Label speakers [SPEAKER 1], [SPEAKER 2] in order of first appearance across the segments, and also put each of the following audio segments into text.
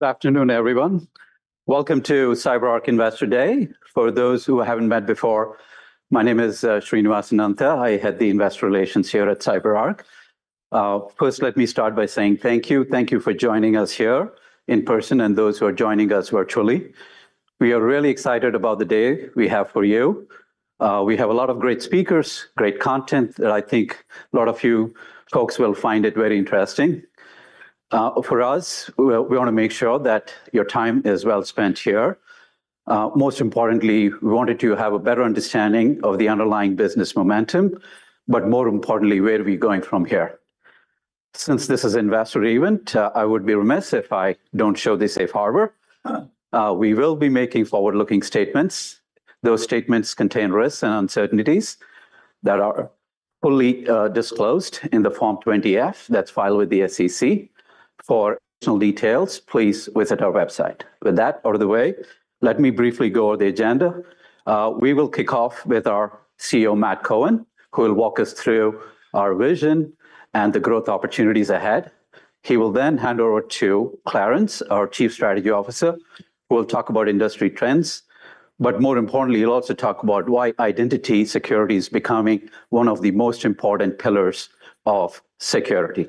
[SPEAKER 1] Good afternoon, everyone. Welcome to CyberArk Investor Day. For those who haven't met before, my name is Srinivas Anantha. I head the investor relations here at CyberArk. First, let me start by saying thank you. Thank you for joining us here in person and those who are joining us virtually. We are really excited about the day we have for you. We have a lot of great speakers, great content that I think a lot of you folks will find very interesting. For us, we want to make sure that your time is well spent here. Most importantly, we wanted you to have a better understanding of the underlying business momentum, but more importantly, where are we going from here? Since this is an investor event, I would be remiss if I don't show this safe harbor. We will be making forward-looking statements. Those statements contain risks and uncertainties that are fully disclosed in the Form 20-F that's filed with the SEC. For additional details, please visit our website. With that out of the way, let me briefly go over the agenda. We will kick off with our CEO, Matt Cohen, who will walk us through our vision and the growth opportunities ahead. He will then hand over to Clarence, our Chief Strategy Officer, who will talk about industry trends, but more importantly, he'll also talk about why identity security is becoming one of the most important pillars of security.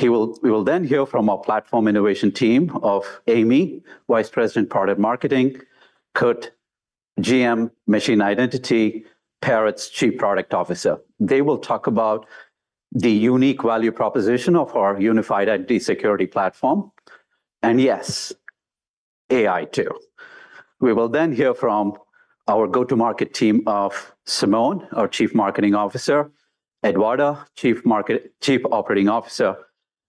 [SPEAKER 1] We will then hear from our platform innovation team of Amy, Vice President, Product Marketing; Kurt, GM, Machine Identity; and Peretz, Chief Product Officer. They will talk about the unique value proposition of our unified identity security platform, and yes, AI too. We will then hear from our go-to-market team of Simon, our Chief Marketing Officer, Eduarda, Chief Operating Officer.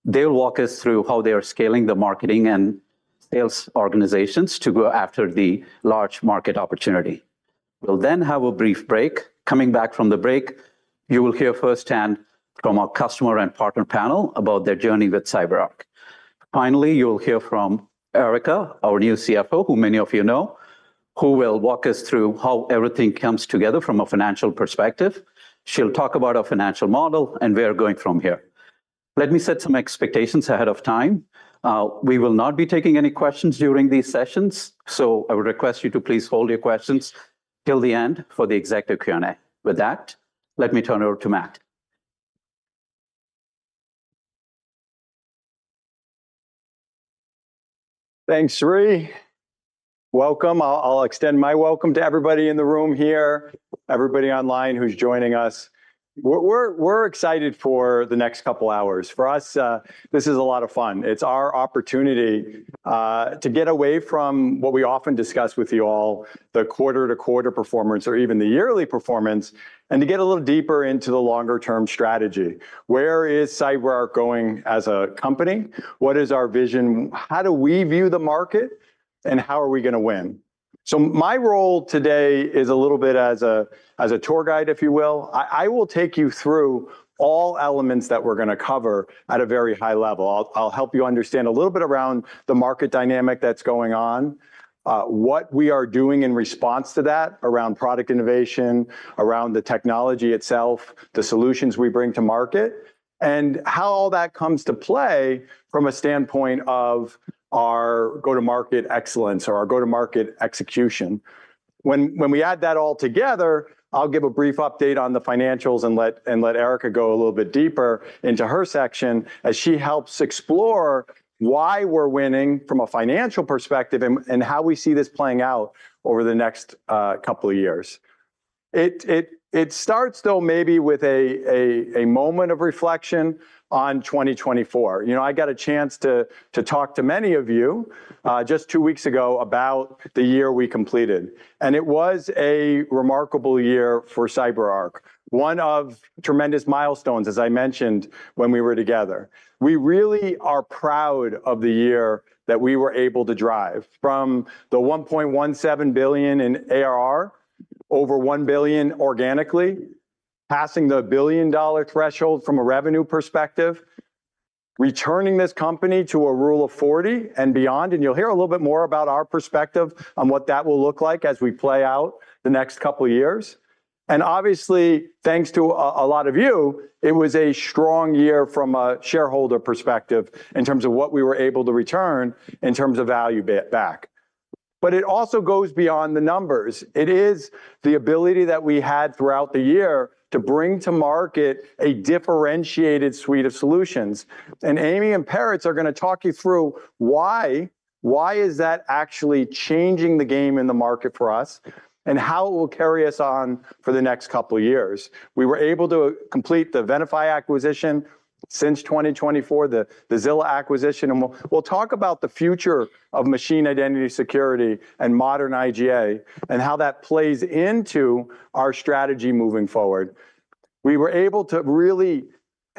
[SPEAKER 1] They will walk us through how they are scaling the marketing and sales organizations to go after the large market opportunity. We'll then have a brief break. Coming back from the break, you will hear firsthand from our customer and partner panel about their journey with CyberArk. Finally, you'll hear from Erica, our new CFO, who many of you know, who will walk us through how everything comes together from a financial perspective. She'll talk about our financial model and where we're going from here. Let me set some expectations ahead of time. We will not be taking any questions during these sessions, so I would request you to please hold your questions till the end for the executive Q&A. With that, let me turn it over to Matt.
[SPEAKER 2] Thanks, Sri. Welcome. I'll extend my welcome to everybody in the room here, everybody online who's joining us. We're excited for the next couple of hours. For us, this is a lot of fun. It's our opportunity to get away from what we often discuss with you all, the quarter-to-quarter performance or even the yearly performance, and to get a little deeper into the longer-term strategy. Where is CyberArk going as a company? What is our vision? How do we view the market? And how are we going to win? So my role today is a little bit as a tour guide, if you will. I will take you through all elements that we're going to cover at a very high level. I'll help you understand a little bit around the market dynamic that's going on, what we are doing in response to that around product innovation, around the technology itself, the solutions we bring to market, and how all that comes to play from a standpoint of our go-to-market excellence or our go-to-market execution. When we add that all together, I'll give a brief update on the financials and let Erica go a little bit deeper into her section as she helps explore why we're winning from a financial perspective and how we see this playing out over the next couple of years. It starts though maybe with a moment of reflection on 2024. I got a chance to talk to many of you just two weeks ago about the year we completed. And it was a remarkable year for CyberArk, one of tremendous milestones, as I mentioned when we were together. We really are proud of the year that we were able to drive from the $1.17 billion in ARR, over $1 billion organically, passing the billion-dollar threshold from a revenue perspective, returning this company to a Rule of 40 and beyond. And you'll hear a little bit more about our perspective on what that will look like as we play out the next couple of years. And obviously, thanks to a lot of you, it was a strong year from a shareholder perspective in terms of what we were able to return in terms of value back. But it also goes beyond the numbers. It is the ability that we had throughout the year to bring to market a differentiated suite of solutions. Amy and Peretz are going to talk you through why is that actually changing the game in the market for us and how it will carry us on for the next couple of years. We were able to complete the Venafi acquisition since 2024, the Zilla acquisition. We'll talk about the future of machine identity security and modern IGA and how that plays into our strategy moving forward. We were able to really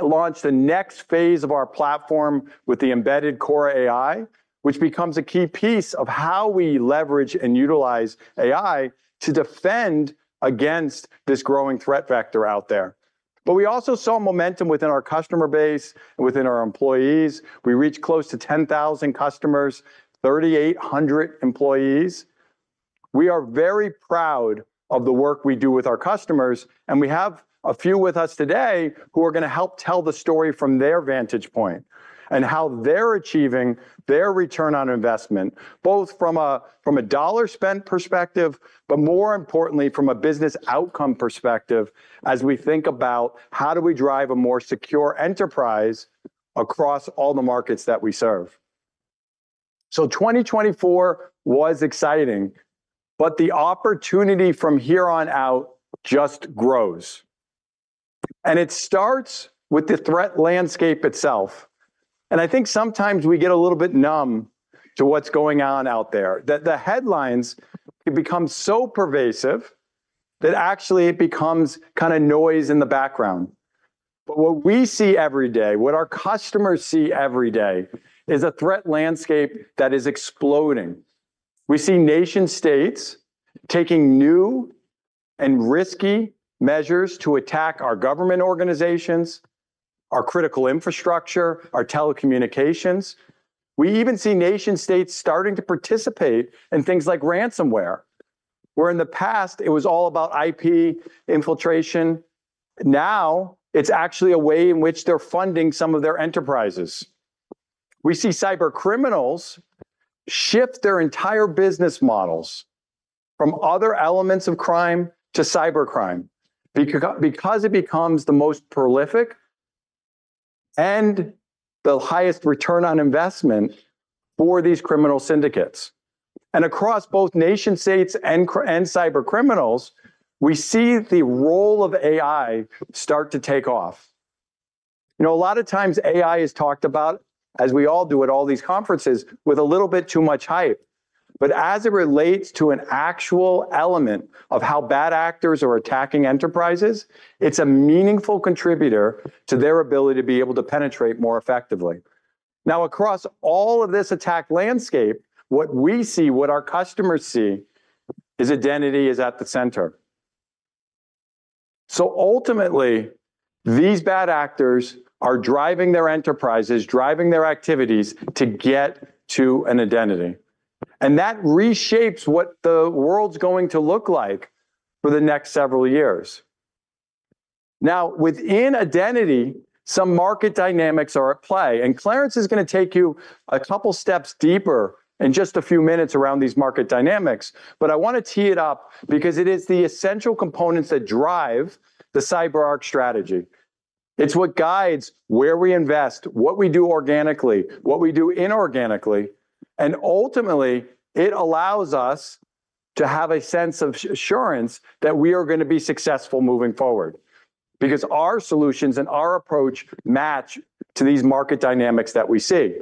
[SPEAKER 2] launch the next phase of our platform with the embedded Cora AI, which becomes a key piece of how we leverage and utilize AI to defend against this growing threat factor out there. We also saw momentum within our customer base, within our employees. We reached close to 10,000 customers, 3,800 employees. We are very proud of the work we do with our customers. And we have a few with us today who are going to help tell the story from their vantage point and how they're achieving their return on investment, both from a dollar-spent perspective, but more importantly, from a business outcome perspective as we think about how do we drive a more secure enterprise across all the markets that we serve. So 2024 was exciting, but the opportunity from here on out just grows. And it starts with the threat landscape itself. And I think sometimes we get a little bit numb to what's going on out there, that the headlines become so pervasive that actually it becomes kind of noise in the background. But what we see every day, what our customers see every day is a threat landscape that is exploding. We see nation-states taking new and risky measures to attack our government organizations, our critical infrastructure, our telecommunications. We even see nation-states starting to participate in things like ransomware, where in the past it was all about IP infiltration. Now it's actually a way in which they're funding some of their enterprises. We see cybercriminals shift their entire business models from other elements of crime to cybercrime because it becomes the most prolific and the highest return on investment for these criminal syndicates. And across both nation-states and cybercriminals, we see the role of AI start to take off. A lot of times AI is talked about, as we all do at all these conferences, with a little bit too much hype. But as it relates to an actual element of how bad actors are attacking enterprises, it's a meaningful contributor to their ability to be able to penetrate more effectively. Now, across all of this attack landscape, what we see, what our customers see, is identity is at the center. So ultimately, these bad actors are driving their enterprises, driving their activities to get to an identity. And that reshapes what the world's going to look like for the next several years. Now, within identity, some market dynamics are at play. And Clarence is going to take you a couple of steps deeper in just a few minutes around these market dynamics. But I want to tee it up because it is the essential components that drive the CyberArk strategy. It's what guides where we invest, what we do organically, what we do inorganically. And ultimately, it allows us to have a sense of assurance that we are going to be successful moving forward because our solutions and our approach match to these market dynamics that we see.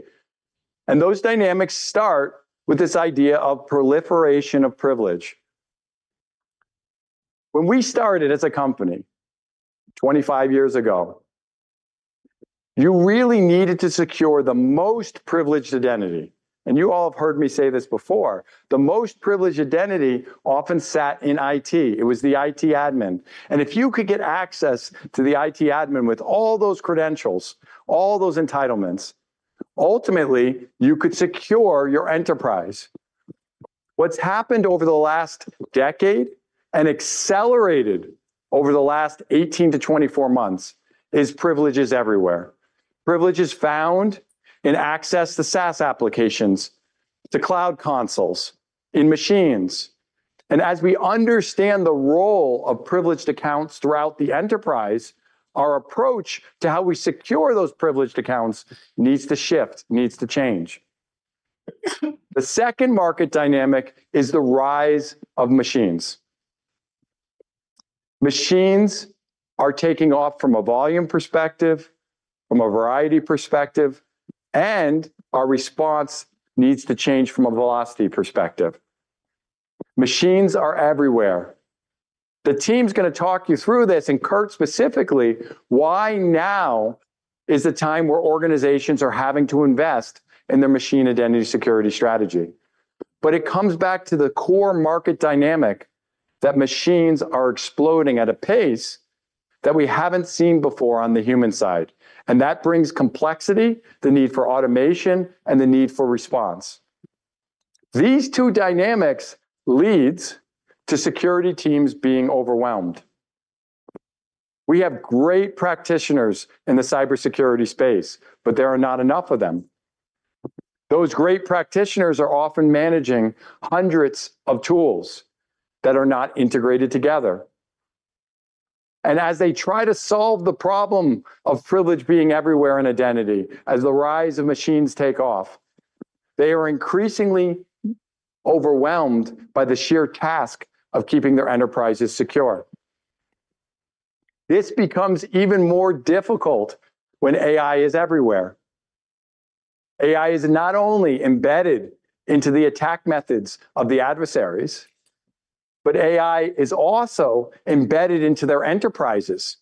[SPEAKER 2] Those dynamics start with this idea of proliferation of privilege. When we started as a company 25 years ago, you really needed to secure the most privileged identity. And you all have heard me say this before. The most privileged identity often sat in IT. It was the IT admin. And if you could get access to the IT admin with all those credentials, all those entitlements, ultimately, you could secure your enterprise. What's happened over the last decade and accelerated over the last 18-24 months is privileges everywhere. Privileges found in access to SaaS applications, to cloud consoles, in machines. And as we understand the role of privileged accounts throughout the enterprise, our approach to how we secure those privileged accounts needs to shift, needs to change. The second market dynamic is the rise of machines. Machines are taking off from a volume perspective, from a variety perspective, and our response needs to change from a velocity perspective. Machines are everywhere. The team's going to talk you through this, and Kurt specifically why now is the time where organizations are having to invest in their machine identity security strategy. But it comes back to the core market dynamic that machines are exploding at a pace that we haven't seen before on the human side. And that brings complexity, the need for automation, and the need for response. These two dynamics lead to security teams being overwhelmed. We have great practitioners in the cybersecurity space, but there are not enough of them. Those great practitioners are often managing hundreds of tools that are not integrated together. As they try to solve the problem of privilege being everywhere in identity, as the rise of machines takes off, they are increasingly overwhelmed by the sheer task of keeping their enterprises secure. This becomes even more difficult when AI is everywhere. AI is not only embedded into the attack methods of the adversaries, but AI is also embedded into their enterprises,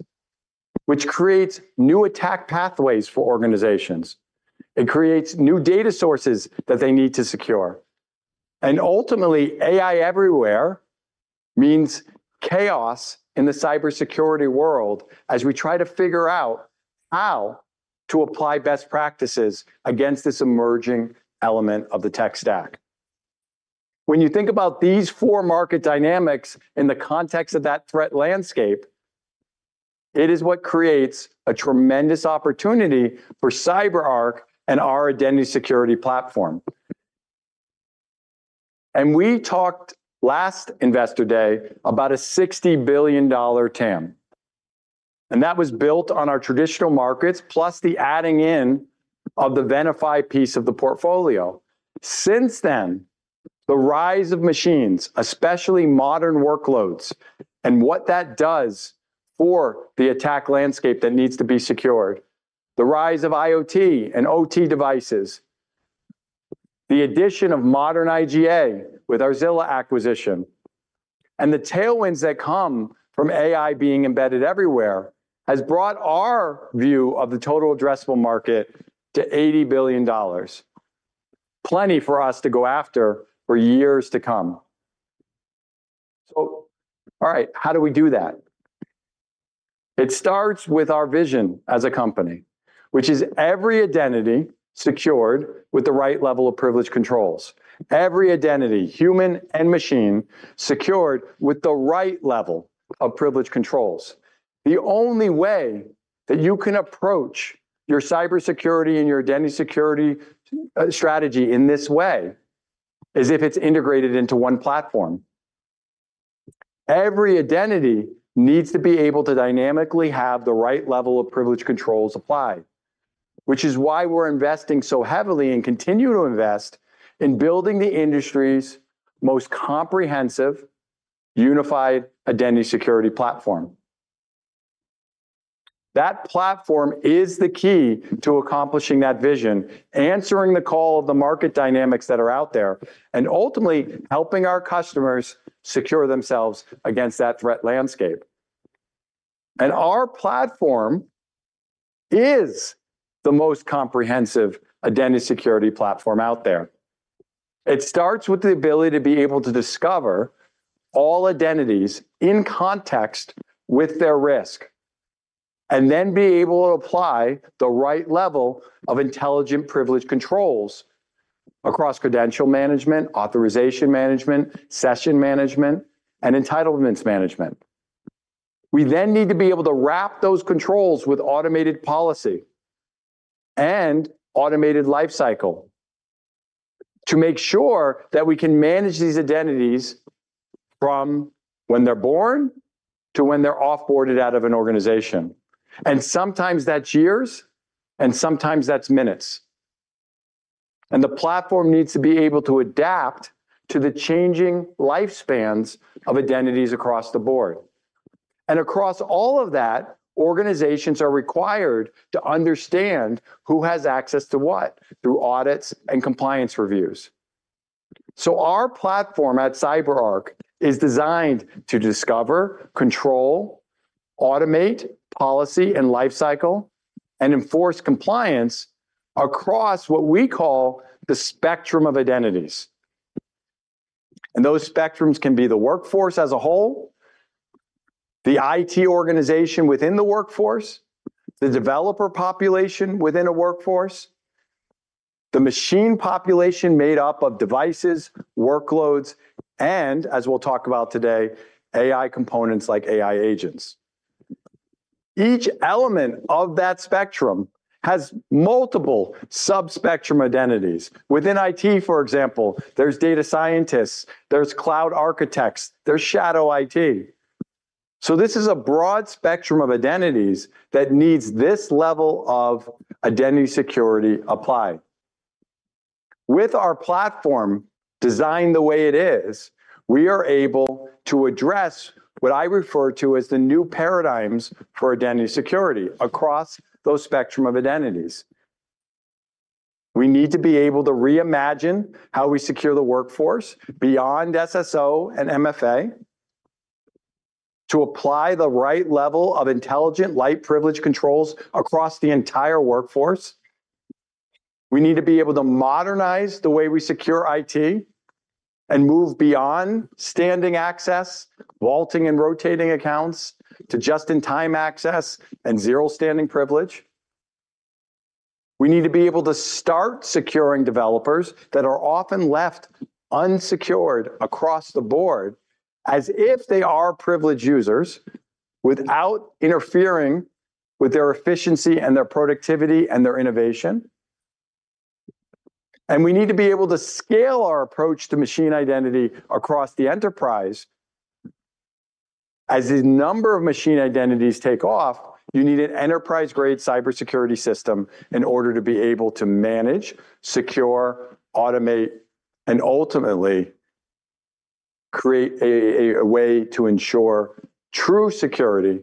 [SPEAKER 2] which creates new attack pathways for organizations. It creates new data sources that they need to secure. Ultimately, AI everywhere means chaos in the cybersecurity world as we try to figure out how to apply best practices against this emerging element of the tech stack. When you think about these four market dynamics in the context of that threat landscape, it is what creates a tremendous opportunity for CyberArk and our identity security platform. We talked last Investor Day about a $60 billion TAM. And that was built on our traditional markets, plus the adding in of the Venafi piece of the portfolio. Since then, the rise of machines, especially modern workloads, and what that does for the attack landscape that needs to be secured, the rise of IoT and OT devices, the addition of modern IGA with our Zilla acquisition, and the tailwinds that come from AI being embedded everywhere has brought our view of the total addressable market to $80 billion. Plenty for us to go after for years to come. So, all right, how do we do that? It starts with our vision as a company, which is every identity secured with the right level of privilege controls. Every identity, human and machine, secured with the right level of privilege controls. The only way that you can approach your cybersecurity and your identity security strategy in this way is if it's integrated into one platform. Every identity needs to be able to dynamically have the right level of privilege controls applied, which is why we're investing so heavily and continue to invest in building the industry's most comprehensive, unified identity security platform. That platform is the key to accomplishing that vision, answering the call of the market dynamics that are out there, and ultimately helping our customers secure themselves against that threat landscape. And our platform is the most comprehensive identity security platform out there. It starts with the ability to be able to discover all identities in context with their risk, and then be able to apply the right level of Intelligent Privilege Controls across credential management, authorization management, session management, and entitlements management. We then need to be able to wrap those controls with automated policy and automated lifecycle to make sure that we can manage these identities from when they're born to when they're offboarded out of an organization. And sometimes that's years, and sometimes that's minutes. And the platform needs to be able to adapt to the changing lifespans of identities across the board. And across all of that, organizations are required to understand who has access to what through audits and compliance reviews. So our platform at CyberArk is designed to discover, control, automate policy and lifecycle, and enforce compliance across what we call the spectrum of identities. And those spectrums can be the workforce as a whole, the IT organization within the workforce, the developer population within a workforce, the machine population made up of devices, workloads, and, as we'll talk about today, AI components like AI agents. Each element of that spectrum has multiple sub-spectrum identities. Within IT, for example, there's data scientists, there's cloud architects, there's shadow IT. So this is a broad spectrum of identities that needs this level of identity security applied. With our platform designed the way it is, we are able to address what I refer to as the new paradigms for identity security across those spectrum of identities. We need to be able to reimagine how we secure the workforce beyond SSO and MFA to apply the right level of intelligent least privilege controls across the entire workforce. We need to be able to modernize the way we secure IT and move beyond standing access, vaulting and rotating accounts to just-in-time access and zero standing privilege. We need to be able to start securing developers that are often left unsecured across the board as if they are privileged users without interfering with their efficiency and their productivity and their innovation, and we need to be able to scale our approach to machine identity across the enterprise. As the number of machine identities take off, you need an enterprise-grade cybersecurity system in order to be able to manage, secure, automate, and ultimately create a way to ensure true security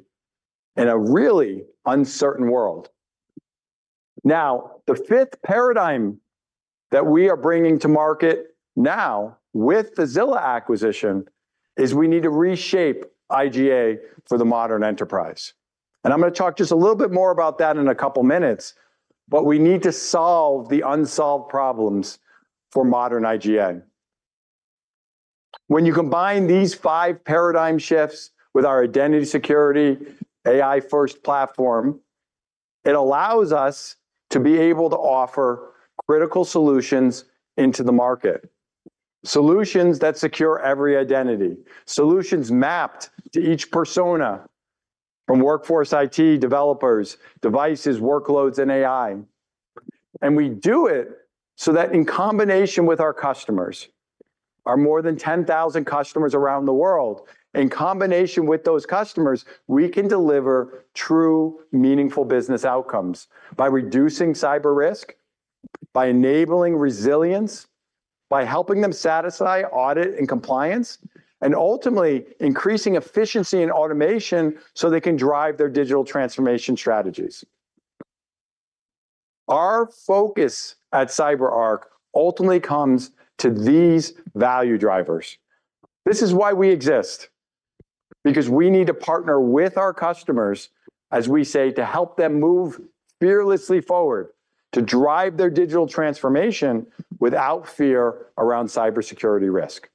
[SPEAKER 2] in a really uncertain world. Now, the fifth paradigm that we are bringing to market now with the Zilla acquisition is we need to reshape IGA for the modern enterprise, and I'm going to talk just a little bit more about that in a couple of minutes, but we need to solve the unsolved problems for modern IGA. When you combine these five paradigm shifts with our identity security, AI-first platform, it allows us to be able to offer critical solutions into the market. Solutions that secure every identity. Solutions mapped to each persona from workforce, IT, developers, devices, workloads, and AI. And we do it so that in combination with our customers, our more than 10,000 customers around the world, in combination with those customers, we can deliver true, meaningful business outcomes by reducing cyber risk, by enabling resilience, by helping them satisfy audit and compliance, and ultimately increasing efficiency and automation so they can drive their digital transformation strategies. Our focus at CyberArk ultimately comes to these value drivers. This is why we exist, because we need to partner with our customers, as we say, to help them move fearlessly forward, to drive their digital transformation without fear around cybersecurity risk.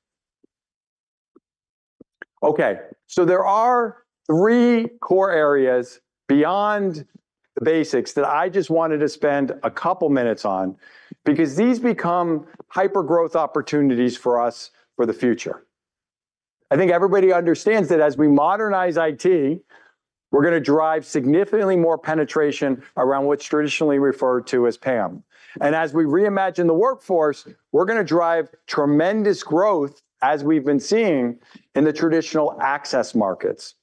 [SPEAKER 2] Okay, so there are three core areas beyond the basics that I just wanted to spend a couple of minutes on because these become hyper-growth opportunities for us for the future. I think everybody understands that as we modernize IT, we're going to drive significantly more penetration around what's traditionally referred to as PAM, and as we reimagine the workforce, we're going to drive tremendous growth as we've been seeing in the traditional access markets,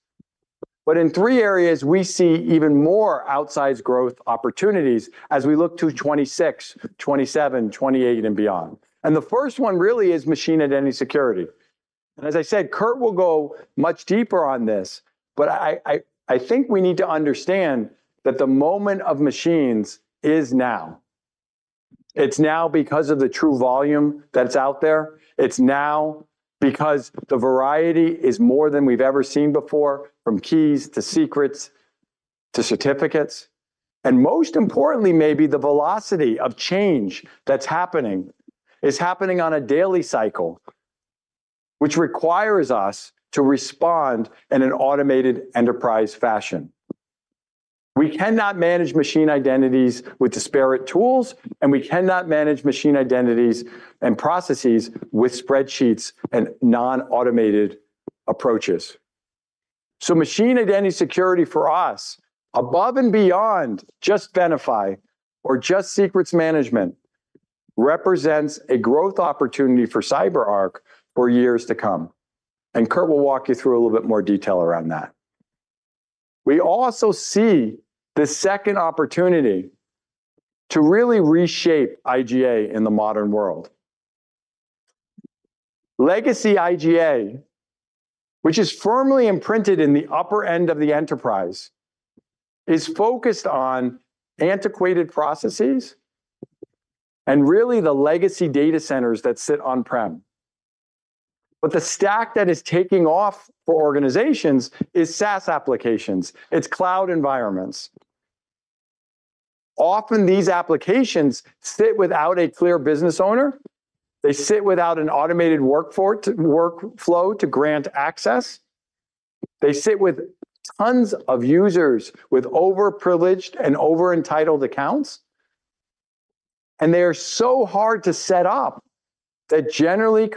[SPEAKER 2] but in three areas, we see even more outsized growth opportunities as we look to 2026, 2027, 2028, and beyond, and the first one really is machine identity security, and as I said, Kurt will go much deeper on this, but I think we need to understand that the moment of machines is now. It's now because of the true volume that's out there. It's now because the variety is more than we've ever seen before, from keys to secrets to certificates. Most importantly, maybe the velocity of change that's happening is happening on a daily cycle, which requires us to respond in an automated enterprise fashion. We cannot manage machine identities with disparate tools, and we cannot manage machine identities and processes with spreadsheets and non-automated approaches. Machine identity security for us, above and beyond just Venafi or just secrets management, represents a growth opportunity for CyberArk for years to come. Kurt will walk you through a little bit more detail around that. We also see the second opportunity to really reshape IGA in the modern world. Legacy IGA, which is firmly imprinted in the upper end of the enterprise, is focused on antiquated processes and really the legacy data centers that sit on-prem. But the stack that is taking off for organizations is SaaS applications. It's cloud environments. Often, these applications sit without a clear business owner. They sit without an automated workflow to grant access. They sit with tons of users with over-privileged and over-entitled accounts. And they are so hard to set up that generally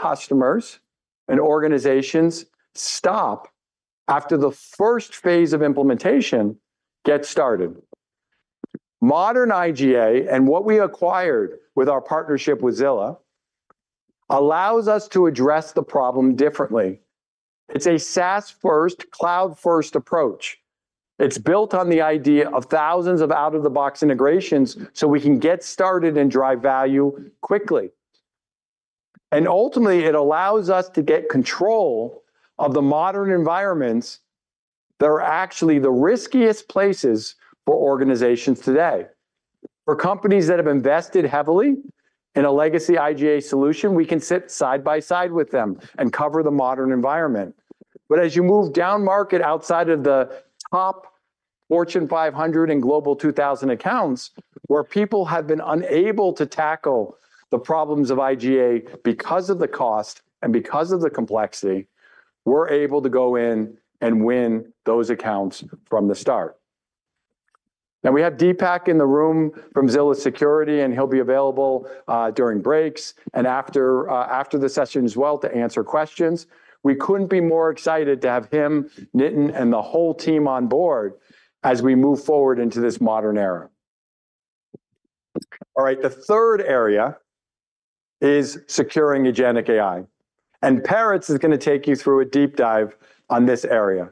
[SPEAKER 2] customers and organizations stop after the first phase of implementation gets started. Modern IGA and what we acquired with our partnership with Zilla allows us to address the problem differently. It's a SaaS-first, cloud-first approach. It's built on the idea of thousands of out-of-the-box integrations so we can get started and drive value quickly. And ultimately, it allows us to get control of the modern environments that are actually the riskiest places for organizations today. For companies that have invested heavily in a legacy IGA solution, we can sit side by side with them and cover the modern environment. But as you move down market outside of the top Fortune 500 and Global 2000 accounts, where people have been unable to tackle the problems of IGA because of the cost and because of the complexity, we're able to go in and win those accounts from the start. Now, we have Deepak in the room from Zilla Security, and he'll be available during breaks and after the session as well to answer questions. We couldn't be more excited to have him, Nitin, and the whole team on board as we move forward into this modern era. All right, the third area is securing GenAI. And Peretz is going to take you through a deep dive on this area.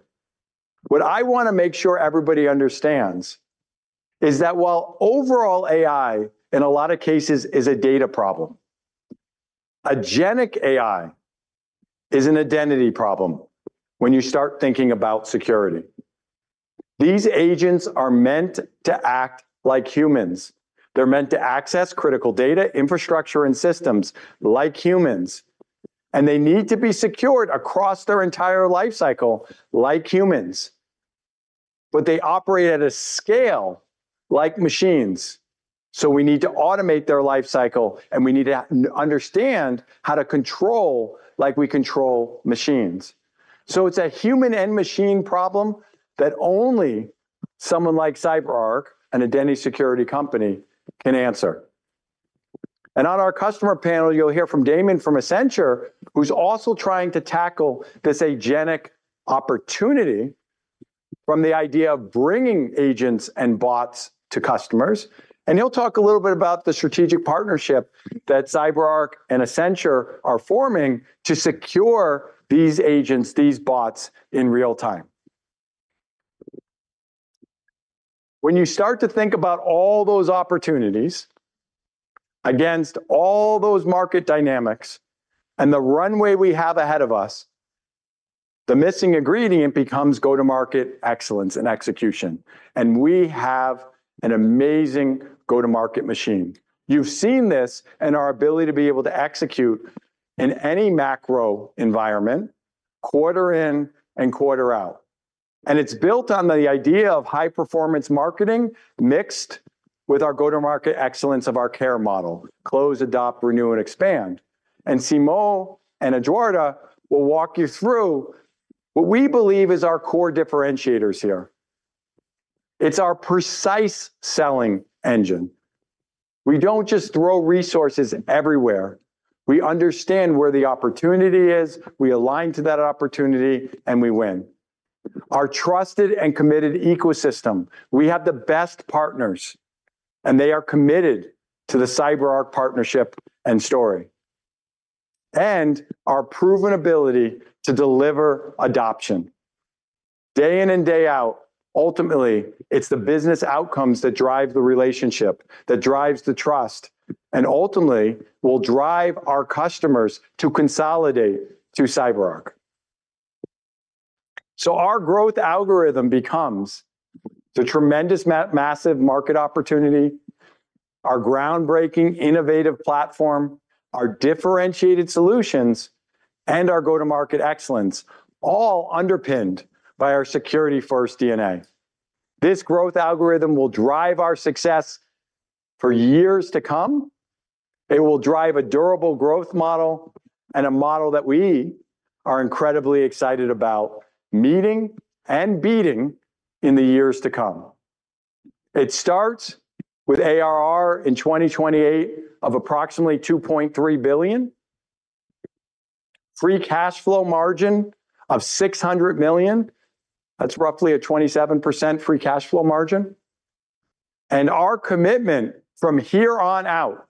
[SPEAKER 2] What I want to make sure everybody understands is that while overall AI, in a lot of cases, is a data problem, generative AI is an identity problem when you start thinking about security. These agents are meant to act like humans. They're meant to access critical data, infrastructure, and systems like humans. And they need to be secured across their entire lifecycle like humans. But they operate at a scale like machines. So we need to automate their lifecycle, and we need to understand how to control like we control machines. So it's a human and machine problem that only someone like CyberArk, an identity security company, can answer. And on our customer panel, you'll hear from Damon from Accenture, who's also trying to tackle this agentic opportunity from the idea of bringing agents and bots to customers. And he'll talk a little bit about the strategic partnership that CyberArk and Accenture are forming to secure these agents, these bots in real time. When you start to think about all those opportunities against all those market dynamics and the runway we have ahead of us, the missing ingredient becomes go-to-market excellence and execution. And we have an amazing go-to-market machine. You've seen this in our ability to be able to execute in any macro environment, quarter in and quarter out. And it's built on the idea of high-performance marketing mixed with our go-to-market excellence of our care model, close, adopt, renew, and expand. And Simon and Eduarda will walk you through what we believe is our core differentiators here. It's our precise selling engine. We don't just throw resources everywhere. We understand where the opportunity is, we align to that opportunity, and we win. Our trusted and committed ecosystem, we have the best partners, and they are committed to the CyberArk partnership and story, and our proven ability to deliver adoption day in and day out. Ultimately, it's the business outcomes that drive the relationship, that drives the trust, and ultimately will drive our customers to consolidate to CyberArk. Our growth algorithm becomes the tremendous massive market opportunity, our groundbreaking innovative platform, our differentiated solutions, and our go-to-market excellence, all underpinned by our security-first DNA. This growth algorithm will drive our success for years to come. It will drive a durable growth model and a model that we are incredibly excited about meeting and beating in the years to come. It starts with ARR in 2028 of approximately $2.3 billion, free cash flow margin of $600 million. That's roughly a 27% free cash flow margin. And our commitment from here on out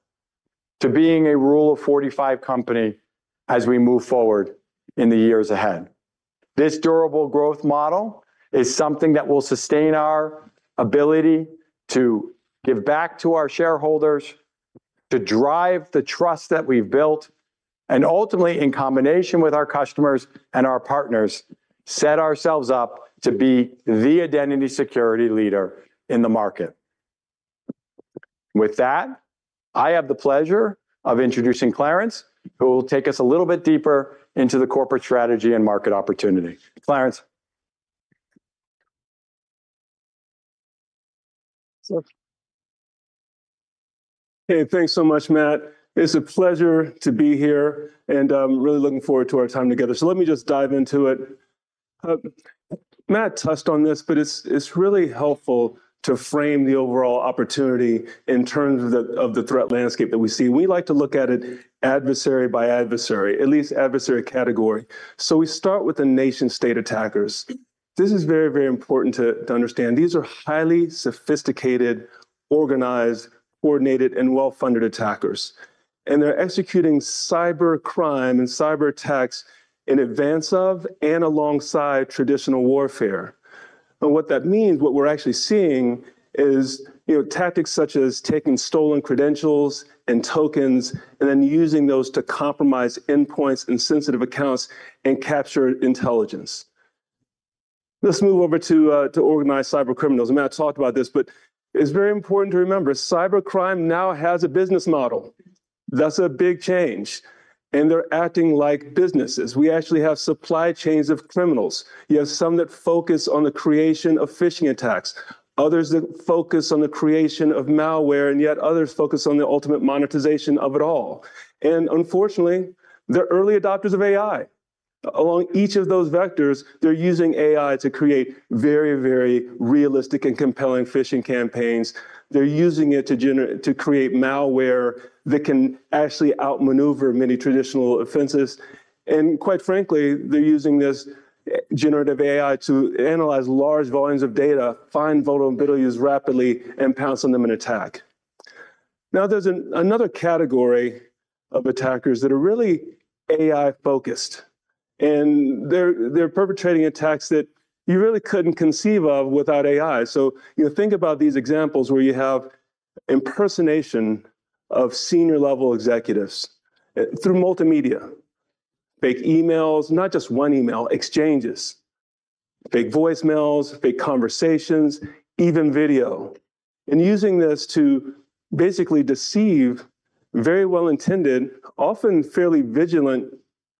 [SPEAKER 2] to being a Rule of 45 company as we move forward in the years ahead. This durable growth model is something that will sustain our ability to give back to our shareholders, to drive the trust that we've built, and ultimately, in combination with our customers and our partners, set ourselves up to be the identity security leader in the market. With that, I have the pleasure of introducing Clarence, who will take us a little bit deeper into the corporate strategy and market opportunity. Clarence.
[SPEAKER 3] Hey, thanks so much, Matt. It's a pleasure to be here, and I'm really looking forward to our time together. So let me just dive into it. Matt touched on this, but it's really helpful to frame the overall opportunity in terms of the threat landscape that we see. We like to look at it adversary by adversary, at least adversary category, so we start with the nation-state attackers. This is very, very important to understand. These are highly sophisticated, organized, coordinated, and well-funded attackers, and they're executing cybercrime and cyberattacks in advance of and alongside traditional warfare, and what that means, what we're actually seeing is tactics such as taking stolen credentials and tokens and then using those to compromise endpoints and sensitive accounts and capture intelligence. Let's move over to organized cybercriminals. I mean, I talked about this, but it's very important to remember cybercrime now has a business model. That's a big change, and they're acting like businesses. We actually have supply chains of criminals. You have some that focus on the creation of phishing attacks, others that focus on the creation of malware, and yet others focus on the ultimate monetization of it all. Unfortunately, they're early adopters of AI. Along each of those vectors, they're using AI to create very, very realistic and compelling phishing campaigns. They're using it to create malware that can actually outmaneuver many traditional defenses. Quite frankly, they're using this generative AI to analyze large volumes of data, find vulnerabilities rapidly, and pounce on them and attack. Now, there's another category of attackers that are really AI-focused. They're perpetrating attacks that you really couldn't conceive of without AI. You think about these examples where you have impersonation of senior-level executives through multimedia, fake emails, not just one email, exchanges, fake voicemails, fake conversations, even video. Using this to basically deceive very well-intended, often fairly vigilant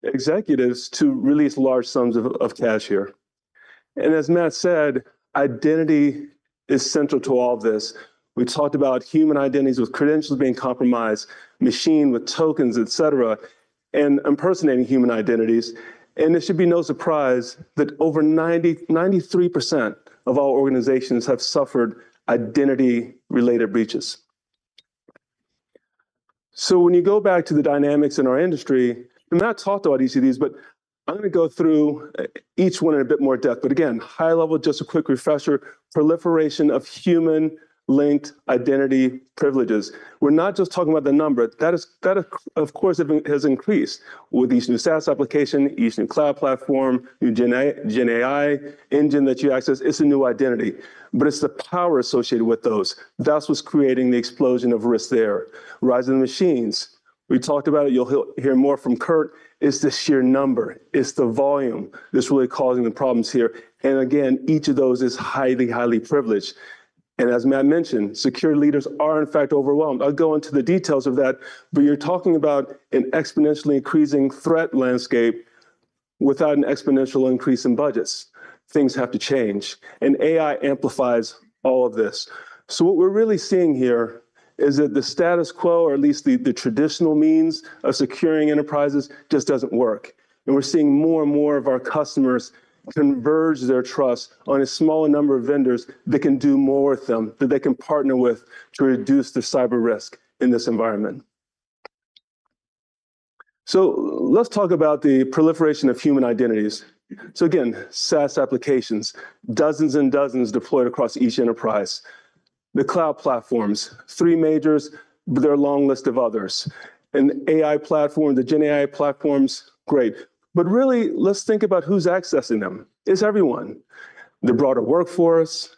[SPEAKER 3] executives to release large sums of cash here. As Matt said, identity is central to all of this. We talked about human identities with credentials being compromised, machine with tokens, etc., and impersonating human identities, and it should be no surprise that over 93% of all organizations have suffered identity-related breaches, so when you go back to the dynamics in our industry, Matt talked about each of these, but I'm going to go through each one in a bit more depth, but again, high level, just a quick refresher, proliferation of human-linked identity privileges. We're not just talking about the number. That is, of course, has increased with each new SaaS application, each new cloud platform, new GenAI engine that you access. It's a new identity, but it's the power associated with those. That's what's creating the explosion of risk there. Rising machines. We talked about it. You'll hear more from Kurt. It's the sheer number. It's the volume that's really causing the problems here. And again, each of those is highly, highly privileged. And as Matt mentioned, security leaders are, in fact, overwhelmed. I'll go into the details of that, but you're talking about an exponentially increasing threat landscape without an exponential increase in budgets. Things have to change. And AI amplifies all of this. So what we're really seeing here is that the status quo, or at least the traditional means of securing enterprises, just doesn't work. And we're seeing more and more of our customers converge their trust on a smaller number of vendors that can do more with them, that they can partner with to reduce their cyber risk in this environment. So let's talk about the proliferation of human identities. So again, SaaS applications, dozens and dozens deployed across each enterprise. The cloud platforms, three majors, but there are a long list of others. AI platforms, the GenAI platforms, great. But really, let's think about who's accessing them. It's everyone. The broader workforce,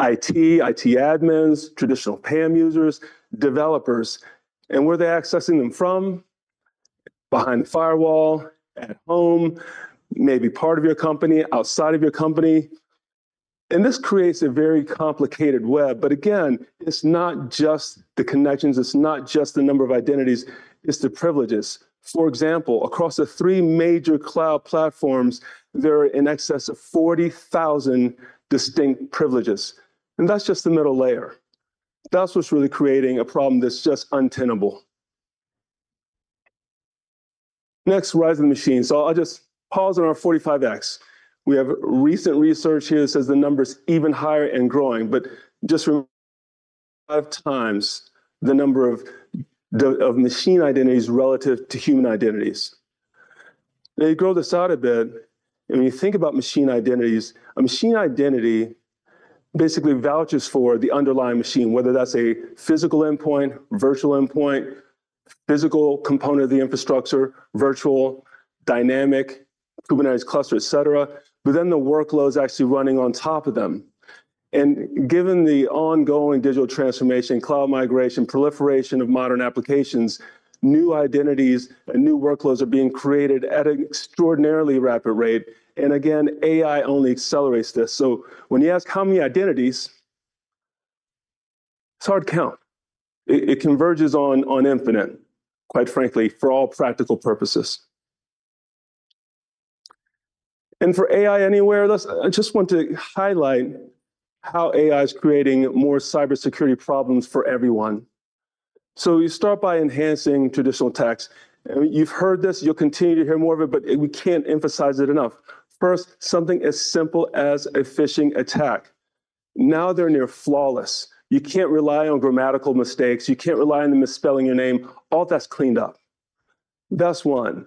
[SPEAKER 3] IT, IT admins, traditional PAM users, developers. And where are they accessing them from? Behind the firewall, at home, maybe part of your company, outside of your company. And this creates a very complicated web. But again, it's not just the connections. It's not just the number of identities. It's the privileges. For example, across the three major cloud platforms, there are in excess of 40,000 distinct privileges. And that's just the middle layer. That's what's really creating a problem that's just untenable. Next, rising machines. So I'll just pause on our 4.5x. We have recent research here that says the number is even higher and growing, but just a lot of times the number of machine identities relative to human identities. They grow this out a bit. And when you think about machine identities, a machine identity basically vouches for the underlying machine, whether that's a physical endpoint, virtual endpoint, physical component of the infrastructure, virtual, dynamic, Kubernetes cluster, etc. But then the workload is actually running on top of them. And given the ongoing digital transformation, cloud migration, proliferation of modern applications, new identities and new workloads are being created at an extraordinarily rapid rate. And again, AI only accelerates this. So when you ask how many identities, it's hard to count. It converges on infinite, quite frankly, for all practical purposes. And for AI anywhere, I just want to highlight how AI is creating more cybersecurity problems for everyone. So you start by enhancing traditional attacks. You've heard this. You'll continue to hear more of it, but we can't emphasize it enough. First, something as simple as a phishing attack. Now they're near flawless. You can't rely on grammatical mistakes. You can't rely on them misspelling your name. All that's cleaned up. That's one.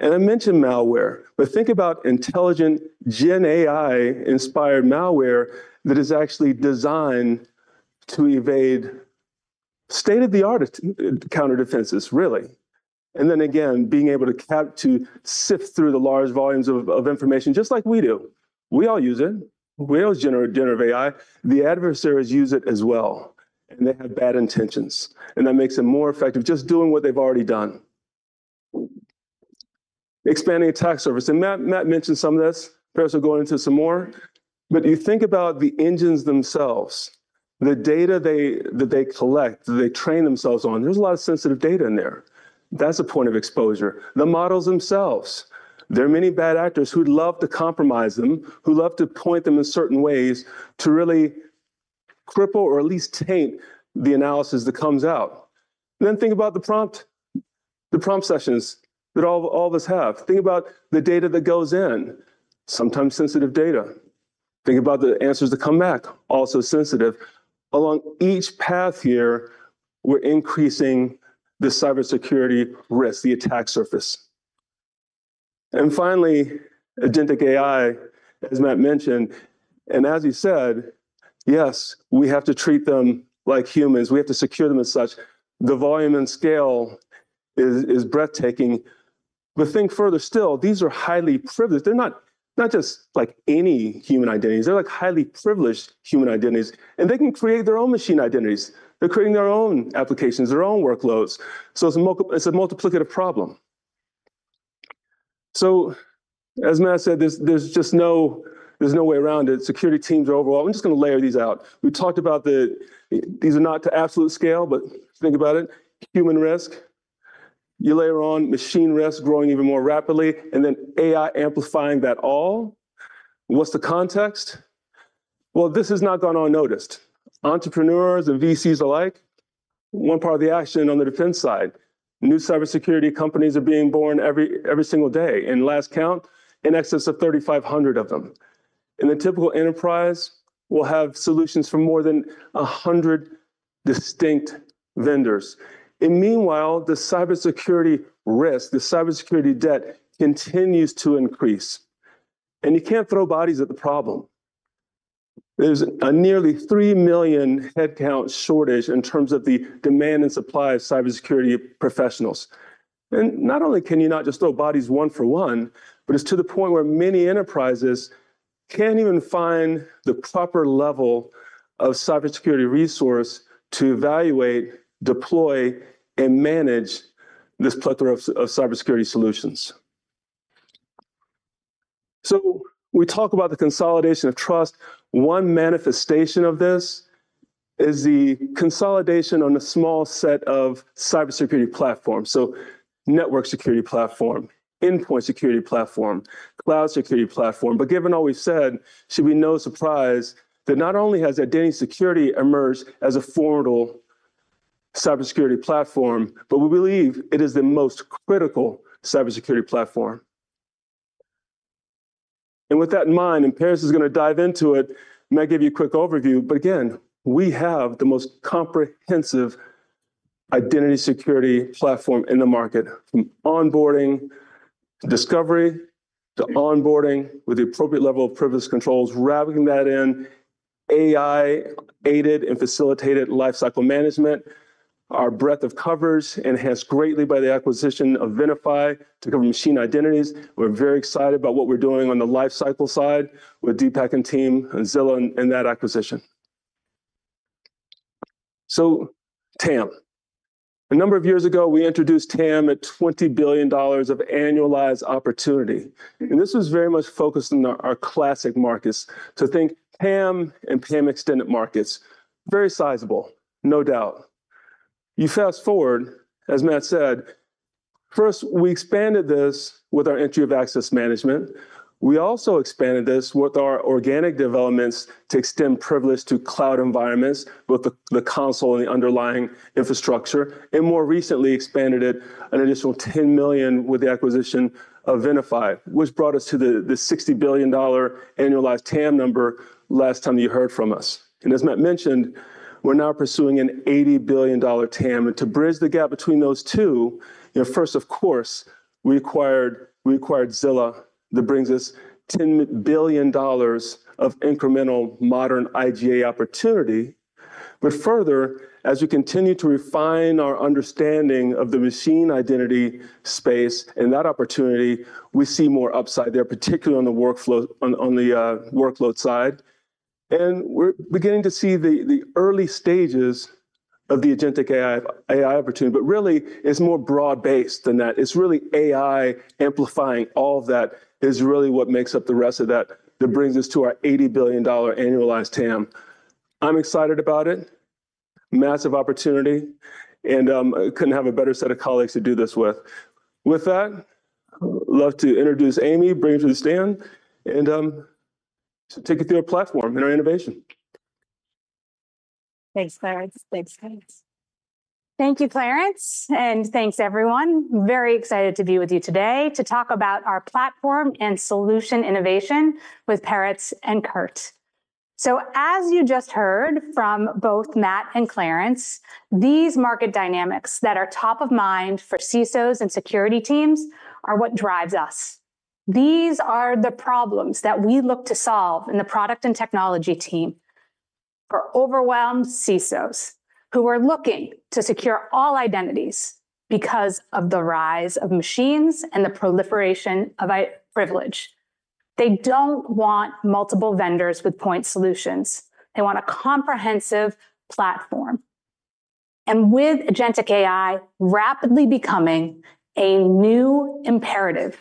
[SPEAKER 3] And I mentioned malware, but think about intelligent GenAI-inspired malware that is actually designed to evade state-of-the-art counter-defenses, really. And then again, being able to sift through the large volumes of information, just like we do. We all use it. We all generate generative AI. The adversaries use it as well. And they have bad intentions. And that makes them more effective just doing what they've already done. Expanding attack surface. And Matt mentioned some of this. Clarence will go into some more. But you think about the engines themselves, the data that they collect, that they train themselves on. There's a lot of sensitive data in there. That's a point of exposure. The models themselves, there are many bad actors who'd love to compromise them, who love to point them in certain ways to really cripple or at least taint the analysis that comes out. Then think about the prompt, the prompt sessions that all of us have. Think about the data that goes in, sometimes sensitive data. Think about the answers that come back, also sensitive. Along each path here, we're increasing the cybersecurity risk, the attack surface. And finally, agentic AI, as Matt mentioned. And as he said, yes, we have to treat them like humans. We have to secure them as such. The volume and scale is breathtaking. But think further still. These are highly privileged. They're not just like any human identities. They're like highly privileged human identities. And they can create their own machine identities. They're creating their own applications, their own workloads. It's a multiplicative problem. As Matt said, there's just no way around it. Security teams are overall. I'm just going to layer these out. We talked about these are not to absolute scale, but think about it. Human risk. You layer on machine risk growing even more rapidly, and then AI amplifying that all. What's the context? Well, this has not gone unnoticed. Entrepreneurs and VCs alike, one part of the action on the defense side. New cybersecurity companies are being born every single day in last count, in excess of 3,500 of them. In the typical enterprise, we'll have solutions for more than 100 distinct vendors. And meanwhile, the cybersecurity risk, the cybersecurity debt continues to increase. And you can't throw bodies at the problem. There's a nearly 3 million headcount shortage in terms of the demand and supply of cybersecurity professionals. And not only can you not just throw bodies one for one, but it's to the point where many enterprises can't even find the proper level of cybersecurity resource to evaluate, deploy, and manage this plethora of cybersecurity solutions. So we talk about the consolidation of trust. One manifestation of this is the consolidation on a small set of cybersecurity platforms. So network security platform, endpoint security platform, cloud security platform. But given all we've said, should be no surprise that not only has identity security emerged as a formidable cybersecurity platform, but we believe it is the most critical cybersecurity platform. And with that in mind, and Clarence is going to dive into it, I'm going to give you a quick overview. But again, we have the most comprehensive identity security platform in the market, from onboarding, discovery, to onboarding with the appropriate level of privilege controls, rallying that in AI-aided and facilitated lifecycle management. Our breadth of coverage enhanced greatly by the acquisition of Venafi to cover machine identities. We're very excited about what we're doing on the lifecycle side with Deepak and team and Zilla in that acquisition. So TAM. A number of years ago, we introduced TAM at $20 billion of annualized opportunity. And this was very much focused on our classic markets. So think TAM and PAM extended markets. Very sizable, no doubt. You fast forward, as Matt said, first, we expanded this with our entry of access management. We also expanded this with our organic developments to extend privilege to cloud environments, both the console and the underlying infrastructure. And more recently, expanded it an additional 10 million with the acquisition of Venafi, which brought us to the $60 billion annualized TAM number last time that you heard from us. As Matt mentioned, we're now pursuing an $80 billion TAM. To bridge the gap between those two, first, of course, we acquired Zilla that brings us $10 billion of incremental modern IGA opportunity. But further, as we continue to refine our understanding of the machine identity space and that opportunity, we see more upside there, particularly on the workflow side. We're beginning to see the early stages of the agentic AI opportunity. But really, it's more broad-based than that. It's really AI amplifying all of that is really what makes up the rest of that that brings us to our $80 billion annualized TAM. I'm excited about it. Massive opportunity. And I couldn't have a better set of colleagues to do this with. With that, I'd love to introduce Amy, bring her to the stand, and take you through our platform and our innovation.
[SPEAKER 4] Thanks, Clarence. Thanks, Clarence. Thank you, Clarence. And thanks, everyone. Very excited to be with you today to talk about our platform and solution innovation with Peretz and Kurt. So as you just heard from both Matt and Clarence, these market dynamics that are top of mind for CISOs and security teams are what drives us. These are the problems that we look to solve in the product and technology team for overwhelmed CISOs who are looking to secure all identities because of the rise of machines and the proliferation of privilege. They don't want multiple vendors with point solutions. They want a comprehensive platform. With agentic AI rapidly becoming a new imperative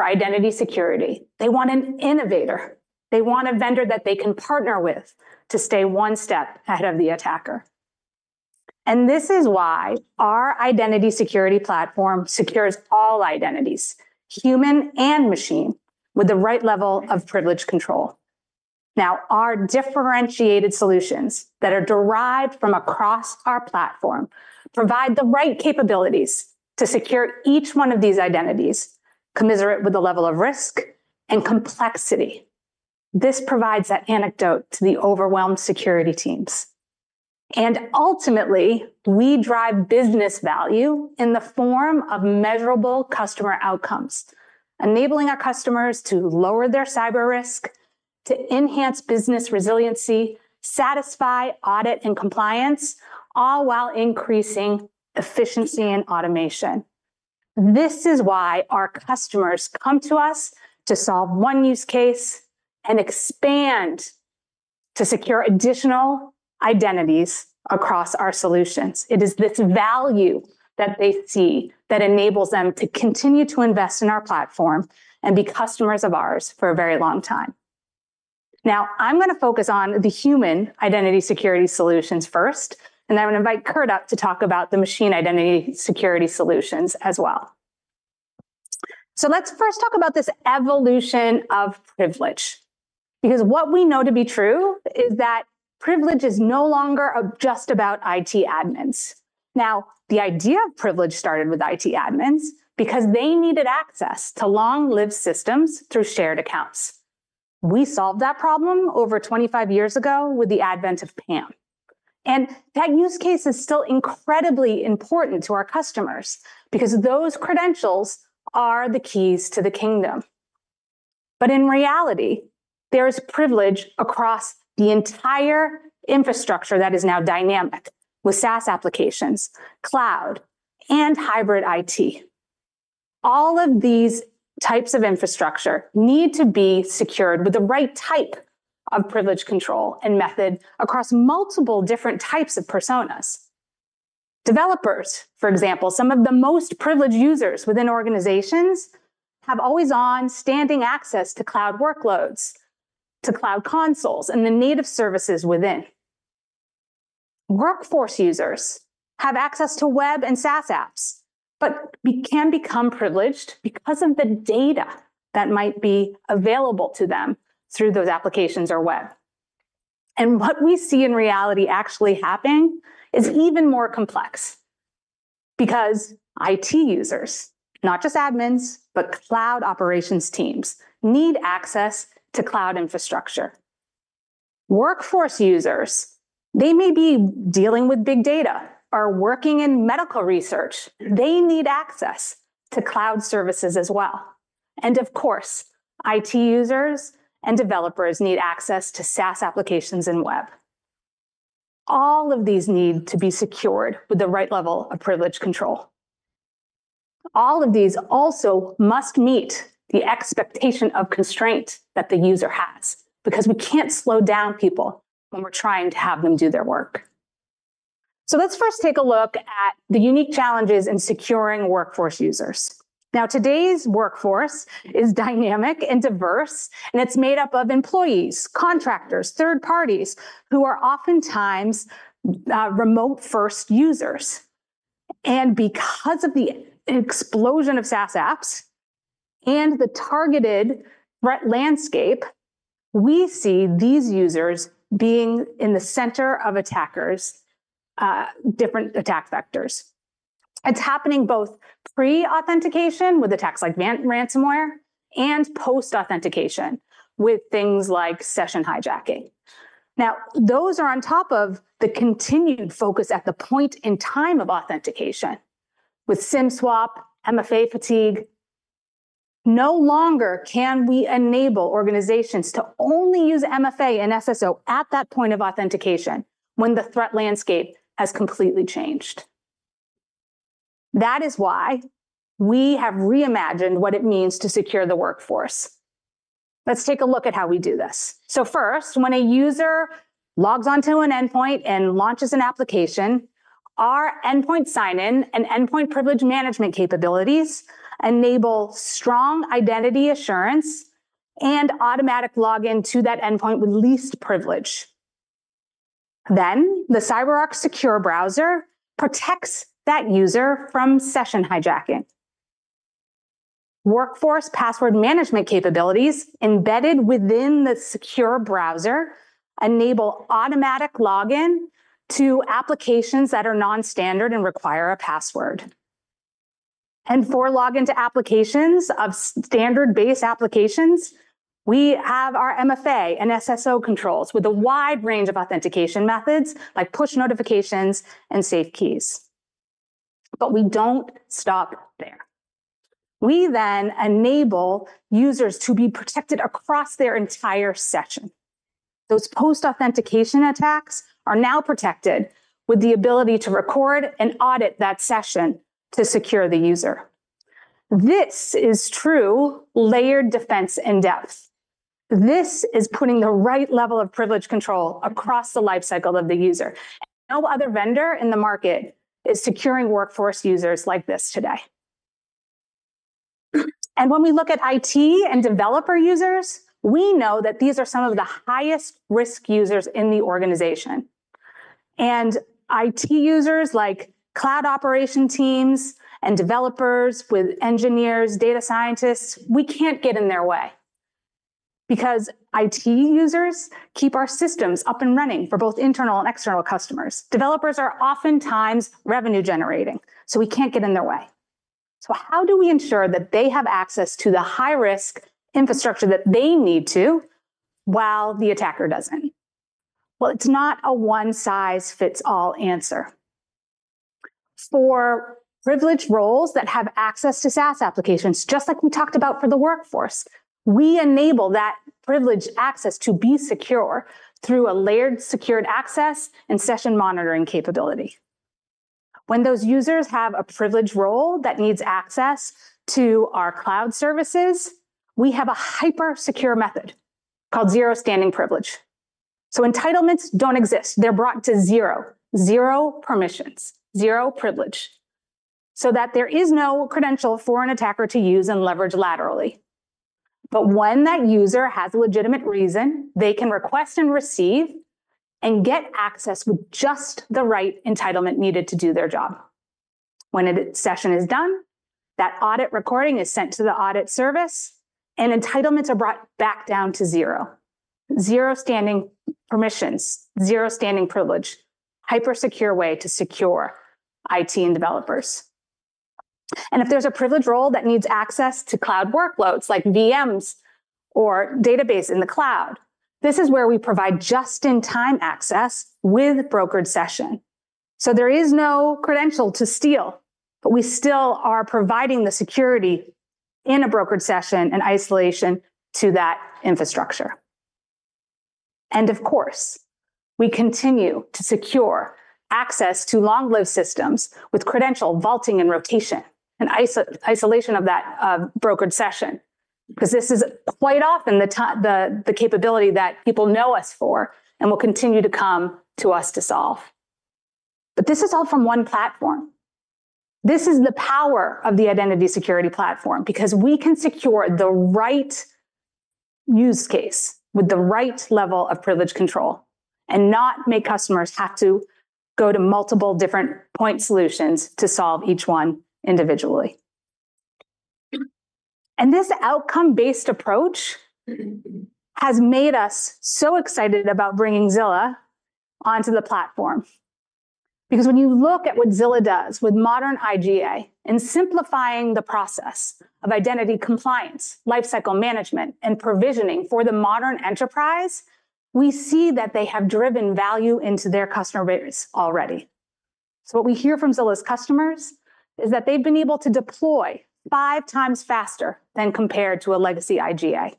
[SPEAKER 4] for identity security, they want an innovator. They want a vendor that they can partner with to stay one step ahead of the attacker. This is why our identity security platform secures all identities, human and machine, with the right level of privilege control. Now, our differentiated solutions that are derived from across our platform provide the right capabilities to secure each one of these identities, commensurate with the level of risk and complexity. This provides that antidote to the overwhelmed security teams. Ultimately, we drive business value in the form of measurable customer outcomes, enabling our customers to lower their cyber risk, to enhance business resiliency, satisfy audit and compliance, all while increasing efficiency and automation. This is why our customers come to us to solve one use case and expand to secure additional identities across our solutions. It is this value that they see that enables them to continue to invest in our platform and be customers of ours for a very long time. Now, I'm going to focus on the human identity security solutions first, and then I'm going to invite Kurt up to talk about the machine identity security solutions as well. So let's first talk about this evolution of privilege, because what we know to be true is that privilege is no longer just about IT admins. Now, the idea of privilege started with IT admins because they needed access to long-lived systems through shared accounts. We solved that problem over 25 years ago with the advent of PAM. And that use case is still incredibly important to our customers because those credentials are the keys to the kingdom. But in reality, there is privilege across the entire infrastructure that is now dynamic with SaaS applications, cloud, and hybrid IT. All of these types of infrastructure need to be secured with the right type of privilege control and method across multiple different types of personas. Developers, for example, some of the most privileged users within organizations have always on standing access to cloud workloads, to cloud consoles, and the native services within. Workforce users have access to web and SaaS apps, but can become privileged because of the data that might be available to them through those applications or web. And what we see in reality actually happening is even more complex because IT users, not just admins, but cloud operations teams, need access to cloud infrastructure. Workforce users, they may be dealing with big data, are working in medical research. They need access to cloud services as well. Of course, IT users and developers need access to SaaS applications and web. All of these need to be secured with the right level of privilege control. All of these also must meet the expectation of constraint that the user has because we can't slow down people when we're trying to have them do their work. Let's first take a look at the unique challenges in securing workforce users. Now, today's workforce is dynamic and diverse, and it's made up of employees, contractors, third parties who are oftentimes remote-first users. Because of the explosion of SaaS apps and the targeted threat landscape, we see these users being in the center of attackers, different attack vectors. It's happening both pre-authentication with attacks like ransomware and post-authentication with things like session hijacking. Now, those are on top of the continued focus at the point in time of authentication with SIM swap, MFA fatigue. No longer can we enable organizations to only use MFA and SSO at that point of authentication when the threat landscape has completely changed. That is why we have reimagined what it means to secure the workforce. Let's take a look at how we do this. So first, when a user logs onto an endpoint and launches an application, our endpoint sign-in and endpoint privilege management capabilities enable strong identity assurance and automatic login to that endpoint with least privilege. Then the CyberArk Secure Browser protects that user from session hijacking. Workforce Password Management capabilities embedded within the Secure Browser enable automatic login to applications that are nonstandard and require a password. And for login to applications or standards-based applications, we have our MFA and SSO controls with a wide range of authentication methods like push notifications and security keys. But we don't stop there. We then enable users to be protected across their entire session. Those post-authentication attacks are now protected with the ability to record and audit that session to secure the user. This is true layered defense in depth. This is putting the right level of privilege control across the lifecycle of the user. No other vendor in the market is securing workforce users like this today. And when we look at IT and developer users, we know that these are some of the highest risk users in the organization. IT users like cloud operation teams and developers with engineers, data scientists, we can't get in their way because IT users keep our systems up and running for both internal and external customers. Developers are oftentimes revenue-generating, so we can't get in their way. How do we ensure that they have access to the high-risk infrastructure that they need to while the attacker doesn't? It's not a one-size-fits-all answer. For privileged roles that have access to SaaS applications, just like we talked about for the workforce, we enable that privileged access to be secure through a layered secured access and session monitoring capability. When those users have a privileged role that needs access to our cloud services, we have a hypersecure method called Zero Standing Privilege. Entitlements don't exist. They're brought to zero, zero permissions, zero privilege so that there is no credential for an attacker to use and leverage laterally, but when that user has a legitimate reason, they can request and receive and get access with just the right entitlement needed to do their job. When a session is done, that audit recording is sent to the audit service, and entitlements are brought back down to zero, zero standing permissions, zero standing privilege, hypersecure way to secure IT and developers, and if there's a privileged role that needs access to cloud workloads like VMs or database in the cloud, this is where we provide just-in-time access with brokered session, so there is no credential to steal, but we still are providing the security in a brokered session and isolation to that infrastructure. Of course, we continue to secure access to long-lived systems with credential vaulting and rotation and isolation of that brokered session because this is quite often the capability that people know us for and will continue to come to us to solve. But this is all from one platform. This is the power of the identity security platform because we can secure the right use case with the right level of privilege control and not make customers have to go to multiple different point solutions to solve each one individually. This outcome-based approach has made us so excited about bringing Zilla onto the platform because when you look at what Zilla does with modern IGA and simplifying the process of identity compliance, lifecycle management, and provisioning for the modern enterprise, we see that they have driven value into their customer base already. What we hear from Zilla's customers is that they've been able to deploy five times faster than compared to a legacy IGA.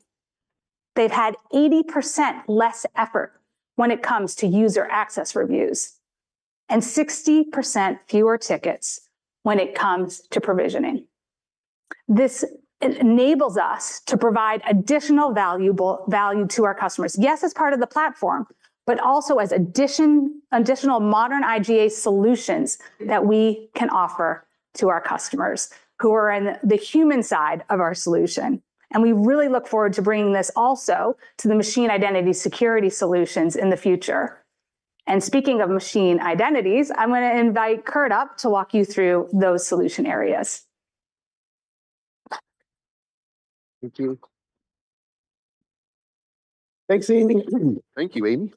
[SPEAKER 4] They've had 80% less effort when it comes to user access reviews and 60% fewer tickets when it comes to provisioning. This enables us to provide additional value to our customers, yes, as part of the platform, but also as additional modern IGA solutions that we can offer to our customers who are on the human side of our solution. And we really look forward to bringing this also to the machine identity security solutions in the future. And speaking of machine identities, I'm going to invite Kurt up to walk you through those solution areas.
[SPEAKER 5] Thank you. Thanks, Amy. Thank you, Amy.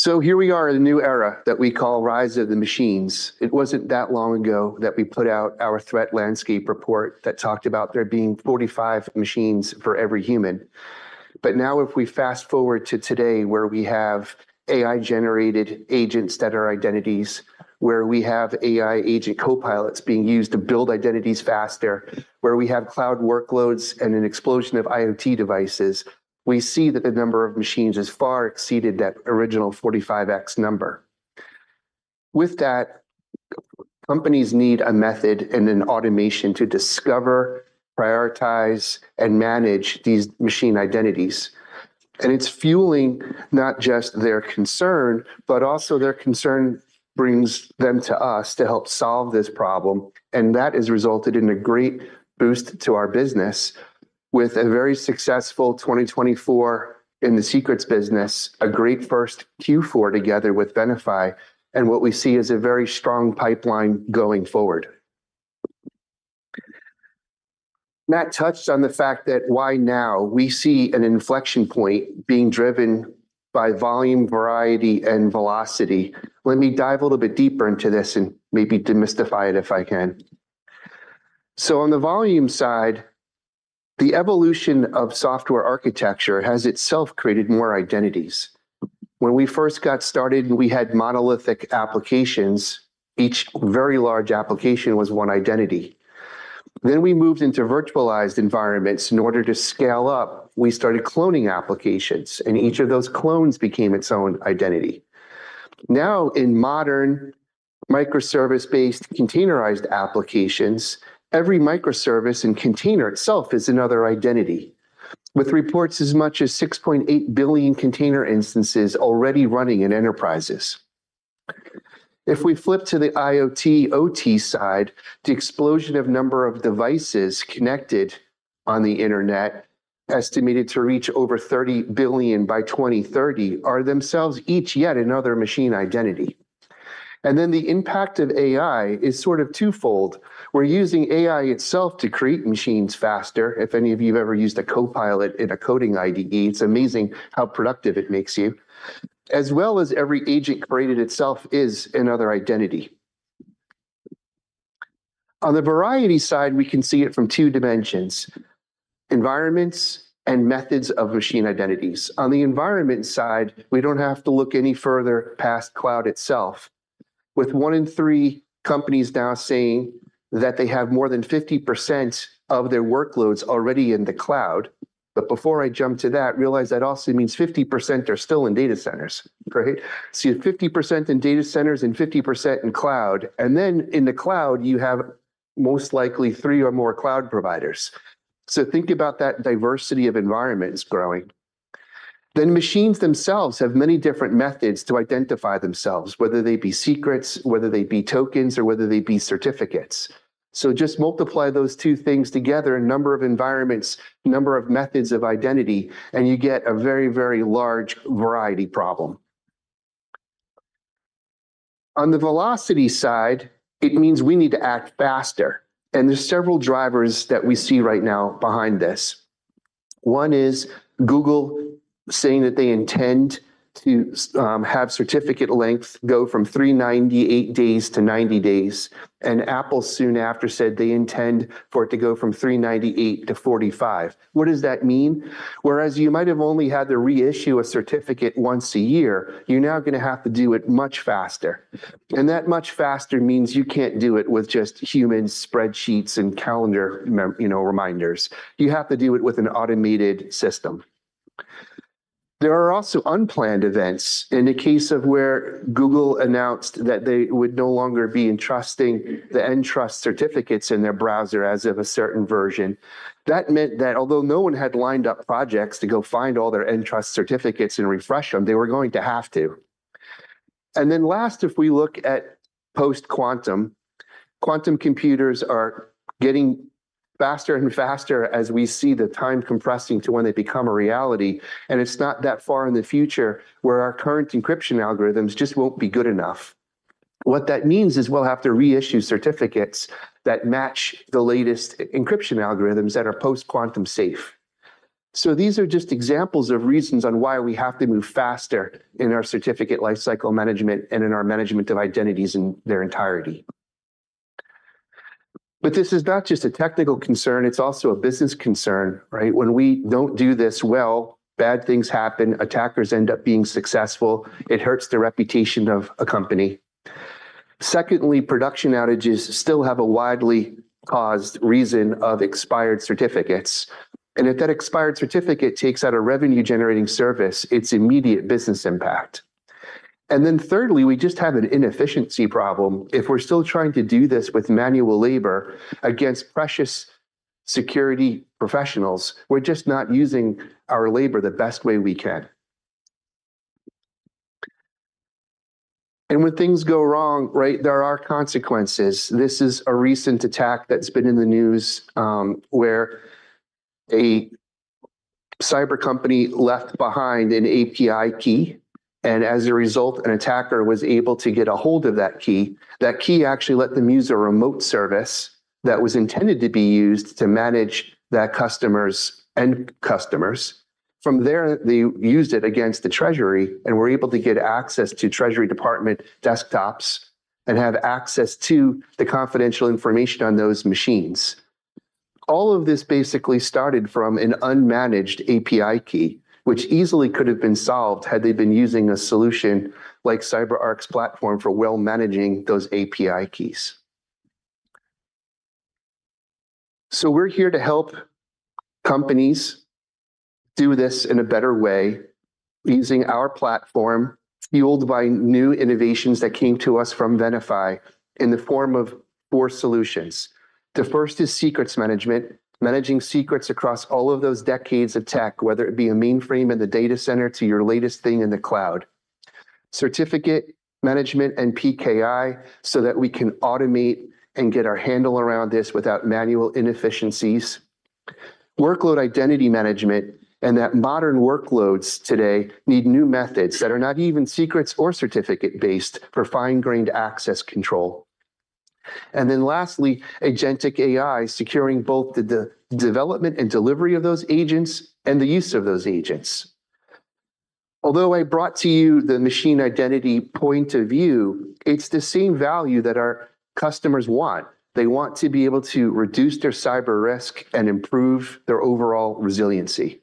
[SPEAKER 5] So here we are in a new era that we call Rise of the Machines. It wasn't that long ago that we put out our threat landscape report that talked about there being 45 machines for every human. But now, if we fast forward to today, where we have AI-generated agents that are identities, where we have AI agent copilots being used to build identities faster, where we have cloud workloads and an explosion of IoT devices, we see that the number of machines has far exceeded that original 45x number. With that, companies need a method and an automation to discover, prioritize, and manage these machine identities. And it's fueling not just their concern, but also their concern brings them to us to help solve this problem. and that has resulted in a great boost to our business with a very successful 2024 in the secrets business, a great first Q4 together with Venafi, and what we see as a very strong pipeline going forward. Matt touched on the fact that why now we see an inflection point being driven by volume, variety, and velocity. Let me dive a little bit deeper into this and maybe demystify it if I can. So on the volume side, the evolution of software architecture has itself created more identities. When we first got started, we had monolithic applications. Each very large application was one identity. Then we moved into virtualized environments. In order to scale up, we started cloning applications, and each of those clones became its own identity. Now, in modern microservice-based containerized applications, every microservice and container itself is another identity, with reports as much as 6.8 billion container instances already running in enterprises. If we flip to the IoT OT side, the explosion of number of devices connected on the internet, estimated to reach over 30 billion by 2030, are themselves each yet another machine identity. And then the impact of AI is sort of twofold. We're using AI itself to create machines faster. If any of you have ever used a Copilot in a coding IDE, it's amazing how productive it makes you, as well as every agent created itself is another identity. On the variety side, we can see it from two dimensions: environments and methods of machine identities. On the environment side, we don't have to look any further past cloud itself, with one in three companies now saying that they have more than 50% of their workloads already in the cloud. But before I jump to that, realize that also means 50% are still in data centers, right? So you have 50% in data centers and 50% in cloud. And then in the cloud, you have most likely three or more cloud providers. So think about that diversity of environments growing. Then machines themselves have many different methods to identify themselves, whether they be secrets, whether they be tokens, or whether they be certificates. So just multiply those two things together: number of environments, number of methods of identity, and you get a very, very large variety problem. On the velocity side, it means we need to act faster. There's several drivers that we see right now behind this. One is Google saying that they intend to have certificate length go from 398 days to 90 days. Apple soon after said they intend for it to go from 398 to 45. What does that mean? Whereas you might have only had to reissue a certificate once a year, you're now going to have to do it much faster. That much faster means you can't do it with just human spreadsheets and calendar reminders. You have to do it with an automated system. There are also unplanned events in the case of where Google announced that they would no longer be trusting the Entrust certificates in their browser as of a certain version. That meant that although no one had lined up projects to go find all their Entrust certificates and refresh them, they were going to have to, and then last, if we look at post-quantum, quantum computers are getting faster and faster as we see the time compressing to when they become a reality, and it's not that far in the future where our current encryption algorithms just won't be good enough. What that means is we'll have to reissue certificates that match the latest encryption algorithms that are post-quantum safe, so these are just examples of reasons on why we have to move faster in our certificate lifecycle management and in our management of identities in their entirety, but this is not just a technical concern. It's also a business concern, right? When we don't do this well, bad things happen. Attackers end up being successful. It hurts the reputation of a company. Secondly, production outages still have a widely caused reason of expired certificates, and if that expired certificate takes out a revenue-generating service, it's immediate business impact, and then thirdly, we just have an inefficiency problem. If we're still trying to do this with manual labor against precious security professionals, we're just not using our labor the best way we can, and when things go wrong, right, there are consequences. This is a recent attack that's been in the news where a cyber company left behind an API key, and as a result, an attacker was able to get ahold of that key. That key actually let them use a remote service that was intended to be used to manage that customer's end customers. From there, they used it against the treasury and were able to get access to treasury department desktops and have access to the confidential information on those machines. All of this basically started from an unmanaged API key, which easily could have been solved had they been using a solution like CyberArk's platform for well managing those API keys. So we're here to help companies do this in a better way using our platform fueled by new innovations that came to us from Venafi in the form of four solutions. The first is secrets management, managing secrets across all of those decades of tech, whether it be a mainframe in the data center to your latest thing in the cloud, certificate management and PKI so that we can automate and get our handle around this without manual inefficiencies, workload identity management, and that modern workloads today need new methods that are not even secrets or certificate-based for fine-grained access control. And then lastly, agentic AI securing both the development and delivery of those agents and the use of those agents. Although I brought to you the machine identity point of view, it's the same value that our customers want. They want to be able to reduce their cyber risk and improve their overall resiliency.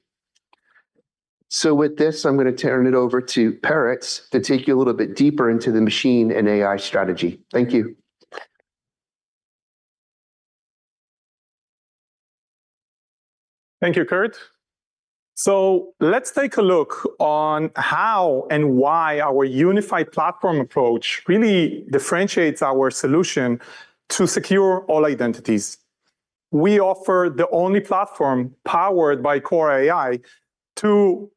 [SPEAKER 5] So with this, I'm going to turn it over to Peretz to take you a little bit deeper into the machine and AI strategy. Thank you.
[SPEAKER 6] Thank you, Kurt. So let's take a look on how and why our unified platform approach really differentiates our solution to secure all identities. We offer the only platform powered by Cora AI to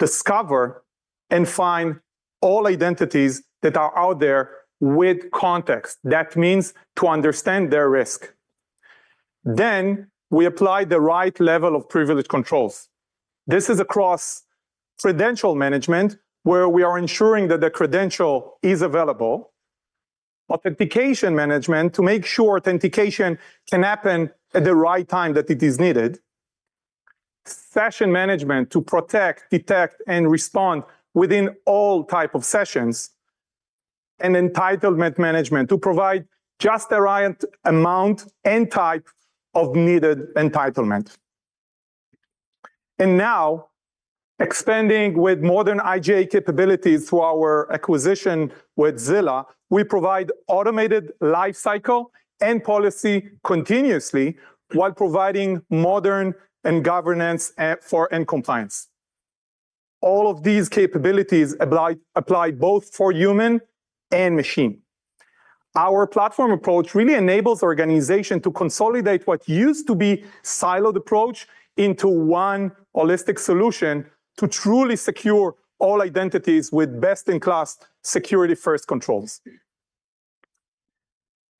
[SPEAKER 6] discover and find all identities that are out there with context. That means to understand their risk. Then we apply the right level of privilege controls. This is across credential management where we are ensuring that the credential is available, authentication management to make sure authentication can happen at the right time that it is needed, session management to protect, detect, and respond within all types of sessions, and entitlement management to provide just the right amount and type of needed entitlement. And now, expanding with modern IGA capabilities through our acquisition with Zilla, we provide automated lifecycle and policy continuously while providing modern governance for and compliance. All of these capabilities apply both for human and machine. Our platform approach really enables organizations to consolidate what used to be a siloed approach into one holistic solution to truly secure all identities with best-in-class security-first controls.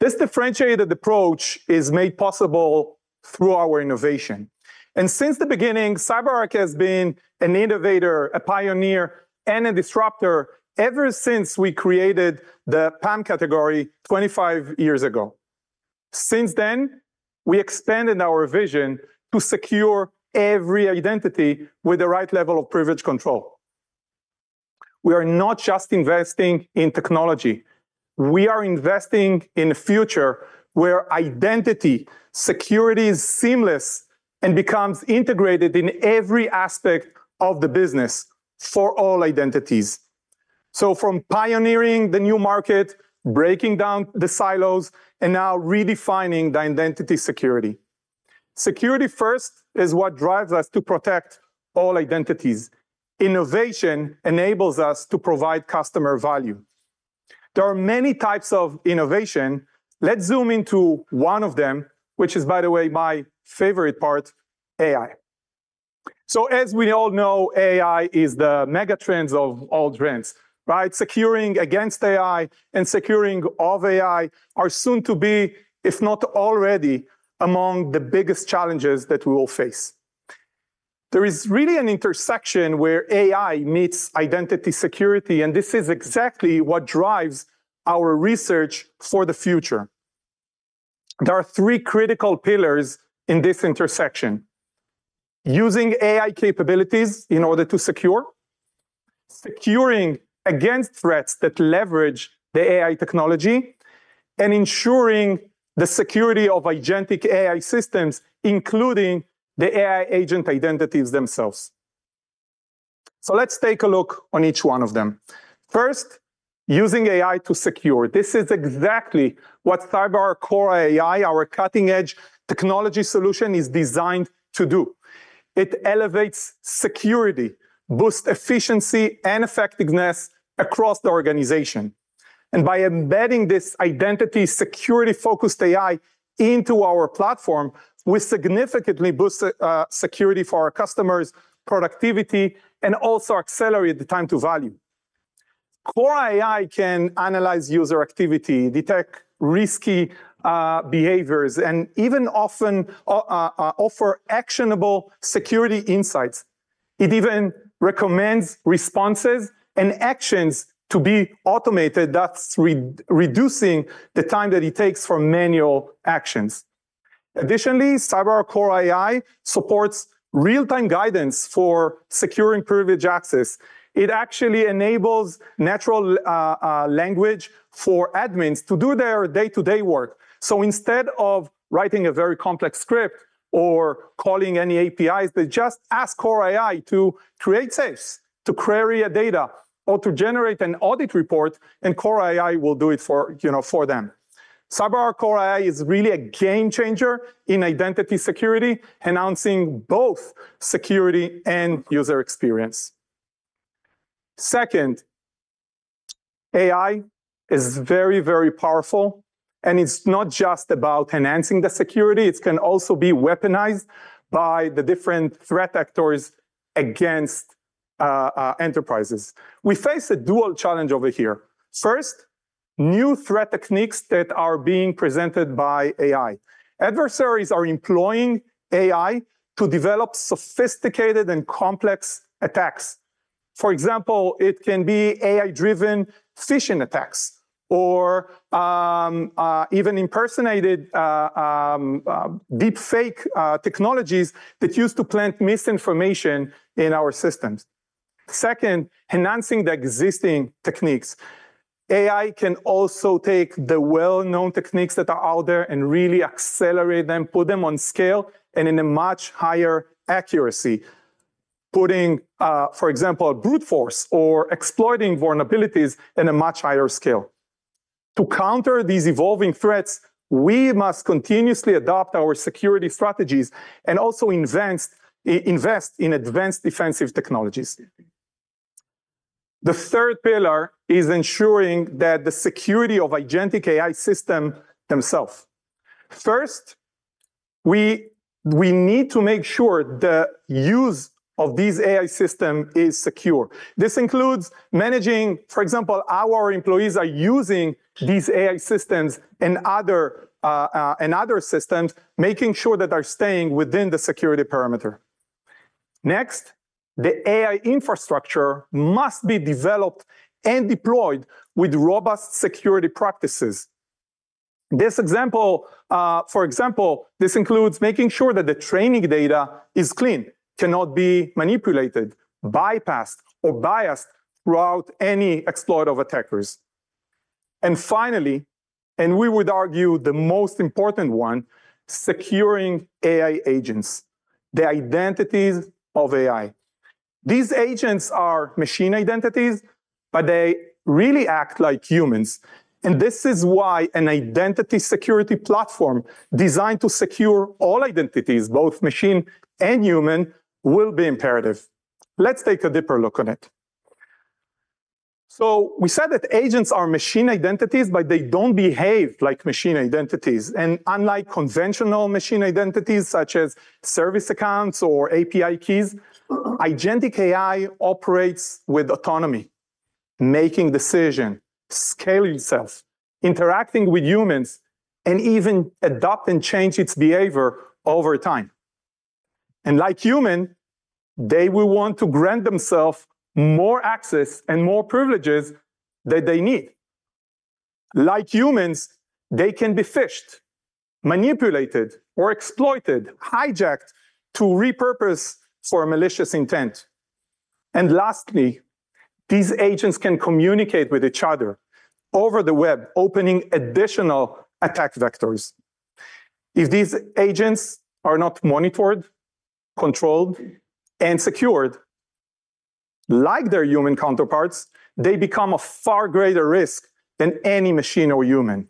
[SPEAKER 6] This differentiated approach is made possible through our innovation and since the beginning, CyberArk has been an innovator, a pioneer, and a disruptor ever since we created the PAM category 25 years ago. Since then, we expanded our vision to secure every identity with the right level of privilege control. We are not just investing in technology. We are investing in a future where identity security is seamless and becomes integrated in every aspect of the business for all identities so from pioneering the new market, breaking down the silos, and now redefining the identity security. Security first is what drives us to protect all identities. Innovation enables us to provide customer value. There are many types of innovation. Let's zoom into one of them, which is, by the way, my favorite part: AI. So as we all know, AI is the megatrends of all trends, right? Securing against AI and securing of AI are soon to be, if not already, among the biggest challenges that we will face. There is really an intersection where AI meets identity security, and this is exactly what drives our research for the future. There are three critical pillars in this intersection: using AI capabilities in order to secure, securing against threats that leverage the AI technology, and ensuring the security of identity AI systems, including the AI agent identities themselves. So let's take a look on each one of them. First, using AI to secure. This is exactly what CyberArk Cora AI, our cutting-edge technology solution, is designed to do. It elevates security, boosts efficiency, and effectiveness across the organization. And by embedding this identity security-focused AI into our platform, we significantly boost security for our customers, productivity, and also accelerate the time to value. Cora AI can analyze user activity, detect risky behaviors, and even often offer actionable security insights. It even recommends responses and actions to be automated. That's reducing the time that it takes for manual actions. Additionally, CyberArk Cora AI supports real-time guidance for securing privileged access. It actually enables natural language for admins to do their day-to-day work. So instead of writing a very complex script or calling any APIs, they just ask Cora AI to create a safe, to query data, or to generate an audit report, and Cora AI will do it for them. CyberArk Cora AI is really a game changer in identity security, enhancing both security and user experience. Second, AI is very, very powerful, and it's not just about enhancing the security. It can also be weaponized by the different threat actors against enterprises. We face a dual challenge over here. First, new threat techniques that are being presented by AI. Adversaries are employing AI to develop sophisticated and complex attacks. For example, it can be AI-driven phishing attacks or even impersonated deepfake technologies that used to plant misinformation in our systems. Second, enhancing the existing techniques. AI can also take the well-known techniques that are out there and really accelerate them, put them on scale, and in a much higher accuracy, putting, for example, brute force or exploiting vulnerabilities at a much higher scale. To counter these evolving threats, we must continuously adopt our security strategies and also invest in advanced defensive technologies. The third pillar is ensuring that the security of identity AI systems themselves. First, we need to make sure the use of these AI systems is secure. This includes managing, for example, how our employees are using these AI systems and other systems, making sure that they're staying within the security parameter. Next, the AI infrastructure must be developed and deployed with robust security practices. For example, this includes making sure that the training data is clean, cannot be manipulated, bypassed, or biased throughout any exploit of attackers, and finally, and we would argue the most important one, securing AI agents, the identities of AI. These agents are machine identities, but they really act like humans. And this is why an identity security platform designed to secure all identities, both machine and human, will be imperative. Let's take a deeper look at it. So we said that agents are machine identities, but they don't behave like machine identities. And unlike conventional machine identities such as service accounts or API keys, AI identities operate with autonomy, making decisions, scaling itself, interacting with humans, and even adopting and changing its behavior over time. And like humans, they will want to grant themselves more access and more privileges than they need. Like humans, they can be phished, manipulated, or exploited, hijacked to repurpose for malicious intent. And lastly, these agents can communicate with each other over the web, opening additional attack vectors. If these agents are not monitored, controlled, and secured like their human counterparts, they become a far greater risk than any machine or human.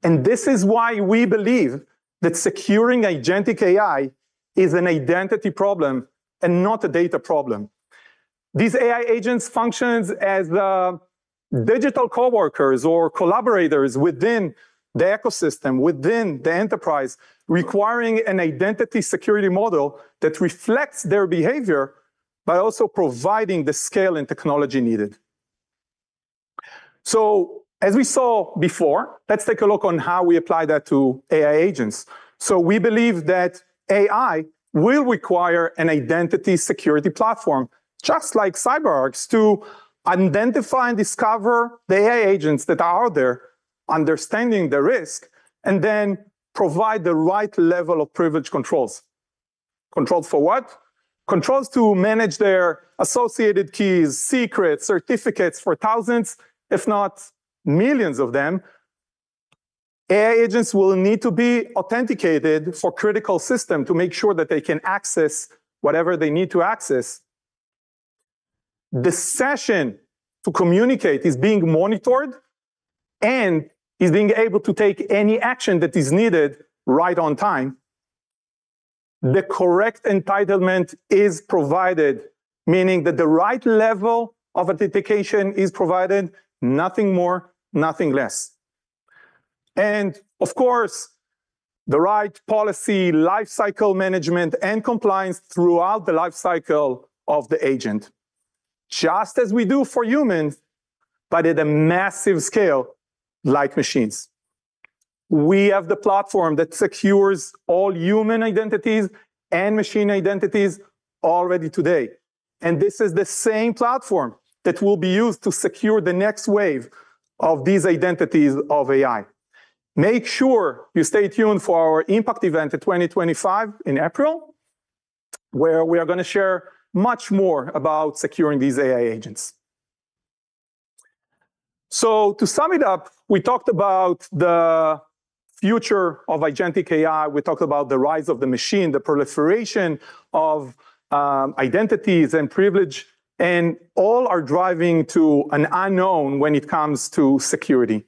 [SPEAKER 6] This is why we believe that securing identity AI is an identity problem and not a data problem. These AI agents function as digital coworkers or collaborators within the ecosystem, within the enterprise, requiring an identity security model that reflects their behavior, but also providing the scale and technology needed. As we saw before, let's take a look on how we apply that to AI agents. We believe that AI will require an identity security platform, just like CyberArk, to identify and discover the AI agents that are out there, understanding the risk, and then provide the right level of privilege controls. Controls for what? Controls to manage their associated keys, secrets, certificates for thousands, if not millions of them. AI agents will need to be authenticated for critical systems to make sure that they can access whatever they need to access. The session to communicate is being monitored and is being able to take any action that is needed right on time. The correct entitlement is provided, meaning that the right level of authentication is provided, nothing more, nothing less. And of course, the right policy, lifecycle management, and compliance throughout the lifecycle of the agent, just as we do for humans, but at a massive scale like machines. We have the platform that secures all human identities and machine identities already today. And this is the same platform that will be used to secure the next wave of these identities of AI. Make sure you stay tuned for our impact event in 2025 in April, where we are going to share much more about securing these AI agents. So to sum it up, we talked about the future of identity AI. We talked about the rise of the machine, the proliferation of identities and privilege, and all are driving to an unknown when it comes to security.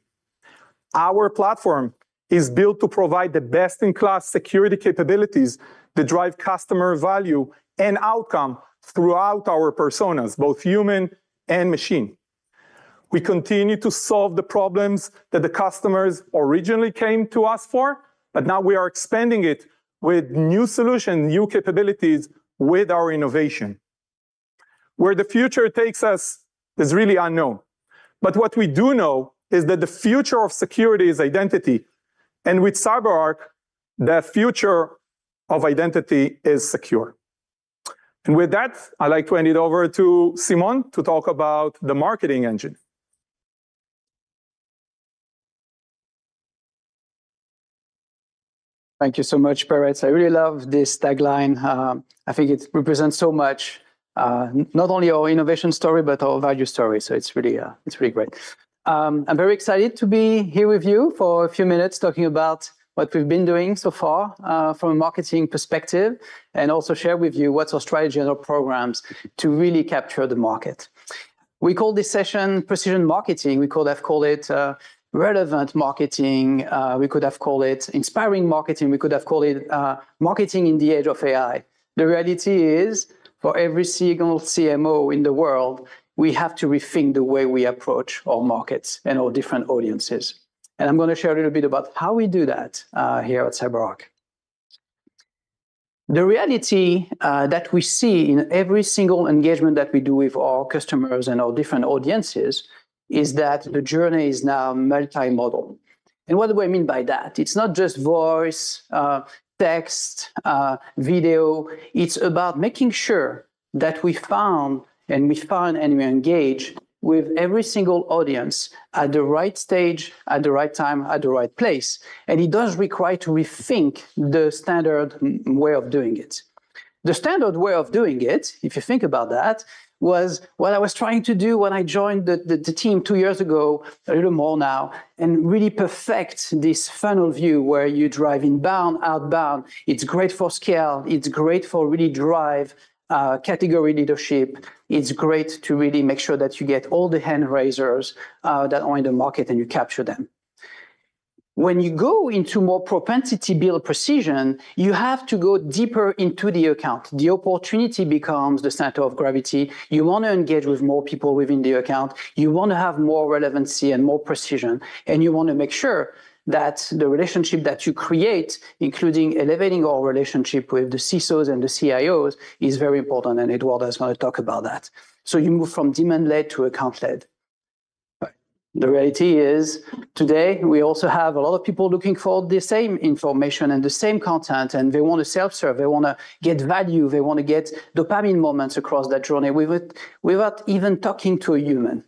[SPEAKER 6] Our platform is built to provide the best-in-class security capabilities that drive customer value and outcome throughout our personas, both human and machine. We continue to solve the problems that the customers originally came to us for, but now we are expanding it with new solutions, new capabilities with our innovation. Where the future takes us is really unknown. But what we do know is that the future of security is identity. And with CyberArk, the future of identity is secure. And with that, I'd like to hand it over to Simon to talk about the marketing engine.
[SPEAKER 7] Thank you so much, Peretz. I really love this tagline. I think it represents so much, not only our innovation story, but our value story. So it's really great. I'm very excited to be here with you for a few minutes talking about what we've been doing so far from a marketing perspective and also share with you what's our strategy and our programs to really capture the market. We call this session precision marketing. We could have called it relevant marketing. We could have called it inspiring marketing. We could have called it marketing in the age of AI. The reality is, for every single CMO in the world, we have to rethink the way we approach our markets and our different audiences. And I'm going to share a little bit about how we do that here at CyberArk. The reality that we see in every single engagement that we do with our customers and our different audiences is that the journey is now multimodal. And what do I mean by that? It's not just voice, text, video. It's about making sure that we found and we find and we engage with every single audience at the right stage, at the right time, at the right place, and it does require to rethink the standard way of doing it. The standard way of doing it, if you think about that, was what I was trying to do when I joined the team two years ago, a little more now, and really perfect this funnel view where you drive inbound, outbound. It's great for scale. It's great for really drive category leadership. It's great to really make sure that you get all the hand raisers that are in the market and you capture them. When you go into more propensity-built precision, you have to go deeper into the account. The opportunity becomes the center of gravity. You want to engage with more people within the account. You want to have more relevancy and more precision. And you want to make sure that the relationship that you create, including elevating our relationship with the CISOs and the CIOs, is very important. And Eduarda is going to talk about that. So you move from demand-led to account-led. The reality is, today, we also have a lot of people looking for the same information and the same content, and they want to self-serve. They want to get value. They want to get dopamine moments across that journey without even talking to a human.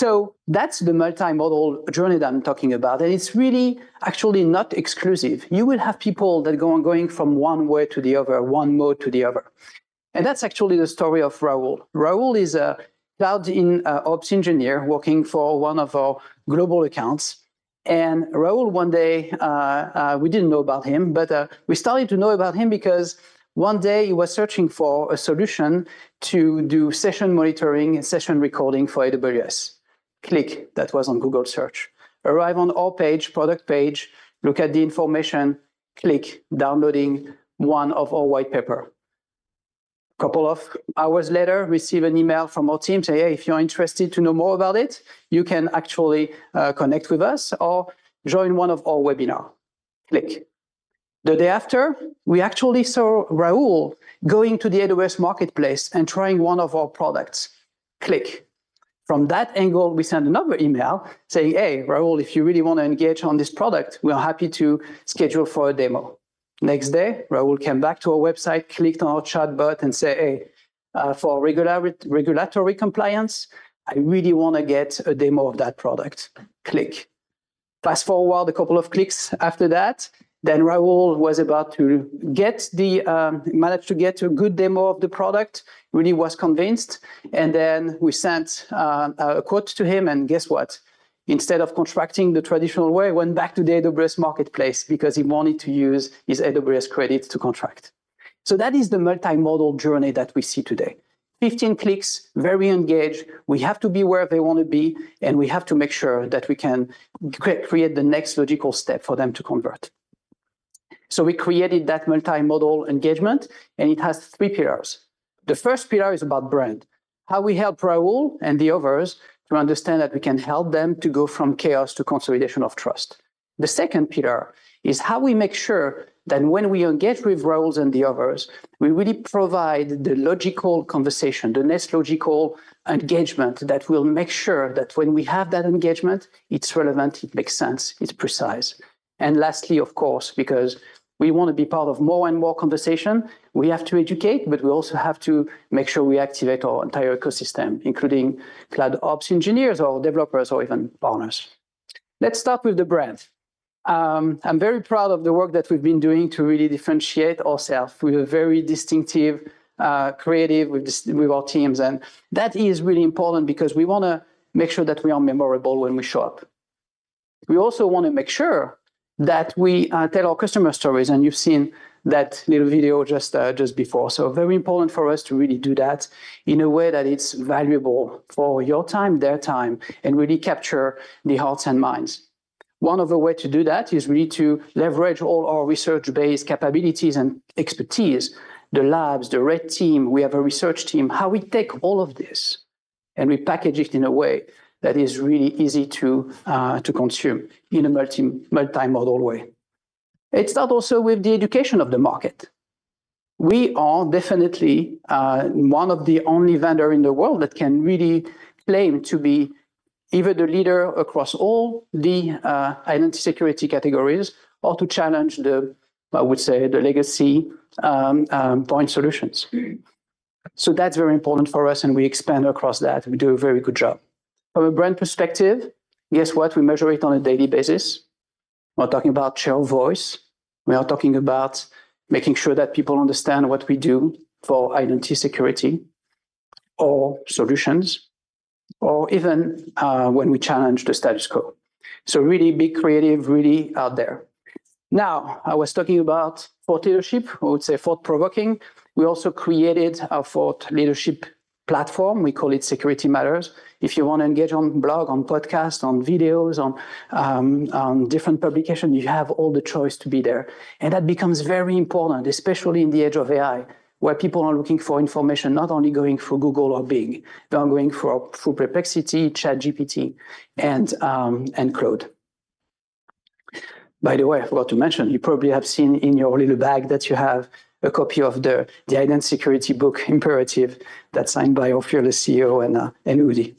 [SPEAKER 7] So that's the multimodal journey that I'm talking about. And it's really actually not exclusive. You will have people that going from one way to the other, one mode to the other. And that's actually the story of Raul. Raul is a cloud ops engineer working for one of our global accounts, and Raul, one day, we didn't know about him, but we started to know about him because one day he was searching for a solution to do session monitoring and session recording for AWS. Click. That was on Google search. Arrive on our page, product page, look at the information, click downloading one of our white papers. A couple of hours later, receive an email from our team saying, "Hey, if you're interested to know more about it, you can actually connect with us or join one of our webinars." Click. The day after, we actually saw Raul going to the AWS Marketplace and trying one of our products. Click. From that angle, we sent another email saying, "Hey, Raul, if you really want to engage on this product, we're happy to schedule for a demo." Next day, Raul came back to our website, clicked on our chatbot and said, "Hey, for regulatory compliance, I really want to get a demo of that product." Click. Fast forward a couple of clicks after that, then Raul managed to get a good demo of the product, really was convinced. And then we sent a quote to him. And guess what? Instead of contracting the traditional way, he went back to the AWS Marketplace because he wanted to use his AWS credits to contract. So that is the multimodal journey that we see today. 15 clicks, very engaged. We have to be where they want to be, and we have to make sure that we can create the next logical step for them to convert. So we created that multimodal engagement, and it has three pillars. The first pillar is about brand, how we help Raul and the others to understand that we can help them to go from chaos to consolidation of trust. The second pillar is how we make sure that when we engage with Raul and the others, we really provide the logical conversation, the next logical engagement that will make sure that when we have that engagement, it's relevant, it makes sense, it's precise. And lastly, of course, because we want to be part of more and more conversation, we have to educate, but we also have to make sure we activate our entire ecosystem, including cloud ops engineers, our developers, or even partners. Let's start with the brand. I'm very proud of the work that we've been doing to really differentiate ourselves with a very distinctive, creative with our teams, and that is really important because we want to make sure that we are memorable when we show up. We also want to make sure that we tell our customer stories, and you've seen that little video just before, so very important for us to really do that in a way that it's valuable for your time, their time, and really capture the hearts and minds. One of the ways to do that is really to leverage all our research-based capabilities and expertise, the labs, the red team. We have a research team. How we take all of this and we package it in a way that is really easy to consume in a multimodal way. It starts also with the education of the market. We are definitely one of the only vendors in the world that can really claim to be either the leader across all the identity security categories or to challenge the, I would say, the legacy point solutions. So that's very important for us, and we expand across that. We do a very good job. From a brand perspective, guess what? We measure it on a daily basis. We're talking about share of voice. We are talking about making sure that people understand what we do for identity security or solutions, or even when we challenge the status quo. So really be creative, really out there. Now, I was talking about thought leadership. I would say thought-provoking. We also created our thought leadership platform. We call it Security Matters. If you want to engage on blog, on podcast, on videos, on different publications, you have all the choice to be there, and that becomes very important, especially in the age of AI, where people are looking for information not only going through Google or Bing. They're going through Perplexity, ChatGPT, and Claude. By the way, I forgot to mention, you probably have seen in your little bag that you have a copy of the Identity Security Imperative that's signed by our fearless CEO and Udi.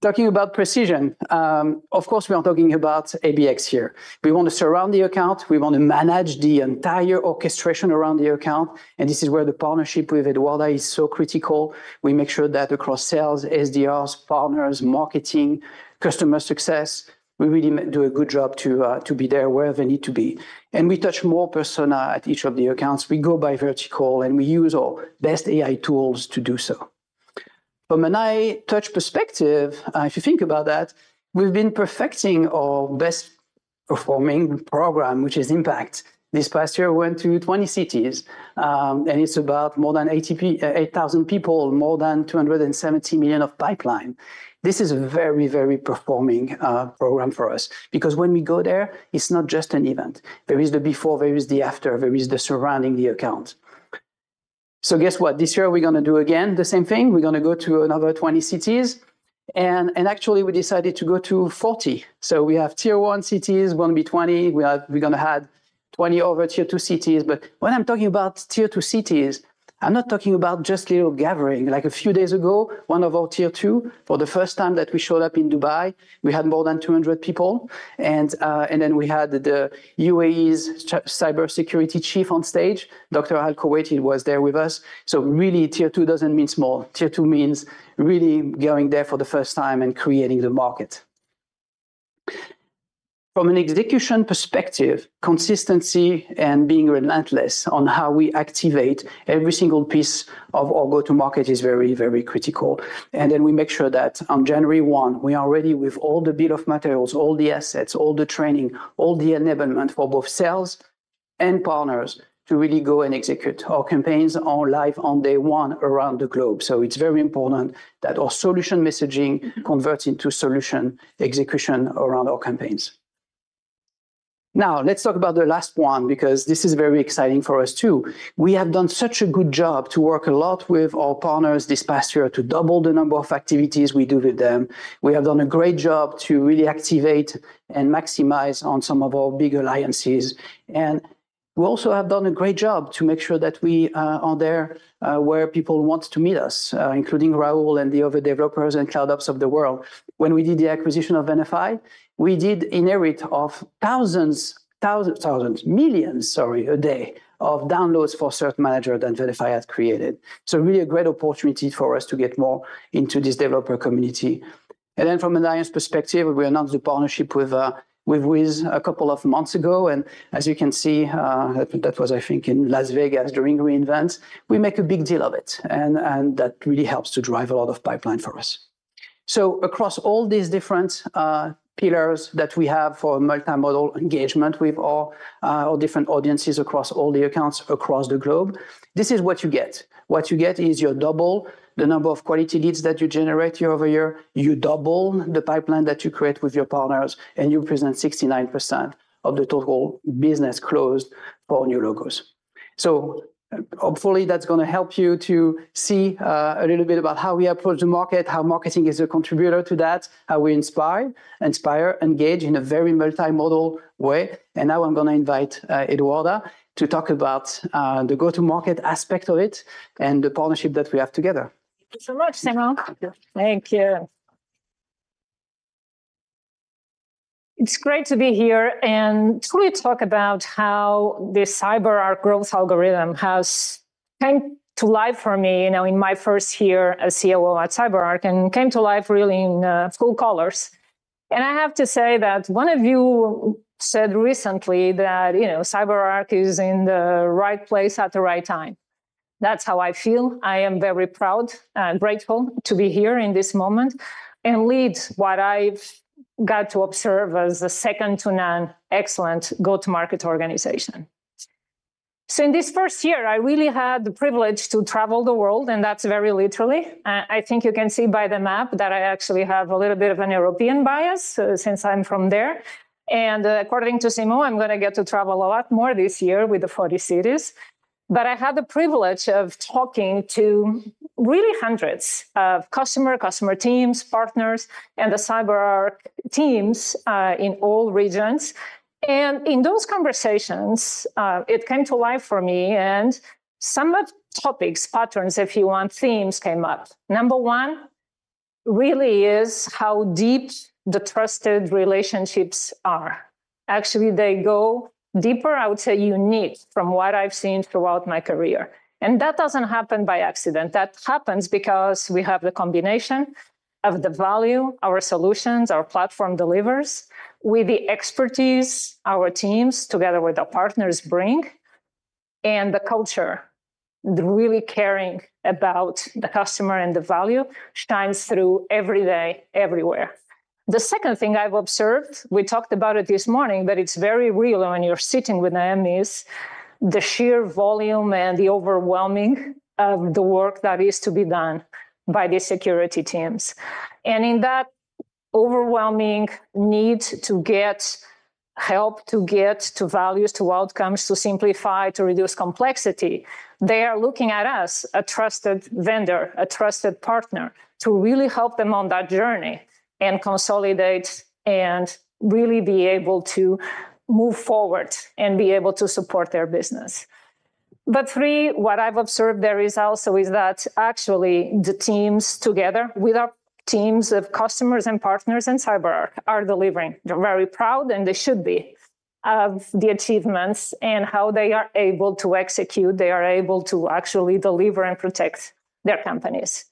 [SPEAKER 7] Talking about precision, of course, we are talking about ABX here. We want to surround the account. We want to manage the entire orchestration around the account, and this is where the partnership with Eduarda is so critical. We make sure that across sales, SDRs, partners, marketing, customer success, we really do a good job to be there where they need to be. We touch more personas at each of the accounts. We go by vertical, and we use our best AI tools to do so. From an AI touch perspective, if you think about that, we've been perfecting our best performing program, which is Impact. This past year, we went to 20 cities, and it's about more than 8,000 people, more than $270 million of pipeline. This is a very, very performing program for us because when we go there, it's not just an event. There is the before, there is the after, there is the surrounding the account. So guess what? This year, we're going to do again the same thing. We're going to go to another 20 cities. And actually, we decided to go to 40. So we have tier one cities, going to be 20. We're going to have 20 over tier two cities. But when I'm talking about tier two cities, I'm not talking about just little gathering. Like a few days ago, one of our tier two, for the first time that we showed up in Dubai, we had more than 200 people. And then we had the UAE's cybersecurity chief on stage, Dr. Al-Kuwaiti. He was there with us. So really, tier two doesn't mean small. Tier two means really going there for the first time and creating the market. From an execution perspective, consistency and being relentless on how we activate every single piece of our go-to-market is very, very critical. And then we make sure that on January 1, we are ready with all the bill of materials, all the assets, all the training, all the enablement for both sales and partners to really go and execute our campaigns live on day one around the globe. So it's very important that our solution messaging converts into solution execution around our campaigns. Now, let's talk about the last one because this is very exciting for us too. We have done such a good job to work a lot with our partners this past year to double the number of activities we do with them. We have done a great job to really activate and maximize on some of our big alliances. And we also have done a great job to make sure that we are there where people want to meet us, including Raul and the other developers and cloud ops of the world. When we did the acquisition of Venafi, we did inherit of thousands, millions, sorry, a day of downloads for certain managers that Venafi had created. So really a great opportunity for us to get more into this developer community. And then from an alliance perspective, we announced the partnership with Wiz a couple of months ago. And as you can see, that was, I think, in Las Vegas during re:Invent. We make a big deal of it. And that really helps to drive a lot of pipeline for us. So across all these different pillars that we have for multimodal engagement with our different audiences across all the accounts across the globe, this is what you get. What you get is you double the number of quality leads that you generate year over year. You double the pipeline that you create with your partners, and you present 69% of the total business closed for new logos. Hopefully, that's going to help you to see a little bit about how we approach the market, how marketing is a contributor to that, how we inspire, engage in a very multimodal way. Now I'm going to invite Eduarda to talk about the go-to-market aspect of it and the partnership that we have together.
[SPEAKER 8] Thank you so much, Simon. Thank you. It's great to be here and truly talk about how the CyberArk growth algorithm has come to life for me in my first year as COO at CyberArk and came to life really in full colors. I have to say that one of you said recently that CyberArk is in the right place at the right time. That's how I feel. I am very proud and grateful to be here in this moment and lead what I've got to observe as a second-to-none excellent go-to-market organization. So, in this first year, I really had the privilege to travel the world, and that's very literally. I think you can see by the map that I actually have a little bit of a European bias since I'm from there. And according to Simon, I'm going to get to travel a lot more this year with the 40 cities. But I had the privilege of talking to really hundreds of customers, customer teams, partners, and the CyberArk teams in all regions. And in those conversations, it came to life for me. And some of the topics, patterns, if you want, themes came up. Number one really is how deep the trusted relationships are. Actually, they go deeper, I would say, unique from what I've seen throughout my career. And that doesn't happen by accident. That happens because we have the combination of the value, our solutions, our platform delivers, with the expertise our teams together with our partners bring. And the culture really caring about the customer and the value shines through every day, everywhere. The second thing I've observed, we talked about it this morning, but it's very real when you're sitting with Naomi, is the sheer volume and the overwhelming of the work that is to be done by the security teams. And in that overwhelming need to get help, to get to values, to outcomes, to simplify, to reduce complexity, they are looking at us, a trusted vendor, a trusted partner, to really help them on that journey and consolidate and really be able to move forward and be able to support their business. But three, what I've observed there is also that actually the teams together with our teams of customers and partners and CyberArk are delivering. They're very proud, and they should be, of the achievements and how they are able to execute. They are able to actually deliver and protect their companies.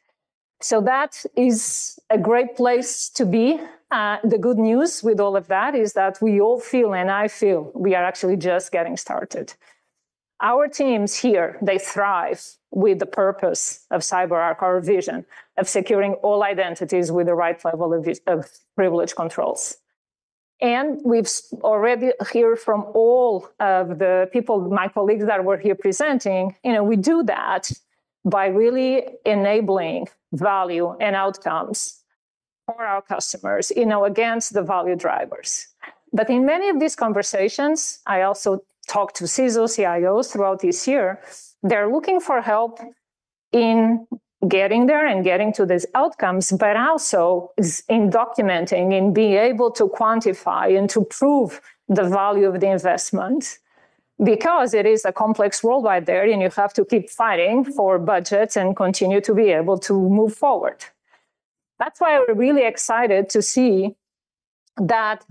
[SPEAKER 8] So that is a great place to be. The good news with all of that is that we all feel, and I feel we are actually just getting started. Our teams here, they thrive with the purpose of CyberArk, our vision of securing all identities with the right level of privilege controls. And we've already heard from all of the people, my colleagues that were here presenting, we do that by really enabling value and outcomes for our customers against the value drivers. But in many of these conversations, I also talked to CISOs, CIOs throughout this year. They're looking for help in getting there and getting to these outcomes, but also in documenting, in being able to quantify and to prove the value of the investment because it is a complex world right there, and you have to keep fighting for budgets and continue to be able to move forward. That's why we're really excited to see that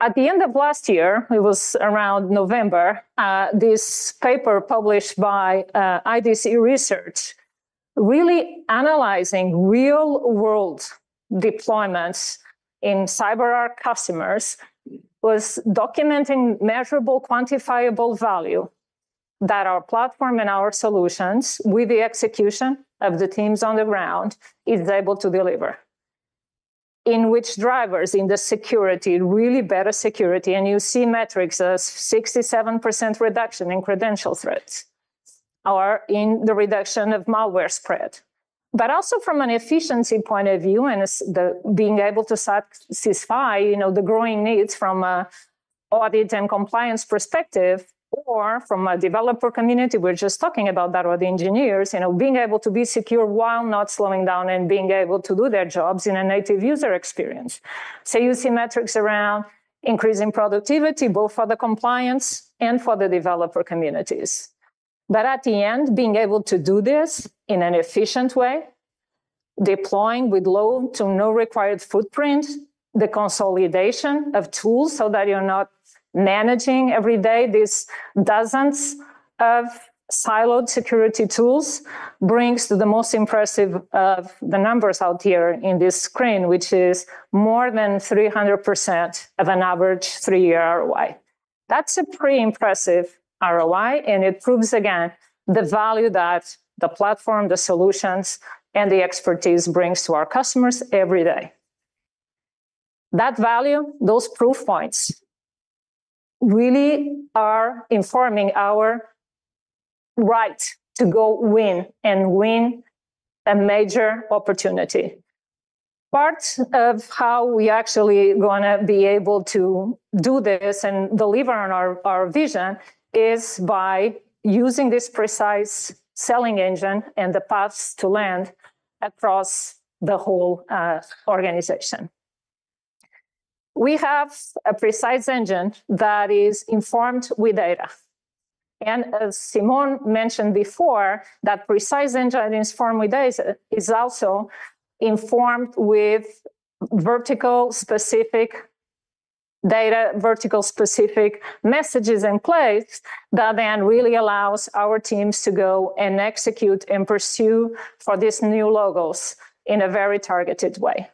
[SPEAKER 8] at the end of last year, it was around November, this paper published by IDC research really analyzing real-world deployments in CyberArk customers was documenting measurable, quantifiable value that our platform and our solutions, with the execution of the teams on the ground, is able to deliver. In which drivers in the security, really better security, and you see metrics as 67% reduction in credential threats or in the reduction of malware spread. But also from an efficiency point of view and being able to satisfy the growing needs from an audit and compliance perspective or from a developer community. We're just talking about that or the engineers, being able to be secure while not slowing down and being able to do their jobs in a native user experience. So you see metrics around increasing productivity, both for the compliance and for the developer communities. But at the end, being able to do this in an efficient way, deploying with low to no required footprint, the consolidation of tools so that you're not managing every day these dozens of siloed security tools brings to the most impressive of the numbers out here in this screen, which is more than 300% of an average three-year ROI. That's a pretty impressive ROI, and it proves again the value that the platform, the solutions, and the expertise brings to our customers every day. That value, those proof points really are informing our right to go win and win a major opportunity. Part of how we actually are going to be able to do this and deliver on our vision is by using this precise selling engine and the paths to land across the whole organization. We have a precise engine that is informed with data. As Simon mentioned before, that precise engine informed with data is also informed with vertical-specific data, vertical-specific messages and plays that then really allows our teams to go and execute and pursue for these new logos in a very targeted way.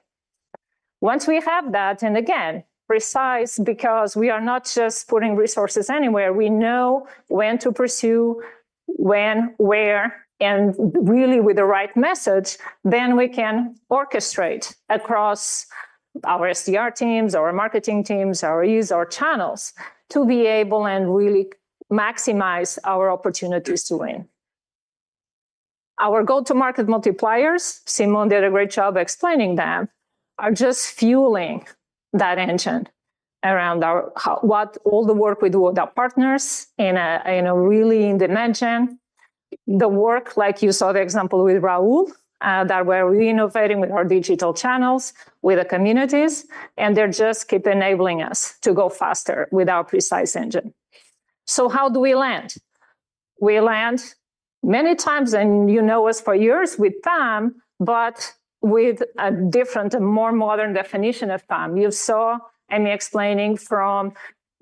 [SPEAKER 8] Once we have that, and again, precise because we are not just putting resources anywhere, we know when to pursue, when, where, and really with the right message, then we can orchestrate across our SDR teams, our marketing teams, our channels to be able and really maximize our opportunities to win. Our go-to-market multipliers, Simon did a great job explaining them, are just fueling that engine around what all the work we do with our partners and really in the mention, the work, like you saw the example with Raul, that we're really innovating with our digital channels, with the communities, and they're just keep enabling us to go faster with our precise engine. So how do we land? We land many times, and you know us for years with PAM, but with a different and more modern definition of PAM. You saw me explaining from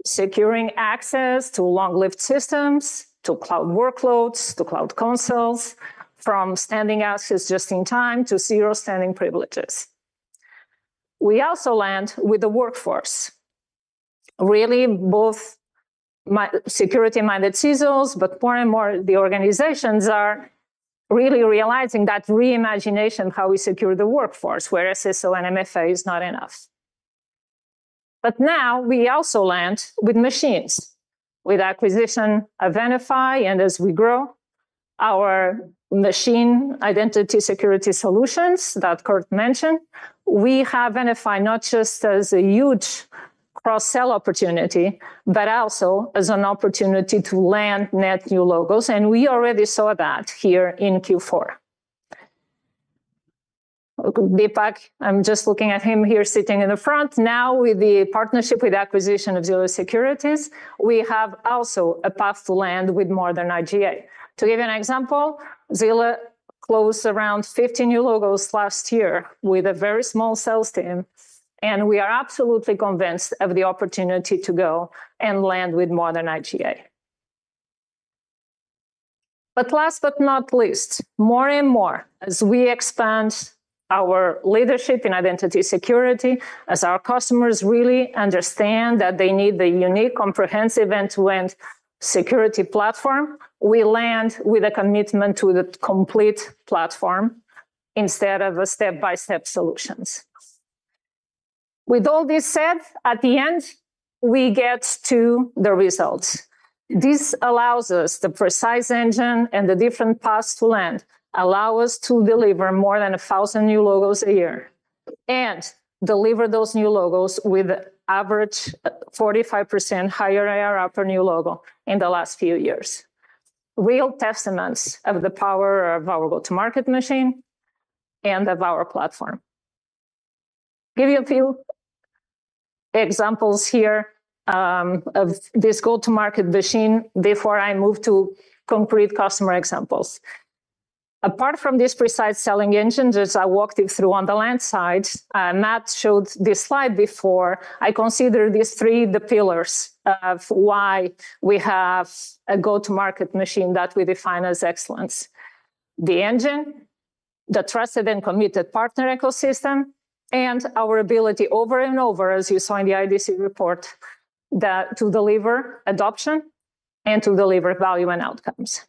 [SPEAKER 8] securing access to long-lived systems to cloud workloads to cloud consoles, from standing assets just in time to zero standing privileges. We also land with the workforce, really both security-minded CISOs, but more and more the organizations are really realizing that reimagination of how we secure the workforce, whereas SSO and MFA is not enough. But now we also land with machines, with acquisition of Venafi, and as we grow our machine identity security solutions that Kurt mentioned, we have Venafi not just as a huge cross-sell opportunity, but also as an opportunity to land net new logos, and we already saw that here in Q4. Deepak, I'm just looking at him here sitting in the front. Now with the partnership with acquisition of Zilla Security, we have also a path to land with more than IGA. To give you an example, Zilla closed around 50 new logos last year with a very small sales team, and we are absolutely convinced of the opportunity to go and land with more than IGA. But last but not least, more and more as we expand our leadership in identity security, as our customers really understand that they need the unique, comprehensive end-to-end security platform, we land with a commitment to the complete platform instead of a step-by-step solutions. With all this said, at the end, we get to the results. This allows us the pricing engine and the different paths to land allow us to deliver more than 1,000 new logos a year and deliver those new logos with average 45% higher ARR per new logo in the last few years. Real testaments of the power of our go-to-market machine and of our platform. Give you a few examples here of this go-to-market machine before I move to concrete customer examples. Apart from this precise selling engine, as I walked you through on the land side, Matt showed this slide before. I consider these three the pillars of why we have a go-to-market machine that we define as excellence. The engine, the trusted and committed partner ecosystem, and our ability over and over, as you saw in the IDC report, to deliver adoption and to deliver value and outcomes.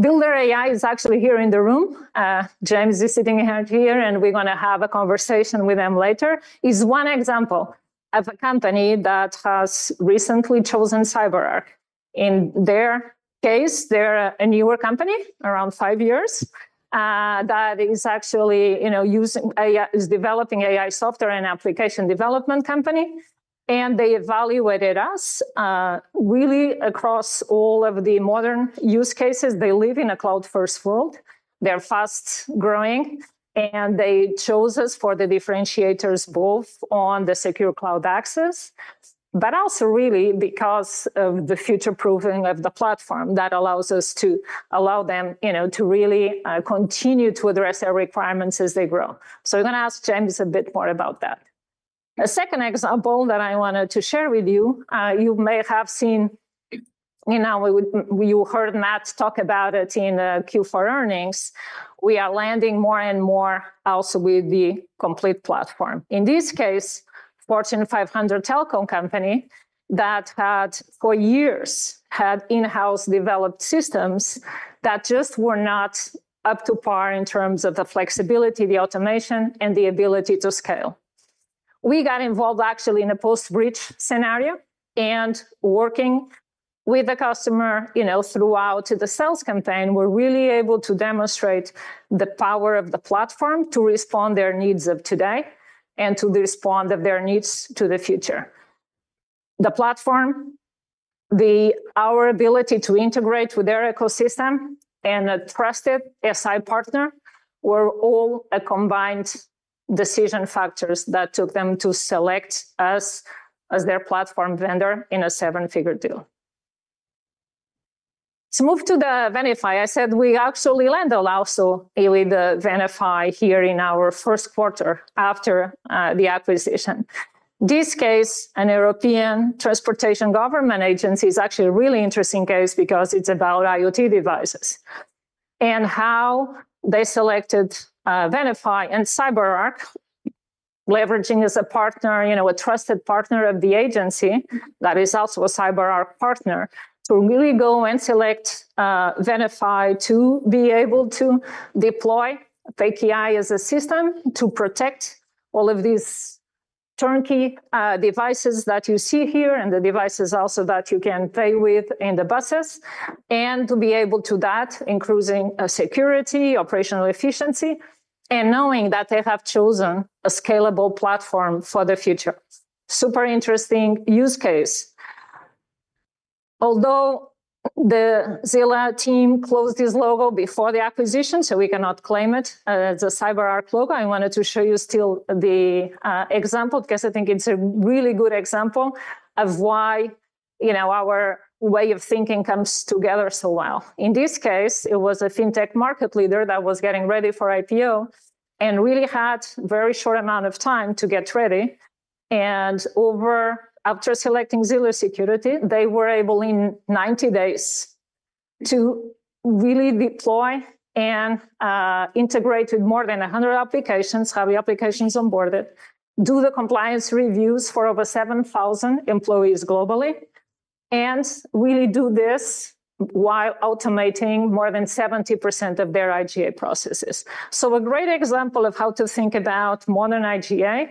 [SPEAKER 8] Builder.ai is actually here in the room. James is sitting here, and we're going to have a conversation with them later. It's one example of a company that has recently chosen CyberArk. In their case, they're a newer company around five years that is actually developing AI software and application development company, and they evaluated us really across all of the modern use cases. They live in a cloud-first world. They're fast growing, and they chose us for the differentiators both on the Secure Cloud Access, but also really because of the future-proofing of the platform that allows us to allow them to really continue to address their requirements as they grow. So I'm going to ask James a bit more about that. A second example that I wanted to share with you, you may have seen, you heard Matt talk about it in Q4 earnings, we are landing more and more also with the complete platform. In this case, Fortune 500 telecom company that had for years had in-house developed systems that just were not up to par in terms of the flexibility, the automation, and the ability to scale. We got involved actually in a post-bridge scenario and working with the customer throughout the sales campaign, we're really able to demonstrate the power of the platform to respond to their needs of today and to respond to their needs to the future. The platform, our ability to integrate with their ecosystem and a trusted SI partner were all combined decision factors that took them to select us as their platform vendor in a seven-figure deal. To move to the Venafi, I said we actually landed also with the Venafi here in our first quarter after the acquisition. This case, a European transportation government agency is actually a really interesting case because it's about IoT devices and how they selected Venafi and CyberArk, leveraging as a partner, a trusted partner of the agency that is also a CyberArk partner to really go and select Venafi to be able to deploy PKI as a system to protect all of these turnkey devices that you see here and the devices also that you can pay with in the buses and to be able to do that increasing security, operational efficiency, and knowing that they have chosen a scalable platform for the future. Super interesting use case. Although the Zilla team closed this deal before the acquisition, so we cannot claim it as a CyberArk deal, I wanted to show you still the example because I think it's a really good example of why our way of thinking comes together so well. In this case, it was a fintech market leader that was getting ready for IPO and really had a very short amount of time to get ready, and after selecting Zilla Security, they were able in 90 days to really deploy and integrate with more than 100 applications, have the applications onboarded, do the compliance reviews for over 7,000 employees globally, and really do this while automating more than 70% of their IGA processes, so a great example of how to think about modern IGA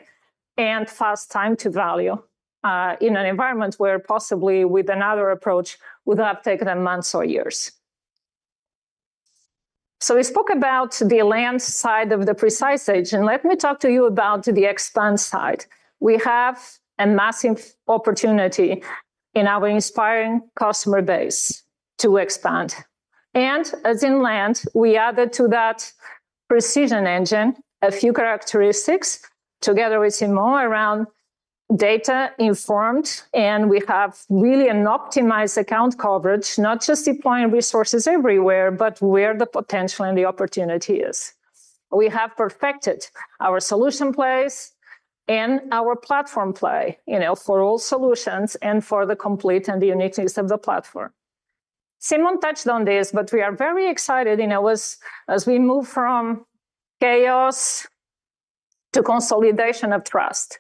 [SPEAKER 8] and fast time to value in an environment where possibly with another approach would have taken them months or years. So we spoke about the land side of the pricing engine. Let me talk to you about the expand side. We have a massive opportunity in our existing customer base to expand. And as in the land, we added to that pricing engine a few characteristics together with Simon around data-informed, and we have really an optimized account coverage, not just deploying resources everywhere, but where the potential and the opportunity is. We have perfected our solution plays and our platform play for all solutions and for the complement and the uniqueness of the platform. Simon touched on this, but we are very excited as we move from chaos to consolidation of trust,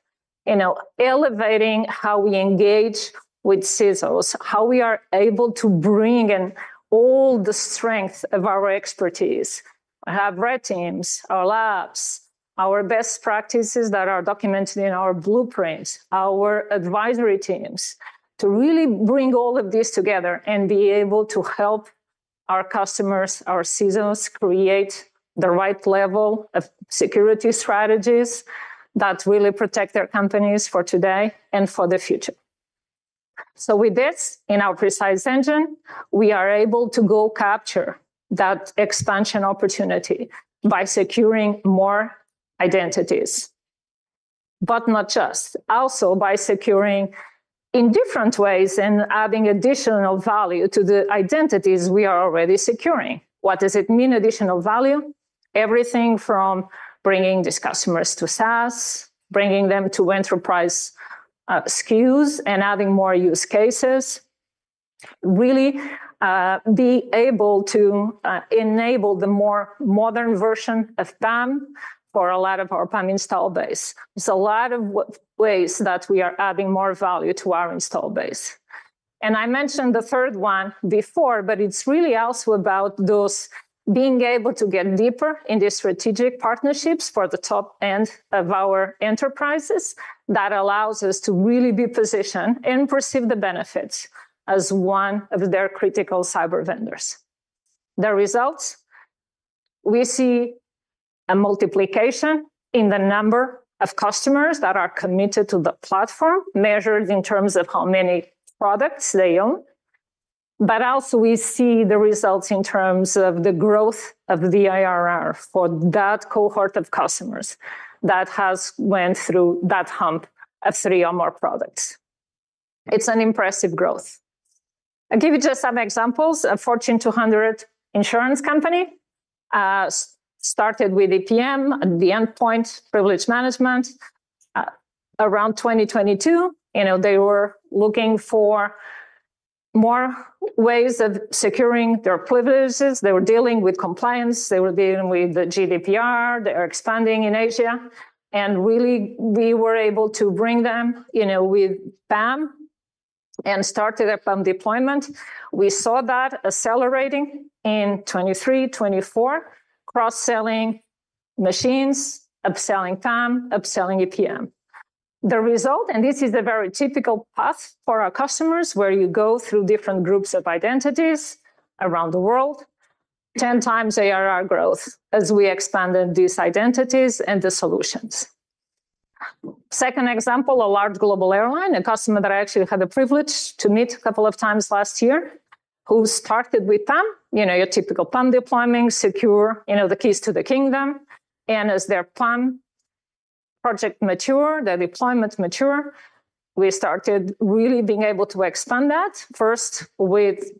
[SPEAKER 8] elevating how we engage with CISOs, how we are able to bring in all the strength of our expertise. We have red teams, our labs, our best practices that are documented in our blueprints, our advisory teams to really bring all of this together and be able to help our customers, our CISOs create the right level of security strategies that really protect their companies for today and for the future. So with this in our pricing engine, we are able to go capture that expansion opportunity by securing more identities, but not just, also by securing in different ways and adding additional value to the identities we are already securing. What does it mean additional value? Everything from bringing these customers to SaaS, bringing them to enterprise SKUs, and adding more use cases, really be able to enable the more modern version of PAM for a lot of our PAM installed base. There's a lot of ways that we are adding more value to our installed base. I mentioned the third one before, but it's really also about those being able to get deeper in these strategic partnerships for the top end of our enterprises that allows us to really be positioned and receive the benefits as one of their critical cyber vendors. The results, we see a multiplication in the number of customers that are committed to the platform measured in terms of how many products they own. But also we see the results in terms of the growth of the ARR for that cohort of customers that has gone through that hump of three or more products. It's an impressive growth. I'll give you just some examples. A Fortune 200 insurance company started with EPM, the Endpoint Privilege Manager, around 2022. They were looking for more ways of securing their privileges. They were dealing with compliance. They were dealing with the GDPR. They are expanding in Asia, and really, we were able to bring them with PAM and started a PAM deployment. We saw that accelerating in 2023, 2024, cross-selling machines, upselling PAM, upselling EPM. The result, and this is a very typical path for our customers where you go through different groups of identities around the world, 10 times ARR growth as we expanded these identities and the solutions. Second example, a large global airline, a customer that I actually had the privilege to meet a couple of times last year who started with PAM, your typical PAM deployment, secure the keys to the kingdom, and as their PAM project matured, their deployment matured, we started really being able to expand that first with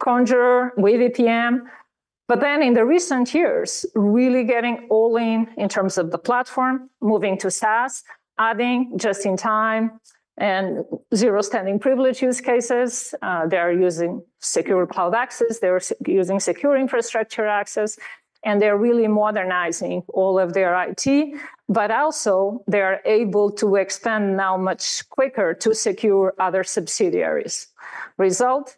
[SPEAKER 8] Conjur, with EPM. But then, in the recent years, really getting all in terms of the platform, moving to SaaS, adding just in time and zero standing privilege use cases. They are using Secure Cloud Access. They're using Secure Infrastructure Access, and they're really modernizing all of their IT. But also, they are able to expand now much quicker to secure other subsidiaries. Result,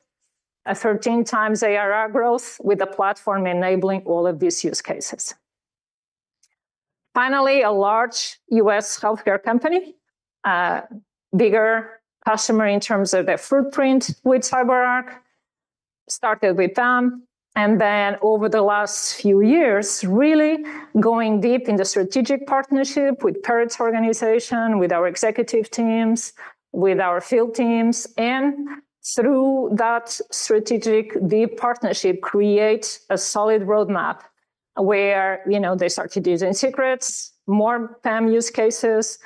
[SPEAKER 8] a 13 times ARR growth with the platform enabling all of these use cases. Finally, a large U.S. healthcare company, bigger customer in terms of their footprint with CyberArk, started with PAM. And then, over the last few years, really going deep in the strategic partnership with Peretz's organization, with our executive teams, with our field teams, and through that strategic deep partnership, create a solid roadmap where they started using secrets, more PAM use cases,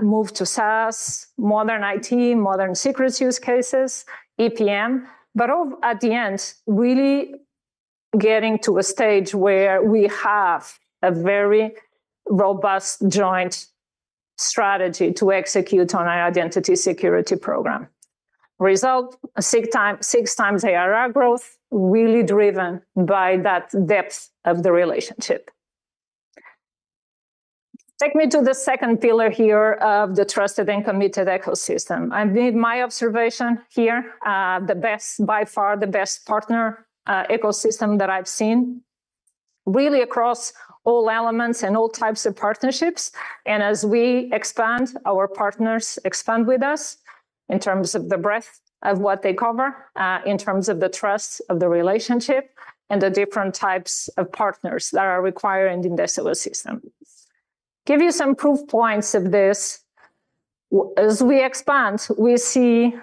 [SPEAKER 8] move to SaaS, modern IT, modern secrets use cases, EPM. But at the end, really getting to a stage where we have a very robust joint strategy to execute on our identity security program. Result, six times ARR growth, really driven by that depth of the relationship. Take me to the second pillar here of the trusted and committed ecosystem. I mean, my observation here, the best, by far the best partner ecosystem that I've seen, really across all elements and all types of partnerships. And as we expand, our partners expand with us in terms of the breadth of what they cover, in terms of the trust of the relationship and the different types of partners that are required in this ecosystem. Give you some proof points of this. As we expand, we see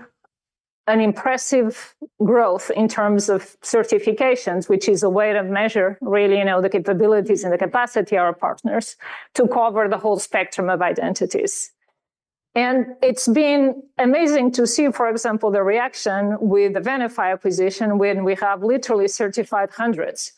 [SPEAKER 8] an impressive growth in terms of certifications, which is a way to measure really the capabilities and the capacity of our partners to cover the whole spectrum of identities. And it's been amazing to see, for example, the reaction with the Venafi acquisition when we have literally certified hundreds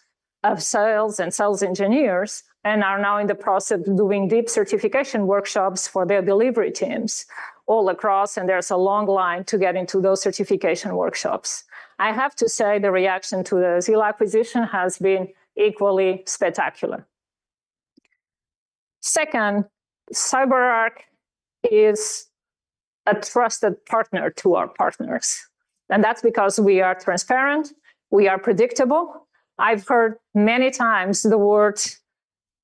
[SPEAKER 8] of sales and sales engineers and are now in the process of doing deep certification workshops for their delivery teams all across. And there's a long line to get into those certification workshops. I have to say the reaction to the Zilla acquisition has been equally spectacular. Second, CyberArk is a trusted partner to our partners. And that's because we are transparent. We are predictable. I've heard many times the word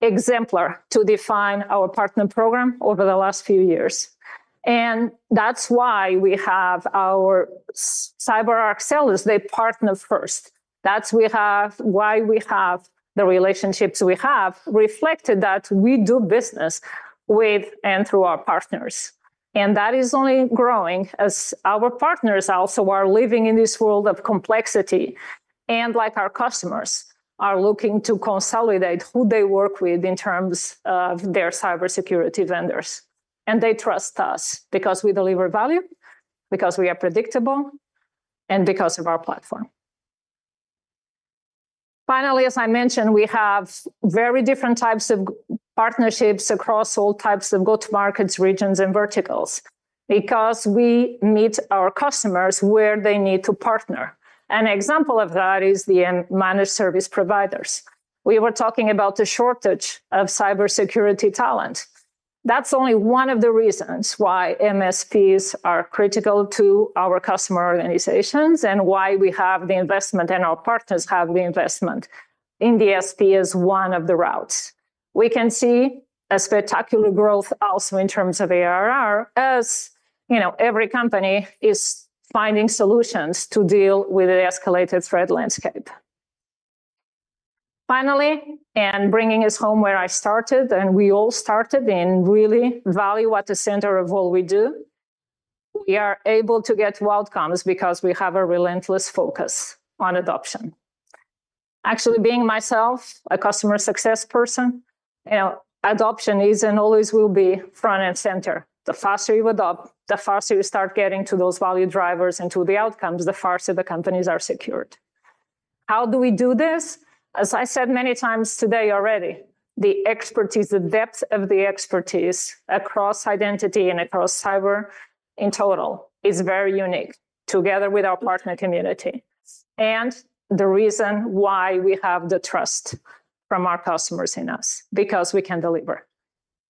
[SPEAKER 8] exemplar to define our partner program over the last few years. And that's why we have our CyberArk sellers, they partner first. That's why we have the relationships we have reflected that we do business with and through our partners, and that is only growing as our partners also are living in this world of complexity. And like our customers are looking to consolidate who they work with in terms of their cybersecurity vendors, and they trust us because we deliver value, because we are predictable, and because of our platform. Finally, as I mentioned, we have very different types of partnerships across all types of go-to-market regions and verticals because we meet our customers where they need to partner. An example of that is the managed service providers. We were talking about the shortage of cybersecurity talent. That's only one of the reasons why MSPs are critical to our customer organizations and why we have the investment and our partners have the investment in the MSP as one of the routes. We can see a spectacular growth also in terms of ARR as every company is finding solutions to deal with the escalated threat landscape. Finally, and bringing us home where I started, and we all started in really value at the center of all we do, we are able to get to outcomes because we have a relentless focus on adoption. Actually, being myself, a customer success person, adoption is and always will be front and center. The faster you adopt, the faster you start getting to those value drivers and to the outcomes, the faster the companies are secured. How do we do this? As I said many times today already, the expertise, the depth of the expertise across identity and across cyber in total is very unique together with our partner community. And the reason why we have the trust from our customers in us because we can deliver.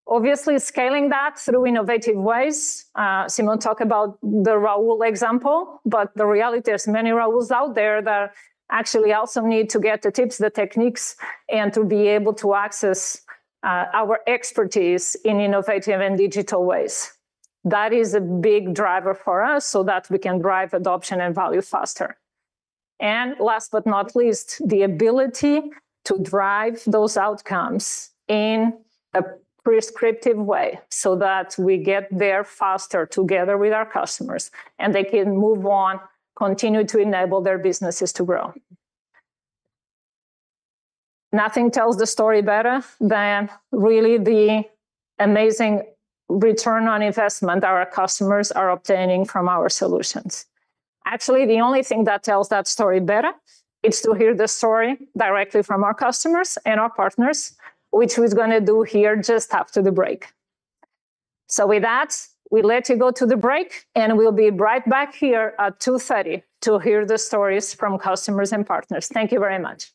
[SPEAKER 8] Obviously, scaling that through innovative ways. Simon talked about the Raoul example, but the reality is many Raouls out there that actually also need to get the tips, the techniques, and to be able to access our expertise in innovative and digital ways. That is a big driver for us so that we can drive adoption and value faster. And last but not least, the ability to drive those outcomes in a prescriptive way so that we get there faster together with our customers and they can move on, continue to enable their businesses to grow. Nothing tells the story better than really the amazing return on investment our customers are obtaining from our solutions. Actually, the only thing that tells that story better is to hear the story directly from our customers and our partners, which we're going to do here just after the break. So with that, we let you go to the break and we'll be right back here at 2:30 P.M. to hear the stories from customers and partners. Thank you very much.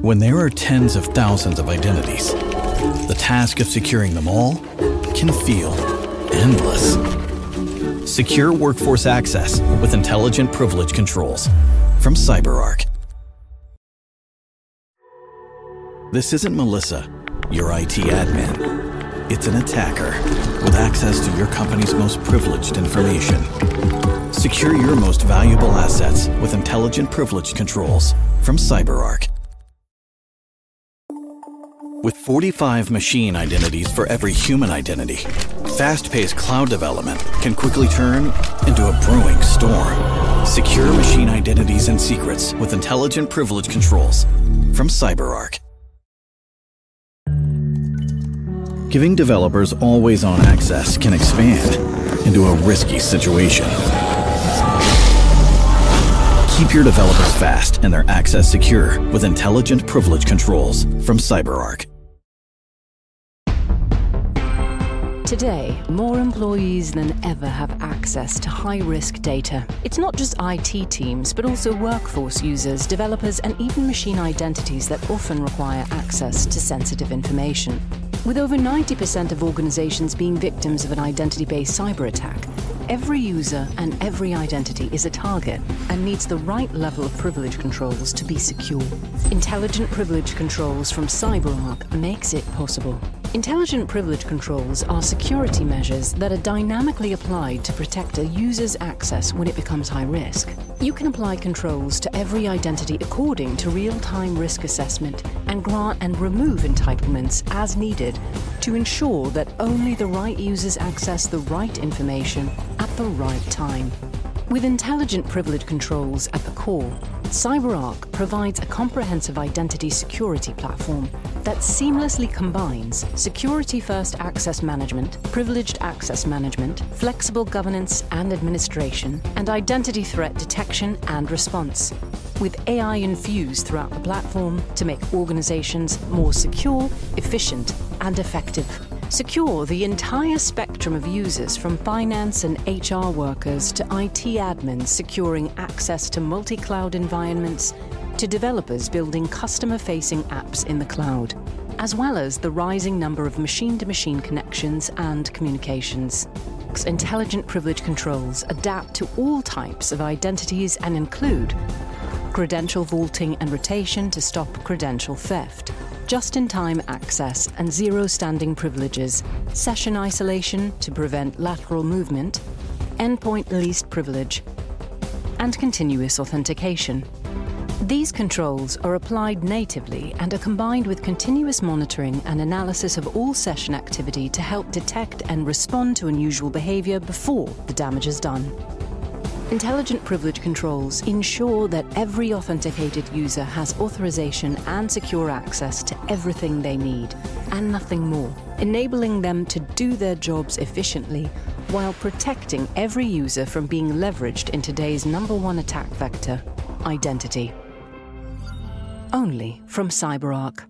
[SPEAKER 8] When there are tens of thousands of identities, the task of securing them all can feel endless. Secure workforce access with Intelligent Privilege Controls from CyberArk. This isn't Melissa, your IT admin. It's an attacker with access to your company's most privileged information. Secure your most valuable assets with Intelligent Privilege Controls from CyberArk. With 45 machine identities for every human identity, fast-paced cloud development can quickly turn into a brewing storm. Secure machine identities and secrets with Intelligent Privilege Controls from CyberArk.Giving developers always-on access can expand into a risky situation. Keep your developers fast and their access secure with Intelligent Privilege Controls from CyberArk. Today, more employees than ever have access to high-risk data. It's not just IT teams, but also workforce users, developers, and even machine identities that often require access to sensitive information. With over 90% of organizations being victims of an identity-based cyber attack, every user and every identity is a target and needs the right level of privilege controls to be secure. Intelligent Privilege Controls from CyberArk make it possible. Intelligent Privilege Controls are security measures that are dynamically applied to protect a user's access when it becomes high-risk. You can apply controls to every identity according to real-time risk assessment and grant and remove entitlements as needed to ensure that only the right users access the right information at the right time. With Intelligent Privilege Controls at the core, CyberArk provides a comprehensive identity security platform that seamlessly combines security-first access management, privileged access management, flexible governance and administration, and identity threat detection and response, with AI infused throughout the platform to make organizations more secure, efficient, and effective. Secure the entire spectrum of users, from finance and HR workers to IT admins securing access to multi-cloud environments, to developers building customer-facing apps in the cloud, as well as the rising number of machine-to-machine connections and communications. Intelligent Privilege Controls adapt to all types of identities and include credential vaulting and rotation to stop credential theft, just-in-time access, and zero-standing privileges, session isolation to prevent lateral movement, endpoint least privilege, and continuous authentication. These controls are applied natively and are combined with continuous monitoring and analysis of all session activity to help detect and respond to unusual behavior before the damage is done. Intelligent Privilege Controls ensure that every authenticated user has authorization and secure access to everything they need and nothing more, enabling them to do their jobs efficiently while protecting every user from being leveraged in today's number one attack vector, identity. Only from CyberArk.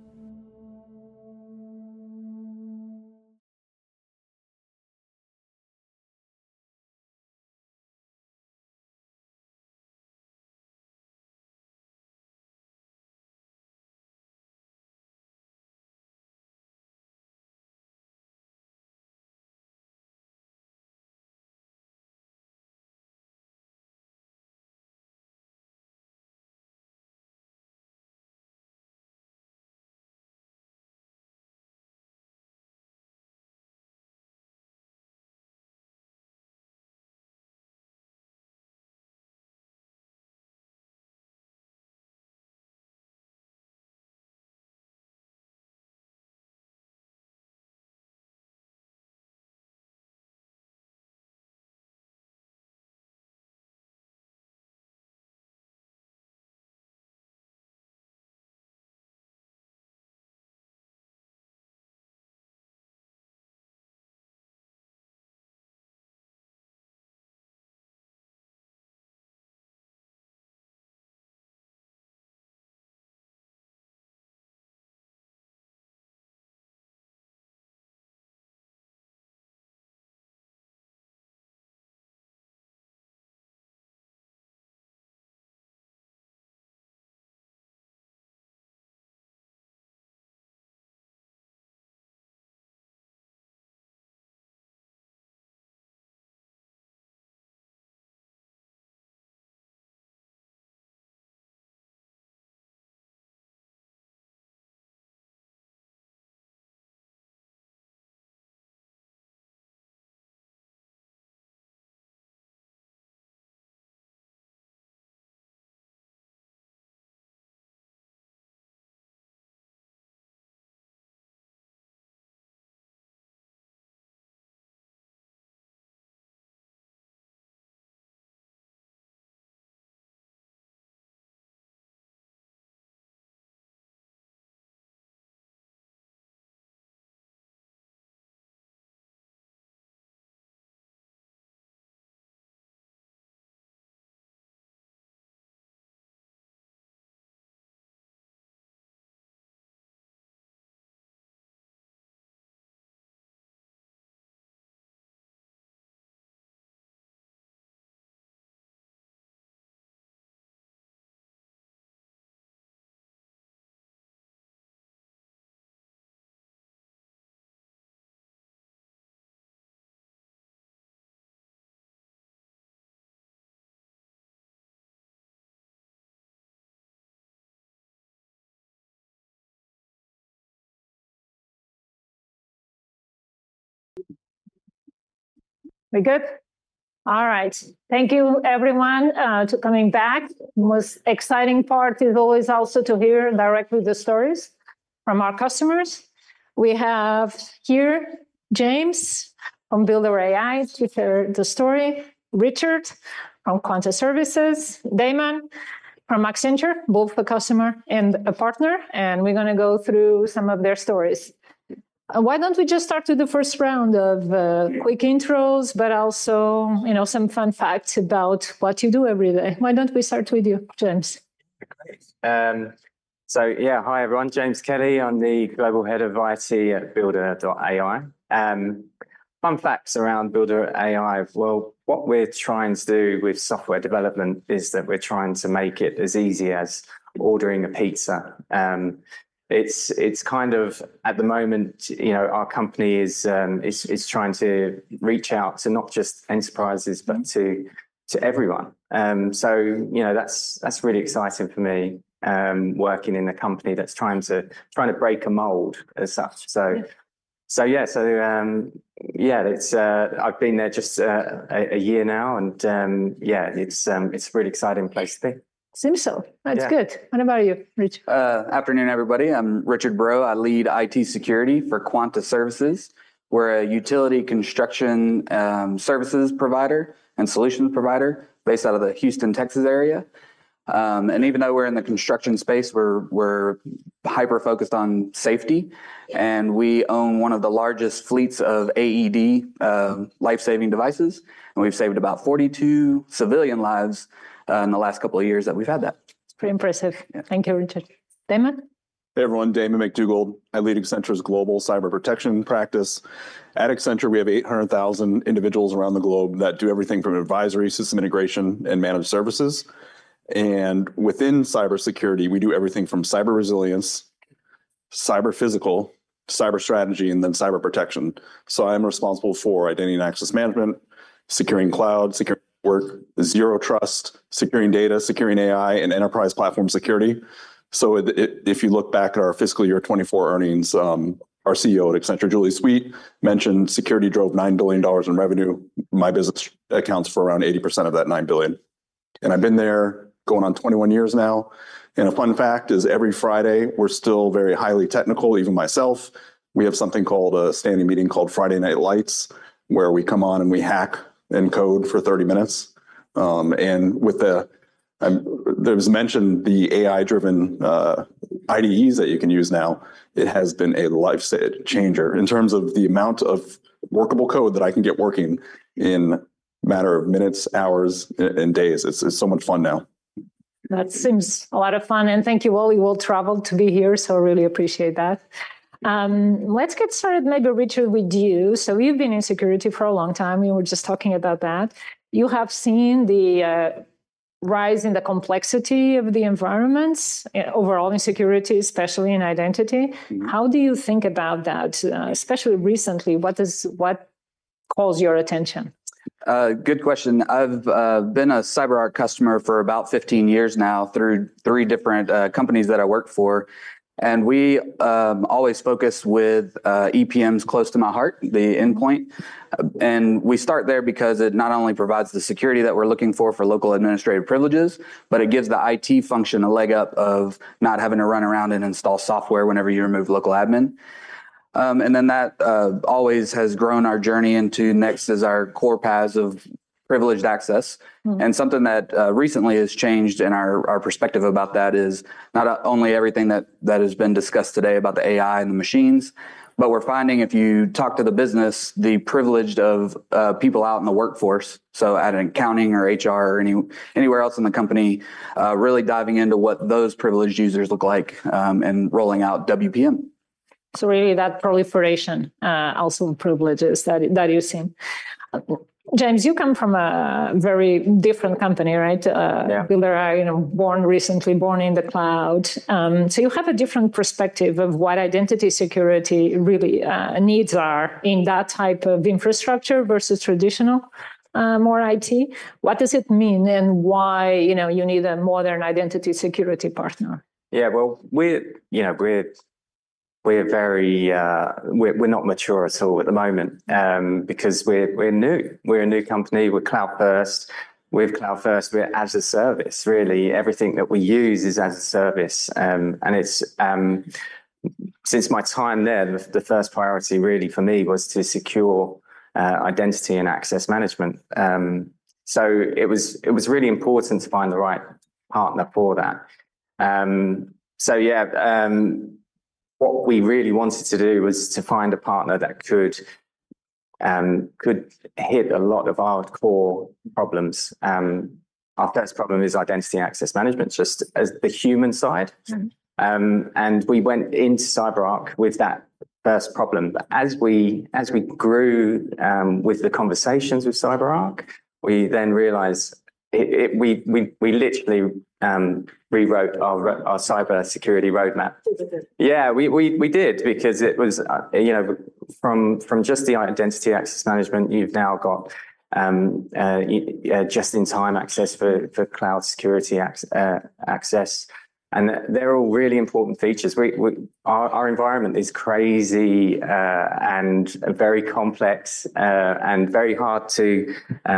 [SPEAKER 8] We're good? All right. Thank you, everyone, for coming back. The most exciting part is always also to hear directly the stories from our customers. We have here James from Builder.ai to share the story, Richard from Quanta Services, Damon from Accenture, both a customer and a partner. We're going to go through some of their stories. Why don't we just start with the first round of quick intros, but also, you know, some fun facts about what you do every day? Why don't we start with you, James? Great.
[SPEAKER 9] So, yeah, hi, everyone. James Kelly, I'm the Global Head of IT at Builder.ai. Fun facts around Builder.ai. Well, what we're trying to do with software development is that we're trying to make it as easy as ordering a pizza. It's kind of, at the moment, you know, our company is trying to reach out to not just enterprises, but to everyone. So, you know, that's really exciting for me, working in a company that's trying to break a mold as such. So, yeah, so, yeah, it's. I've been there just a year now, and yeah, it's a really exciting place to be.
[SPEAKER 8] Seems so. That's good. What about you, Richard?
[SPEAKER 10] Afternoon, everybody. I'm Richard Boro. I lead IT security for Quanta Services. We're a utility construction services provider and solutions provider based out of the Houston, Texas area. And even though we're in the construction space, we're hyper-focused on safety. And we own one of the largest fleets of AED, life-saving devices. And we've saved about 42 civilian lives in the last couple of years that we've had that.
[SPEAKER 8] It's pretty impressive. Thank you, Richard. Damon?
[SPEAKER 11] Hey, everyone. Damon McDougald. I lead Accenture's global cyber protection practice. At Accenture, we have 800,000 individuals around the globe that do everything from advisory system integration and managed services. And within cybersecurity, we do everything from cyber resilience, cyber physical, cyber strategy, and then cyber protection. So I'm responsible for identity and access management, securing cloud, securing work, zero trust, securing data, securing AI, and enterprise platform security. So if you look back at our fiscal year 2024 earnings, our CEO at Accenture, Julie Sweet, mentioned security drove $9 billion in revenue. My business accounts for around 80% of that $9 billion. And I've been there going on 21 years now. And a fun fact is every Friday, we're still very highly technical, even myself. We have something called a standing meeting called Friday Night Lights, where we come on and we hack and code for 30 minutes. And with the AI-driven IDEs that you can use now. It has been a life-saving changer in terms of the amount of workable code that I can get working in a matter of minutes, hours, and days. It's so much fun now.
[SPEAKER 8] That seems a lot of fun. And thank you all. We will travel to be here, so I really appreciate that. Let's get started, maybe, Richard, with you. So you've been in security for a long time. We were just talking about that. You have seen the rise in the complexity of the environments overall in security, especially in identity. How do you think about that, especially recently? What calls your attention?
[SPEAKER 10] Good question. I've been a CyberArk customer for about 15 years now through three different companies that I work for. We always focus with EPMs close to my heart, the endpoint. We start there because it not only provides the security that we're looking for for local administrative privileges, but it gives the IT function a leg up of not having to run around and install software whenever you remove local admin. Then that always has grown our journey into next is our core PAMs of privileged access. And something that recently has changed in our perspective about that is not only everything that has been discussed today about the AI and the machines, but we're finding if you talk to the business, the privileges of people out in the workforce, so at an accounting or HR or anywhere else in the company, really diving into what those privileged users look like and rolling out WPM.
[SPEAKER 8] So really that proliferation also privileges that you see. James, you come from a very different company, right? Yeah. Builder.ai, born recently, born in the cloud. So you have a different perspective of what identity security really needs are in that type of infrastructure versus traditional, more IT. What does it mean and why you need a modern identity security partner?
[SPEAKER 9] Yeah, well, we're very not mature at all at the moment because we're new. We're a new company. We're cloud-first. With cloud-first, we're as a service. Really, everything that we use is as a service, and since my time there, the first priority really for me was to secure identity and access management, so it was really important to find the right partner for that, so, yeah, what we really wanted to do was to find a partner that could hit a lot of our core problems. Our first problem is identity access management, just as the human side, and we went into CyberArk with that first problem. As we grew with the conversations with CyberArk, we then realized we literally rewrote our cyber security roadmap. Yeah, we did because it was from just the identity access management, you've now got just-in-time access for cloud security access, and they're all really important features. Our environment is crazy and very complex and very hard to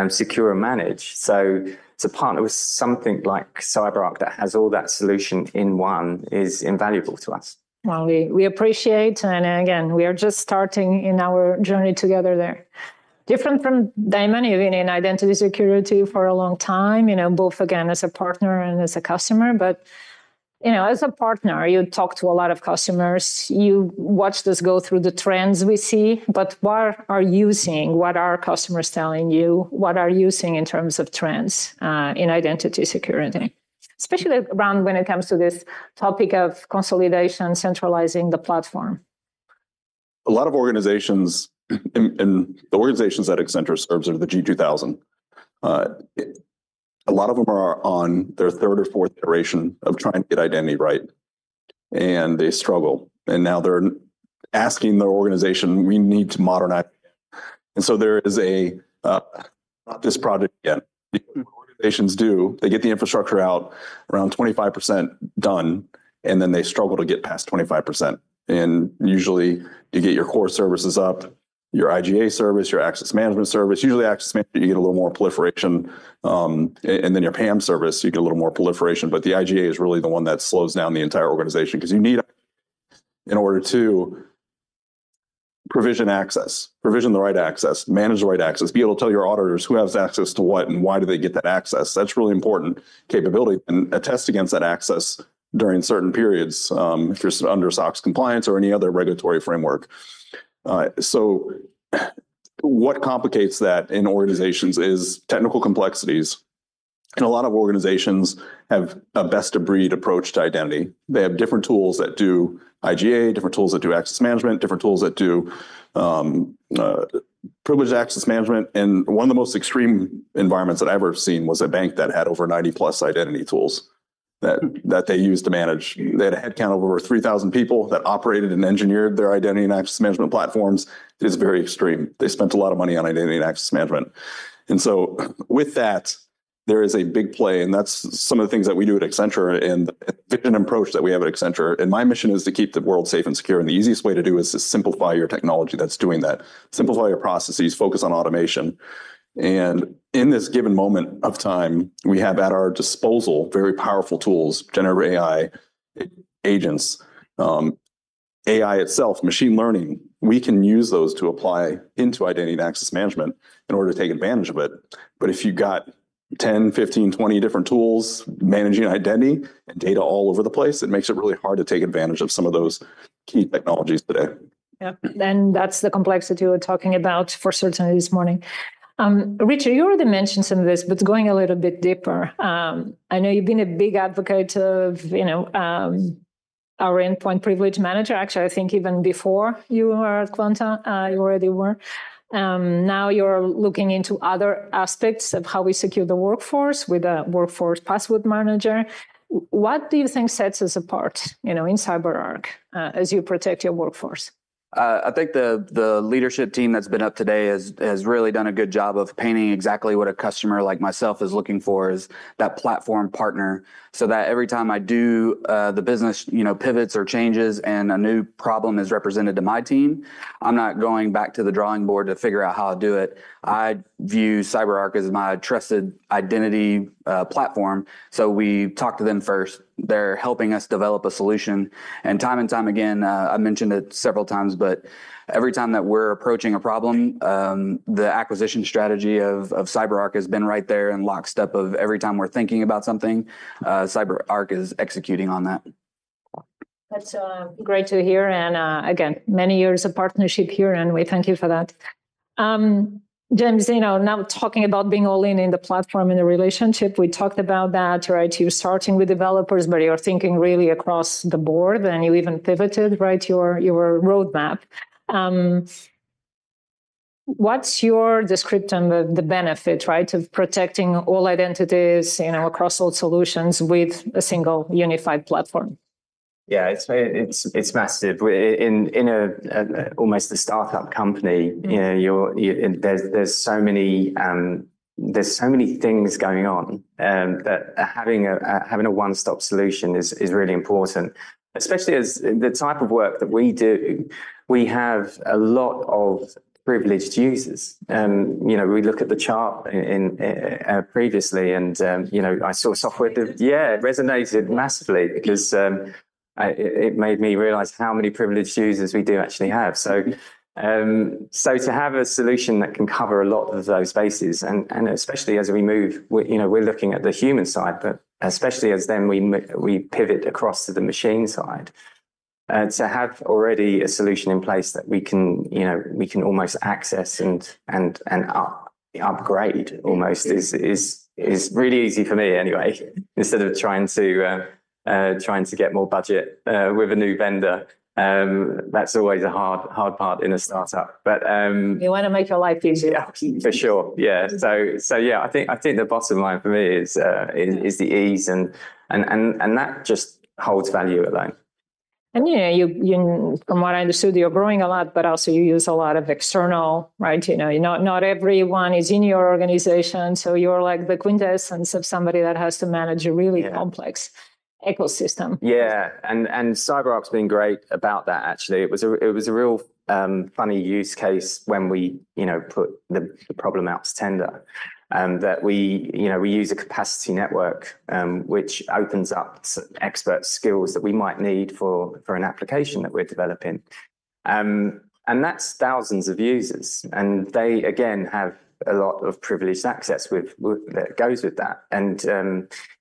[SPEAKER 9] secure and manage. So to partner with something like CyberArk that has all that solution in one is invaluable to us.
[SPEAKER 8] Well, we appreciate. And again, we are just starting in our journey together there. Different from Damon, you've been in identity security for a long time, both again as a partner and as a customer. But as a partner, you talk to a lot of customers. You watched us go through the trends we see. But what are you seeing? What are customers telling you? What are you seeing in terms of trends in identity security, especially around when it comes to this topic of consolidation, centralizing the platform?
[SPEAKER 11] A lot of organizations and the organizations that Accenture serves are the G2000. A lot of them are on their third or fourth iteration of trying to get identity right. And they struggle. Now they're asking their organization, "We need to modernize." And so there is no this project yet. Organizations do, they get the infrastructure out, around 25% done, and then they struggle to get past 25%. And usually, you get your core services up, your IGA service, your access management service. Usually, access management, you get a little more proliferation. And then your PAM service, you get a little more proliferation. But the IGA is really the one that slows down the entire organization because you need, in order to provision access, provision the right access, manage the right access, be able to tell your auditors who has access to what and why do they get that access. That's a really important capability and a test against that access during certain periods if you're under SOX compliance or any other regulatory framework. So what complicates that in organizations is technical complexities. And a lot of organizations have a best-of-breed approach to identity. They have different tools that do IGA, different tools that do access management, different tools that do privileged access management. And one of the most extreme environments that I've ever seen was a bank that had over 90-plus identity tools that they used to manage. They had a headcount of over 3,000 people that operated and engineered their identity and access management platforms. It is very extreme. They spent a lot of money on identity and access management. And so with that, there is a big play. And that's some of the things that we do at Accenture and the vision approach that we have at Accenture. And my mission is to keep the world safe and secure. And the easiest way to do it is to simplify your technology that's doing that. Simplify your processes, focus on automation. And in this given moment of time, we have at our disposal very powerful tools, generative AI agents, AI itself, machine learning. We can use those to apply into identity and access management in order to take advantage of it. But if you've got 10, 15, 20 different tools managing identity and data all over the place, it makes it really hard to take advantage of some of those key technologies today.
[SPEAKER 8] Yeah. And that's the complexity we're talking about for certainly this morning. Richard, you already mentioned some of this, but going a little bit deeper, I know you've been a big advocate of our endpoint privilege manager. Actually, I think even before you were at Quanta, you already were. Now you're looking into other aspects of how we secure the workforce with a Workforce Password Manager. What do you think sets us apart in CyberArk as you protect your workforce?
[SPEAKER 10] I think the leadership team that's been up today has really done a good job of painting exactly what a customer like myself is looking for is that platform partner so that every time I do the business pivots or changes and a new problem is represented to my team, I'm not going back to the drawing board to figure out how to do it. I view CyberArk as my trusted identity platform. So we talk to them first. They're helping us develop a solution. And time and time again, I mentioned it several times, but every time that we're approaching a problem, the acquisition strategy of CyberArk has been right there and in lockstep with every time we're thinking about something, CyberArk is executing on that.
[SPEAKER 8] That's great to hear. And again, many years of partnership here, and we thank you for that. James, now talking about being all in in the platform and the relationship, we talked about that, right? You're starting with developers, but you're thinking really across the board, and you even pivoted, right, your roadmap. What's your description of the benefit of protecting all identities across all solutions with a single unified platform?
[SPEAKER 9] Yeah, it's massive. In almost a startup company, there's so many things going on that having a one-stop solution is really important, especially as the type of work that we do. We have a lot of privileged users. We look at the chart previously, and I saw software that, yeah, resonated massively because it made me realize how many privileged users we do actually have. So to have a solution that can cover a lot of those spaces, and especially as we move, we're looking at the human side, but especially as then we pivot across to the machine side, to have already a solution in place that we can almost access and upgrade almost is really easy for me anyway, instead of trying to get more budget with a new vendor. That's always a hard part in a startup.
[SPEAKER 8] But we want to make your life easier.
[SPEAKER 9] For sure. Yeah. So yeah, I think the bottom line for me is the ease, and that just holds value alone.
[SPEAKER 8] And from what I understood, you're growing a lot, but also you use a lot of external, right? Not everyone is in your organization. So you're like the quintessence of somebody that has to manage a really complex ecosystem.
[SPEAKER 9] Yeah. And CyberArk's been great about that, actually. It was a real funny use case when we put the problem out to tender that we use a capacity network, which opens up expert skills that we might need for an application that we're developing. And that's thousands of users. And they, again, have a lot of privileged access that goes with that. And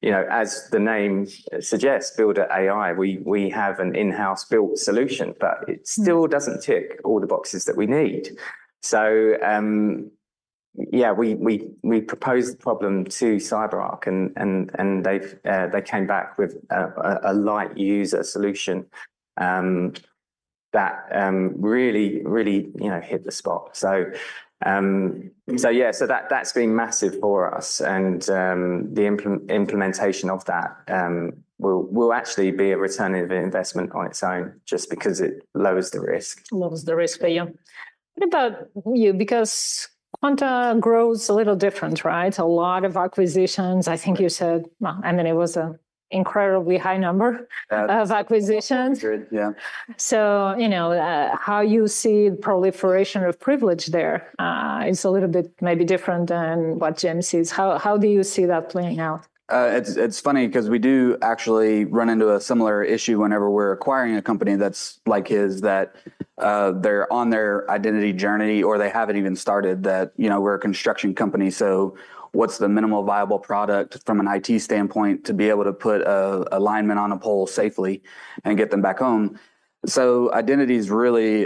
[SPEAKER 9] as the name suggests, Builder.ai, we have an in-house built solution, but it still doesn't tick all the boxes that we need. So yeah, we proposed the problem to CyberArk, and they came back with a light user solution that really hit the spot. So yeah, so that's been massive for us. And the implementation of that will actually be a return on investment on its own just because it lowers the risk.
[SPEAKER 8] Lowers the risk for you. What about you? Because Quanta grows a little different, right? A lot of acquisitions, I think you said. I mean, it was an incredibly high number of acquisitions. Yeah. So how you see the proliferation of privilege there is a little bit maybe different than what James sees. How do you see that playing out?
[SPEAKER 10] It's funny because we do actually run into a similar issue whenever we're acquiring a company that's like his, that they're on their identity journey or they haven't even started, that we're a construction company. So what's the minimal viable product from an IT standpoint to be able to put a lineman on a pole safely and get them back home? So identity is really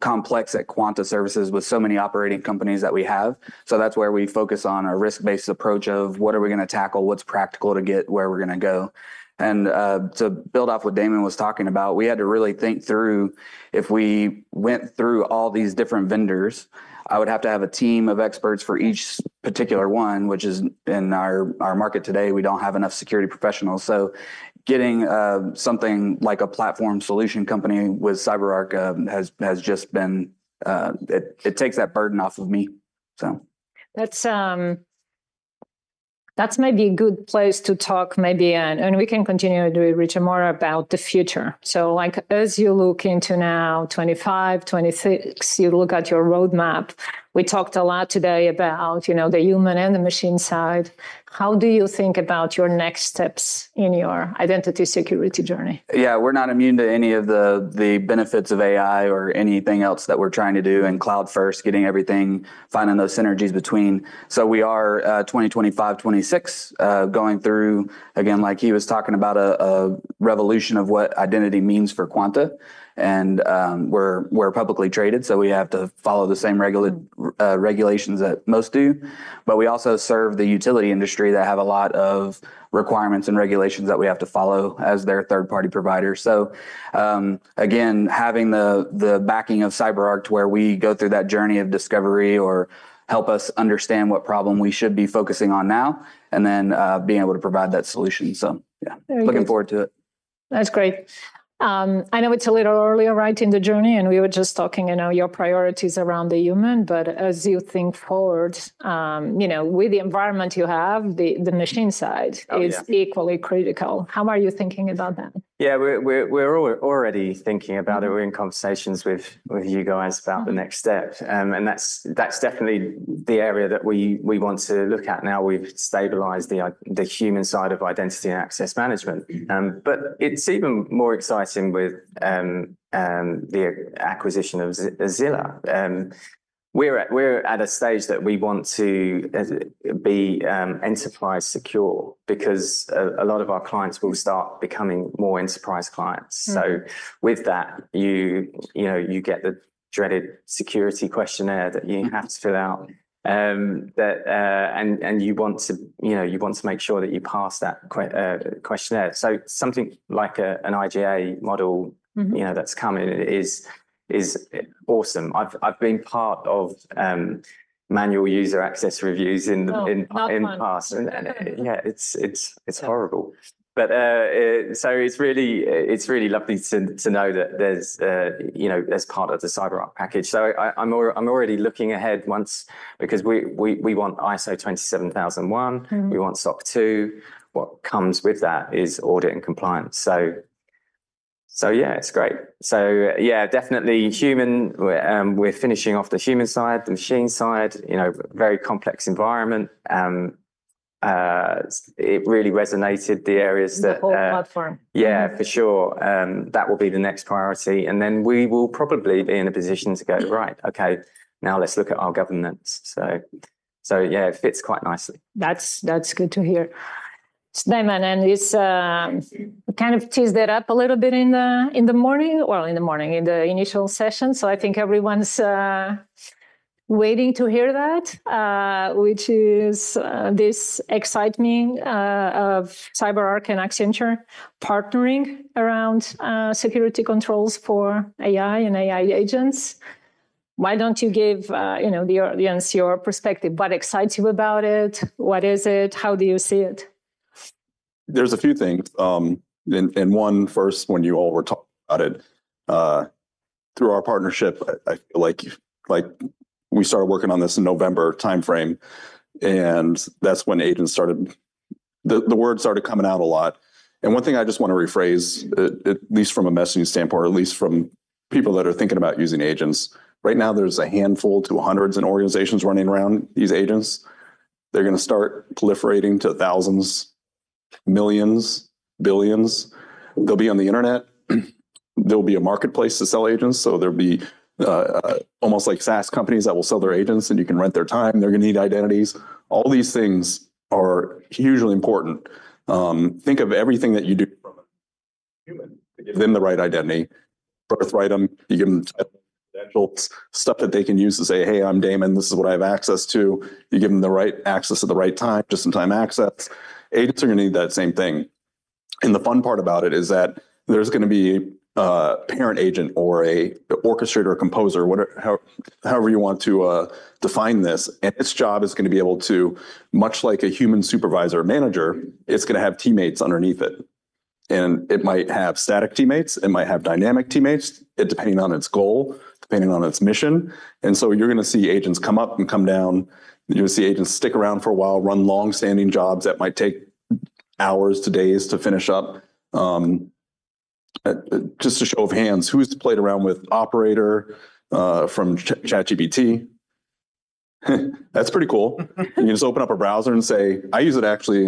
[SPEAKER 10] complex at Quanta Services with so many operating companies that we have. So that's where we focus on a risk-based approach of what are we going to tackle, what's practical to get where we're going to go. And to build off what Damon was talking about, we had to really think through if we went through all these different vendors, I would have to have a team of experts for each particular one, which is, in our market today, we don't have enough security professionals. So getting something like a platform solution company with CyberArk has just been. It takes that burden off of me.
[SPEAKER 8] That's maybe a good place to talk, maybe. And we can continue to research more about the future. So as you look into now, 2025, 2026, you look at your roadmap. We talked a lot today about the human and the machine side. How do you think about your next steps in your identity security journey?
[SPEAKER 10] Yeah, we're not immune to any of the benefits of AI or anything else that we're trying to do in cloud-first, getting everything, finding those synergies between. So we are 2025, 2026, going through, again, like he was talking about, a revolution of what identity means for Quanta. And we're publicly traded, so we have to follow the same regulations that most do. But we also serve the utility industry that have a lot of requirements and regulations that we have to follow as their third-party providers. So again, having the backing of CyberArk to where we go through that journey of discovery or help us understand what problem we should be focusing on now and then being able to provide that solution.
[SPEAKER 8] So yeah, looking forward to it. That's great. I know it's a little earlier, right, in the journey, and we were just talking about your priorities around the human. But as you think forward, with the environment you have, the machine side is equally critical. How are you thinking about that?
[SPEAKER 10] Yeah, we're already thinking about it. We're in conversations with you guys about the next step. And that's definitely the area that we want to look at now. We've stabilized the human side of identity and access management. But it's even more exciting with the acquisition of Zilla. We're at a stage that we want to be enterprise secure because a lot of our clients will start becoming more enterprise clients. So with that, you get the dreaded security questionnaire that you have to fill out. And you want to make sure that you pass that questionnaire. So something like an IGA model that's coming is awesome. I've been part of manual user access reviews in the past. Yeah, it's horrible. But so it's really lovely to know that there's part of the CyberArk package. So I'm already looking ahead once because we want ISO 27001. We want SOC 2. What comes with that is audit and compliance. So yeah, it's great. So yeah, definitely human. We're finishing off the human side, the machine side, very complex environment. It really resonated the areas that.
[SPEAKER 8] The whole platform.
[SPEAKER 10] Yeah, for sure. That will be the next priority. And then we will probably be in a position to go, "Right, okay, now let's look at our governance." So yeah, it fits quite nicely.
[SPEAKER 8] That's good to hear. Damon, and it's kind of teed it up a little bit in the morning, well, in the morning, in the initial session. So I think everyone's waiting to hear that, which is this excitement of CyberArk and Accenture partnering around security controls for AI and AI agents. Why don't you give the audience your perspective? What excites you about it? What is it? How do you see it?
[SPEAKER 11] There's a few things. And one, first, when you all were talking about it, through our partnership, I feel like we started working on this in November timeframe. And that's when the word "agents" started coming out a lot. And one thing I just want to rephrase, at least from a messaging standpoint, or at least from people that are thinking about using agents, right now there's a handful to hundreds in organizations running around these agents. They're going to start proliferating to thousands, millions, billions. They'll be on the internet. There'll be a marketplace to sell agents. There'll be almost like SaaS companies that will sell their agents, and you can rent their time. They're going to need identities. All these things are hugely important. Think of everything that you do from a human to give them the right identity, birthright them, you give them stuff that they can use to say, "Hey, I'm Damon. This is what I have access to." You give them the right access at the right time, just-in-time access. Agents are going to need that same thing. The fun part about it is that there's going to be a parent agent or an orchestrator or composer, however you want to define this. Its job is going to be able to, much like a human supervisor or manager, it's going to have teammates underneath it. It might have static teammates. It might have dynamic teammates, depending on its goal, depending on its mission, and so you're going to see agents come up and come down. You're going to see agents stick around for a while, run long-standing jobs that might take hours to days to finish up. Just a show of hands, who's played around with Operator from ChatGPT? That's pretty cool. You can just open up a browser and say, "I use it to actually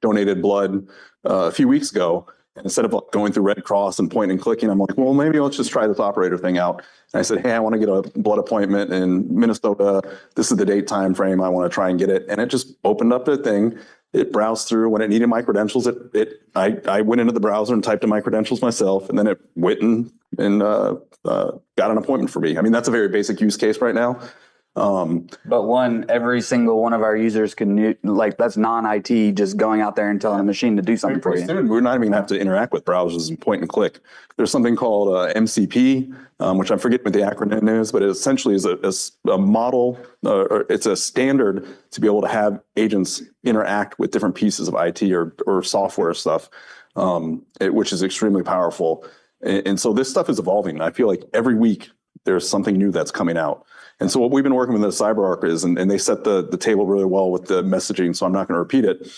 [SPEAKER 11] donate blood a few weeks ago," and instead of going through Red Cross and point and clicking, I'm like, "Well, maybe let's just try this Operator thing out," and I said, "Hey, I want to get a blood appointment in Minnesota. This is the date timeframe. I want to try and get it." And it just opened up the thing. It browsed through when it needed my credentials. I went into the browser and typed in my credentials myself, and then it went and got an appointment for me. I mean, that's a very basic use case right now. But one, every single one of our users can that's non-IT just going out there and telling a machine to do something for you. We're not even going to have to interact with browsers and point and click. There's something called MCP, which I'm forgetting what the acronym is, but it essentially is a model or it's a standard to be able to have agents interact with different pieces of IT or software stuff, which is extremely powerful. And so this stuff is evolving. And I feel like every week there's something new that's coming out. And so what we've been working with CyberArk is, and they set the table really well with the messaging, so I'm not going to repeat it,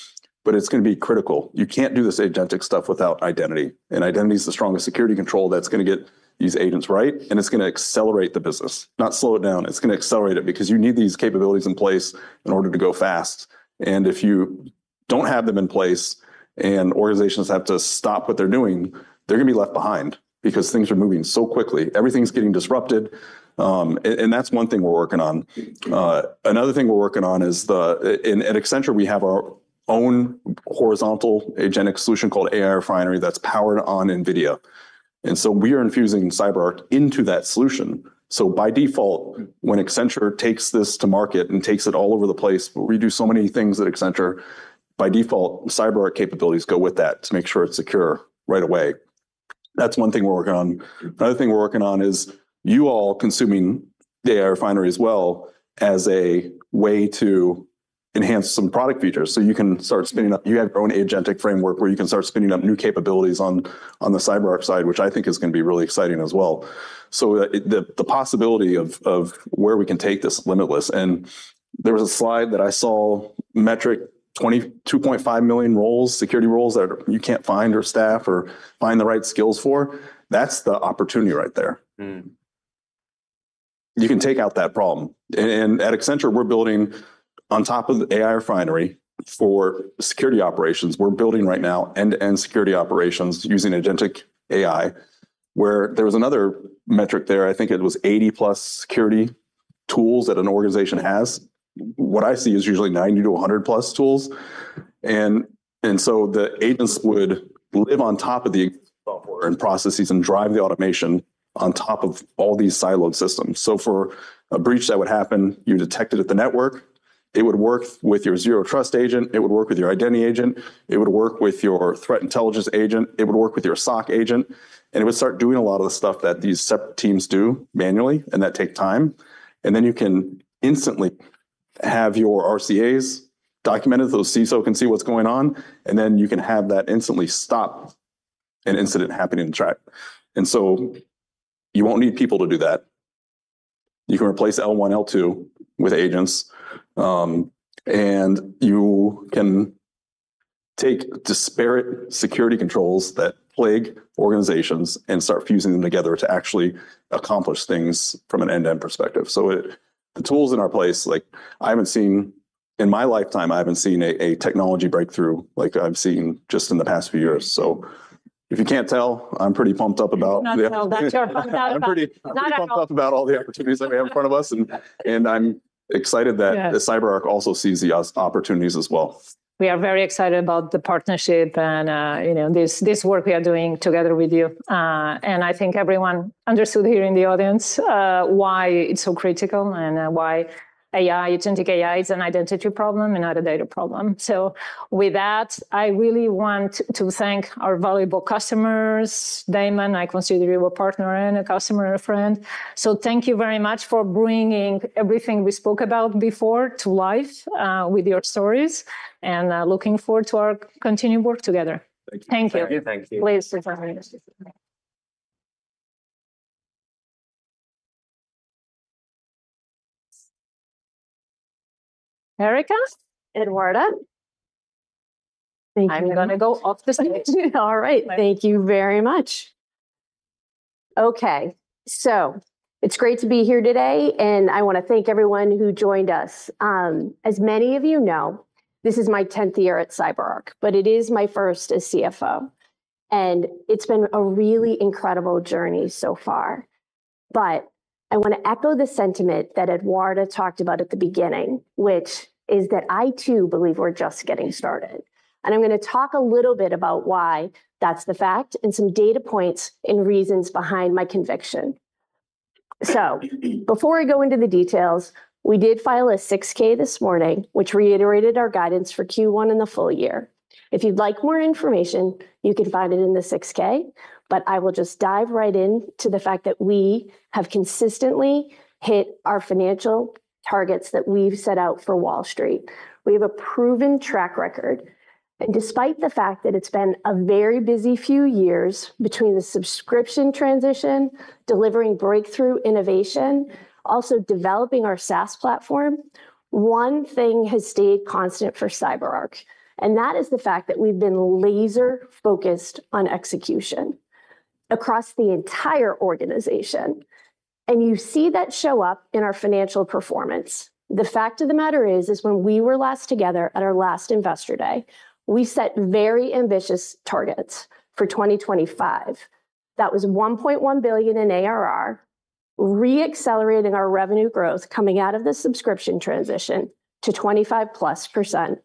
[SPEAKER 11] but it's going to be critical. You can't do this agentic stuff without identity. And identity is the strongest security control that's going to get these agents right, and it's going to accelerate the business, not slow it down. It's going to accelerate it because you need these capabilities in place in order to go fast. And if you don't have them in place and organizations have to stop what they're doing, they're going to be left behind because things are moving so quickly. Everything's getting disrupted. And that's one thing we're working on. Another thing we're working on is, in Accenture, we have our own horizontal agentic solution called AI Refinery that's powered by NVIDIA. And so we are infusing CyberArk into that solution. So by default, when Accenture takes this to market and takes it all over the place, we do so many things at Accenture, by default, CyberArk capabilities go with that to make sure it's secure right away. That's one thing we're working on. Another thing we're working on is you all consuming AI Refinery as well as a way to enhance some product features. So you can start spinning up you have your own agentic framework where you can start spinning up new capabilities on the CyberArk side, which I think is going to be really exciting as well. So the possibility of where we can take this limitless. And there was a slide that I saw, metric 22.5 million roles, security roles that you can't find or staff or find the right skills for. That's the opportunity right there. You can take out that problem, and at Accenture, we're building on top of AI Refinery for security operations. We're building right now end-to-end security operations using agentic AI, where there was another metric there. I think it was 80-plus security tools that an organization has. What I see is usually 90 to 100-plus tools, and so the agents would live on top of the software and processes and drive the automation on top of all these siloed systems. For a breach that would happen, you detect it at the network. It would work with your zero trust agent. It would work with your identity agent. It would work with your threat intelligence agent. It would work with your SOC agent, and it would start doing a lot of the stuff that these separate teams do manually, and that takes time. Then you can instantly have your RCAs documented so the CISO can see what's going on. Then you can have that instantly stop an incident happening in the act. So you won't need people to do that. You can replace L1, L2 with agents. You can take disparate security controls that plague organizations and start fusing them together to actually accomplish things from an end-to-end perspective. The tools we have in place, like I haven't seen in my lifetime. I haven't seen a technology breakthrough like I've seen just in the past few years. If you can't tell, I'm pretty pumped up about it.
[SPEAKER 8] Not at all. Not at all.
[SPEAKER 11] I'm pretty pumped up about all the opportunities that we have in front of us. I'm excited that CyberArk also sees the opportunities as well.
[SPEAKER 8] We are very excited about the partnership and this work we are doing together with you. And I think everyone understood here in the audience why it's so critical and why AI, agentic AI, is an identity problem and not a data problem. So with that, I really want to thank our valuable customers, Damon, a considerable partner and a customer and a friend. So thank you very much for bringing everything we spoke about before to life with your stories. And looking forward to our continued work together.
[SPEAKER 11] Thank you.
[SPEAKER 8] Thank you.
[SPEAKER 2] Thank you.
[SPEAKER 8] Please, please. Erica?
[SPEAKER 12] Eduarda. Thank you.
[SPEAKER 8] I'm going to go off the stage.
[SPEAKER 12] All right. Thank you very much. Okay. So it's great to be here today. And I want to thank everyone who joined us. As many of you know, this is my 10th year at CyberArk, but it is my first as CFO. And it's been a really incredible journey so far. But I want to echo the sentiment that Eduarda talked about at the beginning, which is that I, too, believe we're just getting started. And I'm going to talk a little bit about why that's the fact and some data points and reasons behind my conviction. So before I go into the details, we did file a 6-K this morning, which reiterated our guidance for Q1 in the full year. If you'd like more information, you can find it in the 6-K. But I will just dive right into the fact that we have consistently hit our financial targets that we've set out for Wall Street. We have a proven track record. Despite the fact that it's been a very busy few years between the subscription transition, delivering breakthrough innovation, also developing our SaaS platform, one thing has stayed constant for CyberArk. That is the fact that we've been laser-focused on execution across the entire organization. You see that show up in our financial performance. The fact of the matter is, when we were last together at our last investor day, we set very ambitious targets for 2025. That was $1.1 billion in ARR, re-accelerating our revenue growth coming out of the subscription transition to 25%+,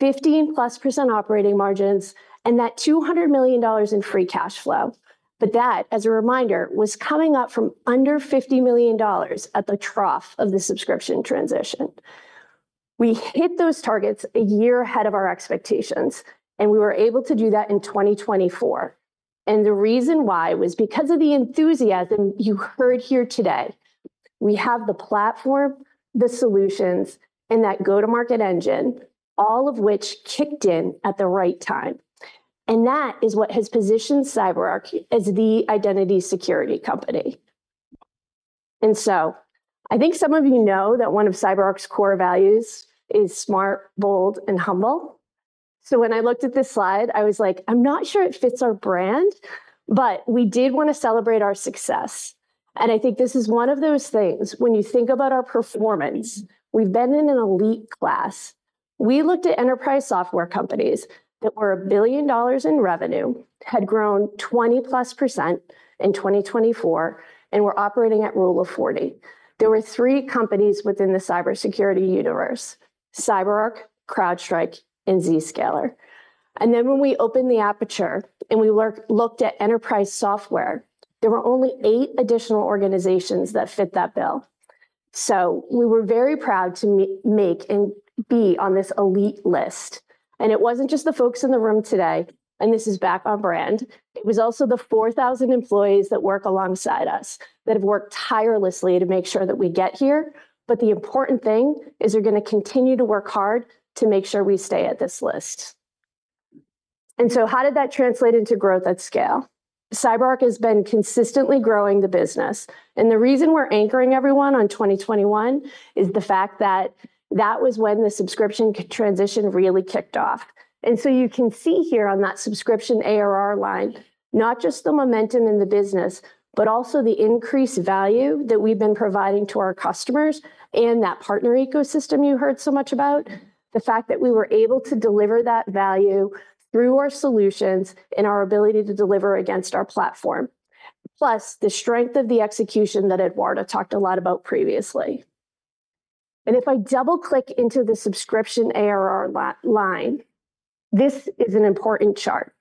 [SPEAKER 12] 15%+ operating margins, and that $200 million in free cash flow. That, as a reminder, was coming up from under $50 million at the trough of the subscription transition. We hit those targets a year ahead of our expectations, and we were able to do that in 2024. The reason why was because of the enthusiasm you heard here today. We have the platform, the solutions, and that go-to-market engine, all of which kicked in at the right time. That is what has positioned CyberArk as the identity security company. So I think some of you know that one of CyberArk's core values is smart, bold, and humble. When I looked at this slide, I was like, "I'm not sure it fits our brand, but we did want to celebrate our success." I think this is one of those things when you think about our performance; we've been in an elite class. We looked at enterprise software companies that were $1 billion in revenue, had grown 20+% in 2024, and were operating at Rule of 40. There were three companies within the cybersecurity universe: CyberArk, CrowdStrike, and Zscaler. And then when we opened the aperture and we looked at enterprise software, there were only eight additional organizations that fit that bill. So we were very proud to make and be on this elite list. And it wasn't just the folks in the room today, and this is back on brand. It was also the 4,000 employees that work alongside us that have worked tirelessly to make sure that we get here. But the important thing is they're going to continue to work hard to make sure we stay at this list. And so how did that translate into growth at scale? CyberArk has been consistently growing the business. And the reason we're anchoring everyone on 2021 is the fact that that was when the subscription transition really kicked off. And so you can see here on that subscription ARR line, not just the momentum in the business, but also the increased value that we've been providing to our customers and that partner ecosystem you heard so much about, the fact that we were able to deliver that value through our solutions and our ability to deliver against our platform, plus the strength of the execution that Eduarda talked a lot about previously. And if I double-click into the subscription ARR line, this is an important chart.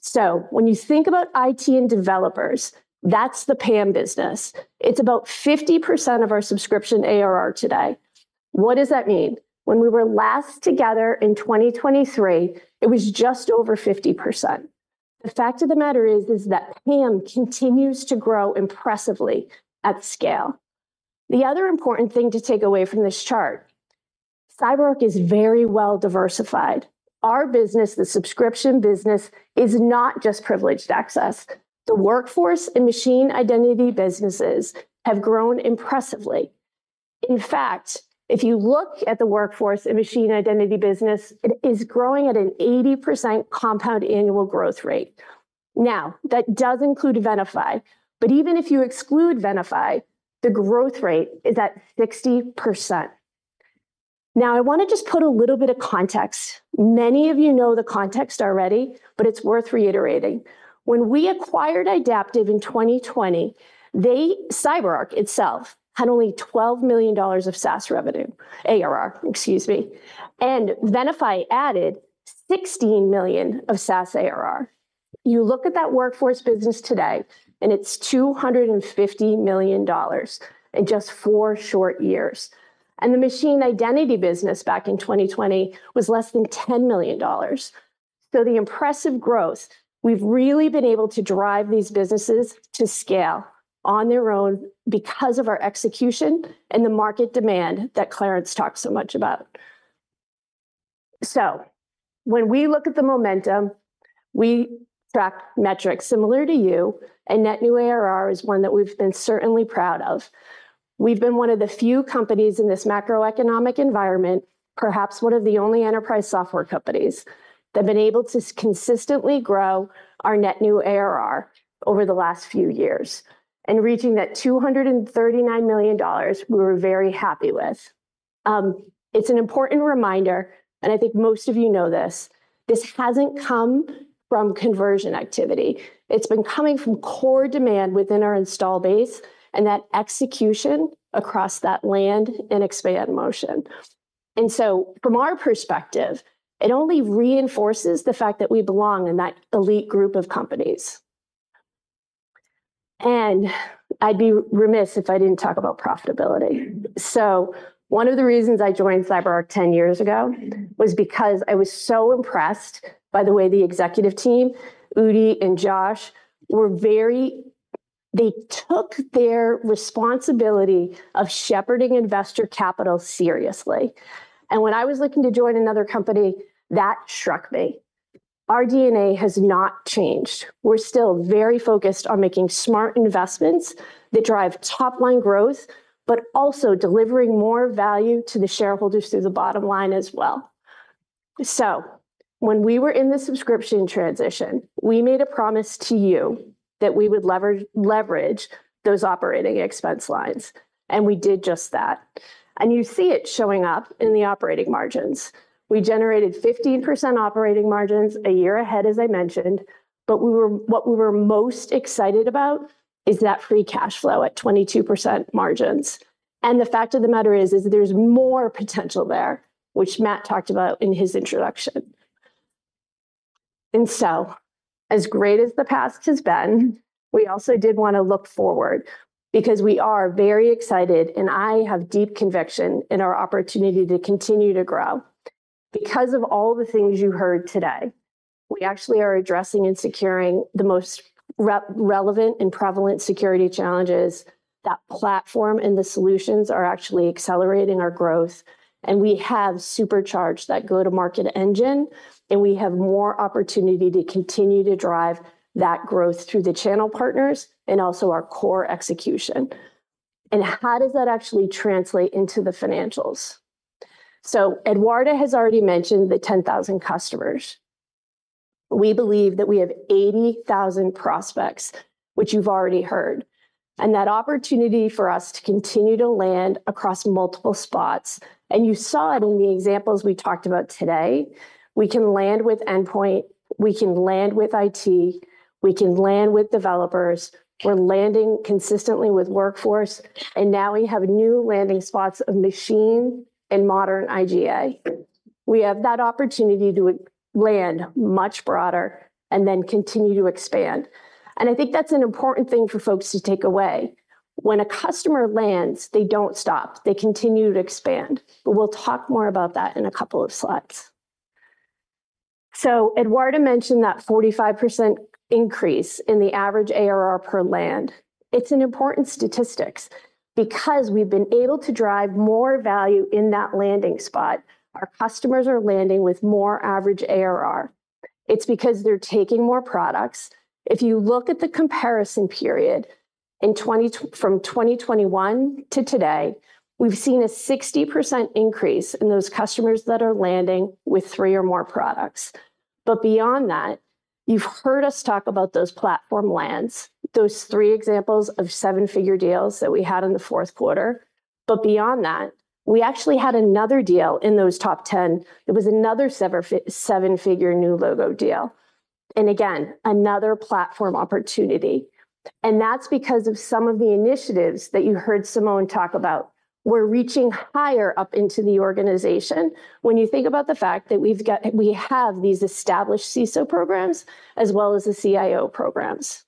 [SPEAKER 12] So when you think about IT and developers, that's the PAM business. It's about 50% of our subscription ARR today. What does that mean? When we were last together in 2023, it was just over 50%. The fact of the matter is that PAM continues to grow impressively at scale. The other important thing to take away from this chart, CyberArk is very well diversified. Our business, the subscription business, is not just privileged access. The workforce and machine identity businesses have grown impressively. In fact, if you look at the workforce and machine identity business, it is growing at an 80% compound annual growth rate. Now, that does include Venafi. But even if you exclude Venafi, the growth rate is at 60%. Now, I want to just put a little bit of context. Many of you know the context already, but it's worth reiterating. When we acquired Idaptive in 2020, CyberArk itself had only $12 million of SaaS revenue, ARR, excuse me, and Venafi added $16 million of SaaS ARR. You look at that workforce business today, and it's $250 million in just four short years, and the machine identity business back in 2020 was less than $10 million. So the impressive growth, we've really been able to drive these businesses to scale on their own because of our execution and the market demand that Clarence talked so much about. So when we look at the momentum, we track metrics similar to you, and net new ARR is one that we've been certainly proud of. We've been one of the few companies in this macroeconomic environment, perhaps one of the only enterprise software companies, that have been able to consistently grow our net new ARR over the last few years. And reaching that $239 million, we were very happy with. It's an important reminder, and I think most of you know this, this hasn't come from conversion activity. It's been coming from core demand within our install base and that execution across that land and expand motion. And so from our perspective, it only reinforces the fact that we belong in that elite group of companies. And I'd be remiss if I didn't talk about profitability. So one of the reasons I joined CyberArk 10 years ago was because I was so impressed by the way the executive team, Udi, and Josh took their responsibility of shepherding investor capital seriously. And when I was looking to join another company, that struck me. Our DNA has not changed. We're still very focused on making smart investments that drive top-line growth, but also delivering more value to the shareholders through the bottom line as well. So when we were in the subscription transition, we made a promise to you that we would leverage those operating expense lines. And we did just that. And you see it showing up in the operating margins. We generated 15% operating margins a year ahead, as I mentioned. But what we were most excited about is that free cash flow at 22% margins. And the fact of the matter is that there's more potential there, which Matt talked about in his introduction. And so as great as the past has been, we also did want to look forward because we are very excited, and I have deep conviction in our opportunity to continue to grow. Because of all the things you heard today, we actually are addressing and securing the most relevant and prevalent security challenges that platform and the solutions are actually accelerating our growth. And we have supercharged that go-to-market engine, and we have more opportunity to continue to drive that growth through the channel partners and also our core execution. And how does that actually translate into the financials? So Eduarda has already mentioned the 10,000 customers. We believe that we have 80,000 prospects, which you've already heard. And that opportunity for us to continue to land across multiple spots, and you saw it in the examples we talked about today, we can land with Endpoint, we can land with IT, we can land with developers. We're landing consistently with workforce, and now we have new landing spots of machine and modern IGA. We have that opportunity to land much broader and then continue to expand. And I think that's an important thing for folks to take away. When a customer lands, they don't stop. They continue to expand. But we'll talk more about that in a couple of slides. So Eduarda mentioned that 45% increase in the average ARR per land. It's an important statistic because we've been able to drive more value in that landing spot. Our customers are landing with more average ARR. It's because they're taking more products. If you look at the comparison period from 2021 to today, we've seen a 60% increase in those customers that are landing with three or more products. But beyond that, you've heard us talk about those platform lands, those three examples of seven-figure deals that we had in the fourth quarter. But beyond that, we actually had another deal in those top 10. It was another seven-figure new logo deal. And again, another platform opportunity. And that's because of some of the initiatives that you heard Simon talk about. We're reaching higher up into the organization when you think about the fact that we have these established CISO programs as well as the CIO programs.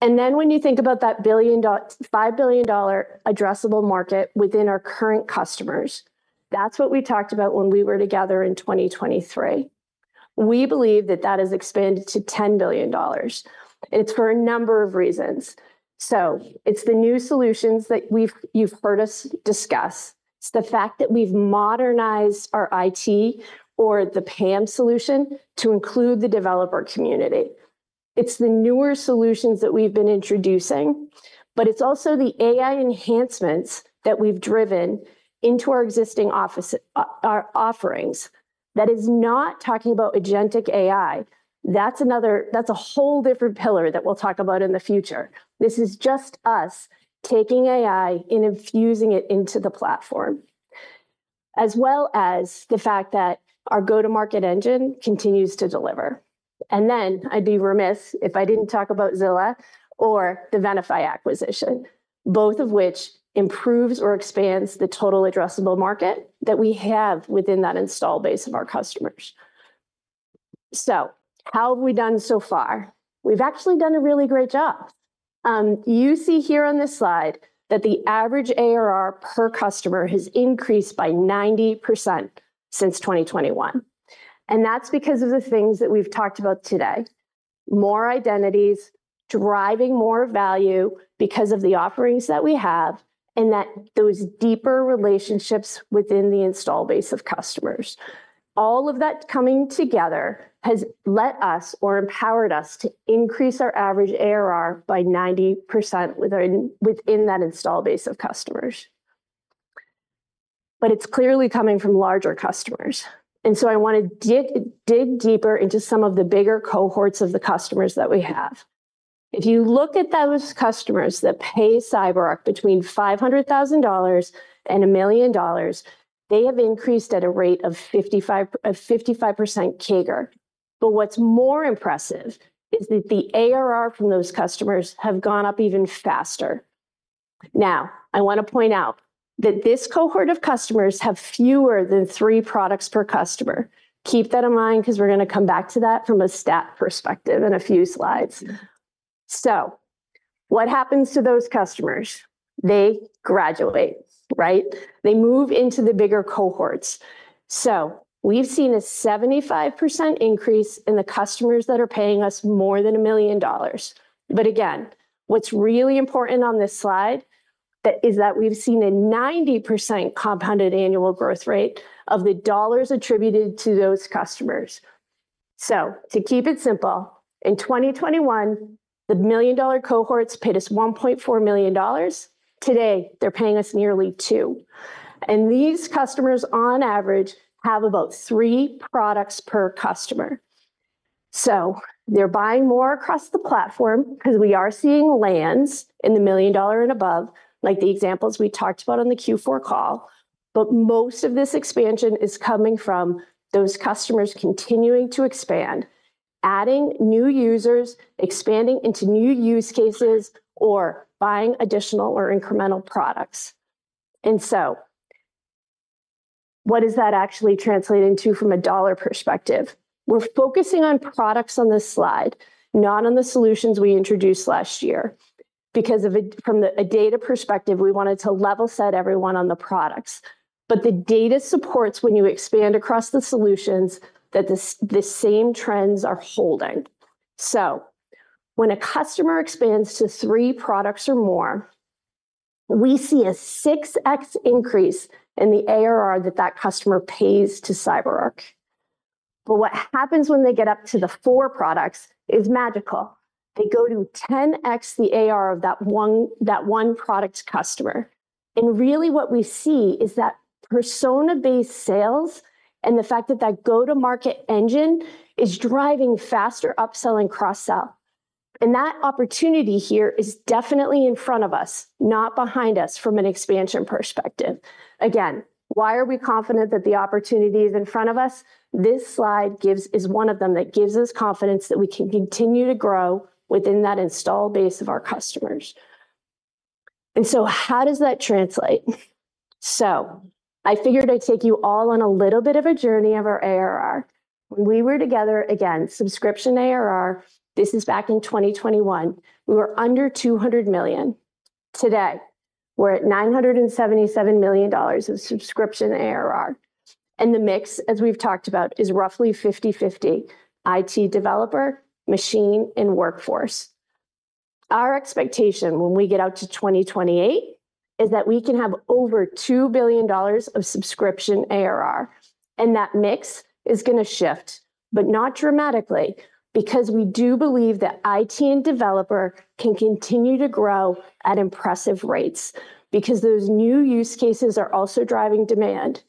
[SPEAKER 12] And then when you think about that $5 billion addressable market within our current customers, that's what we talked about when we were together in 2023. We believe that that has expanded to $10 billion. And it's for a number of reasons. So it's the new solutions that you've heard us discuss. It's the fact that we've modernized our IT or the PAM solution to include the developer community. It's the newer solutions that we've been introducing, but it's also the AI enhancements that we've driven into our existing offerings. That is not talking about agentic AI. That's a whole different pillar that we'll talk about in the future. This is just us taking AI and infusing it into the platform, as well as the fact that our go-to-market engine continues to deliver. And then I'd be remiss if I didn't talk about Zilla or the Venafi acquisition, both of which improves or expands the total addressable market that we have within that install base of our customers. So how have we done so far? We've actually done a really great job. You see here on this slide that the average ARR per customer has increased by 90% since 2021. And that's because of the things that we've talked about today: more identities, driving more value because of the offerings that we have, and those deeper relationships within the install base of customers. All of that coming together has let us or empowered us to increase our average ARR by 90% within that install base of customers. But it's clearly coming from larger customers. And so I want to dig deeper into some of the bigger cohorts of the customers that we have. If you look at those customers that pay CyberArk between $500,000 and a million dollars, they have increased at a rate of 55% CAGR. But what's more impressive is that the ARR from those customers have gone up even faster. Now, I want to point out that this cohort of customers have fewer than three products per customer. Keep that in mind because we're going to come back to that from a stat perspective in a few slides. So what happens to those customers? They graduate, right? They move into the bigger cohorts. So we've seen a 75% increase in the customers that are paying us more than a million dollars. But again, what's really important on this slide is that we've seen a 90% compounded annual growth rate of the dollars attributed to those customers. So to keep it simple, in 2021, the million-dollar cohorts paid us $1.4 million.
[SPEAKER 2] Today, they're paying us nearly two, and these customers, on average, have about three products per customer, so they're buying more across the platform because we are seeing lands in the $1 million and above, like the examples we talked about on the Q4 call, but most of this expansion is coming from those customers continuing to expand, adding new users, expanding into new use cases, or buying additional or incremental products, and so what does that actually translate into from a dollar perspective? We're focusing on products on this slide, not on the solutions we introduced last year, because from a data perspective, we wanted to level set everyone on the products, but the data supports when you expand across the solutions that the same trends are holding. So when a customer expands to three products or more, we see a 6X increase in the ARR that that customer pays to CyberArk. But what happens when they get up to the four products is magical. They go to 10X the ARR of that one product customer. And really what we see is that persona-based sales and the fact that that go-to-market engine is driving faster upsell and cross-sell. And that opportunity here is definitely in front of us, not behind us from an expansion perspective. Again, why are we confident that the opportunity is in front of us? This slide is one of them that gives us confidence that we can continue to grow within that installed base of our customers. And so how does that translate? So I figured I'd take you all on a little bit of a journey of our ARR. When we were together, again, subscription ARR, this is back in 2021, we were under $200 million. Today, we're at $977 million of subscription ARR. And the mix, as we've talked about, is roughly 50/50: IT developer, machine, and workforce. Our expectation when we get out to 2028 is that we can have over $2 billion of subscription ARR. And that mix is going to shift, but not dramatically, because we do believe that IT and developer can continue to grow at impressive rates because those new use cases are also driving demand.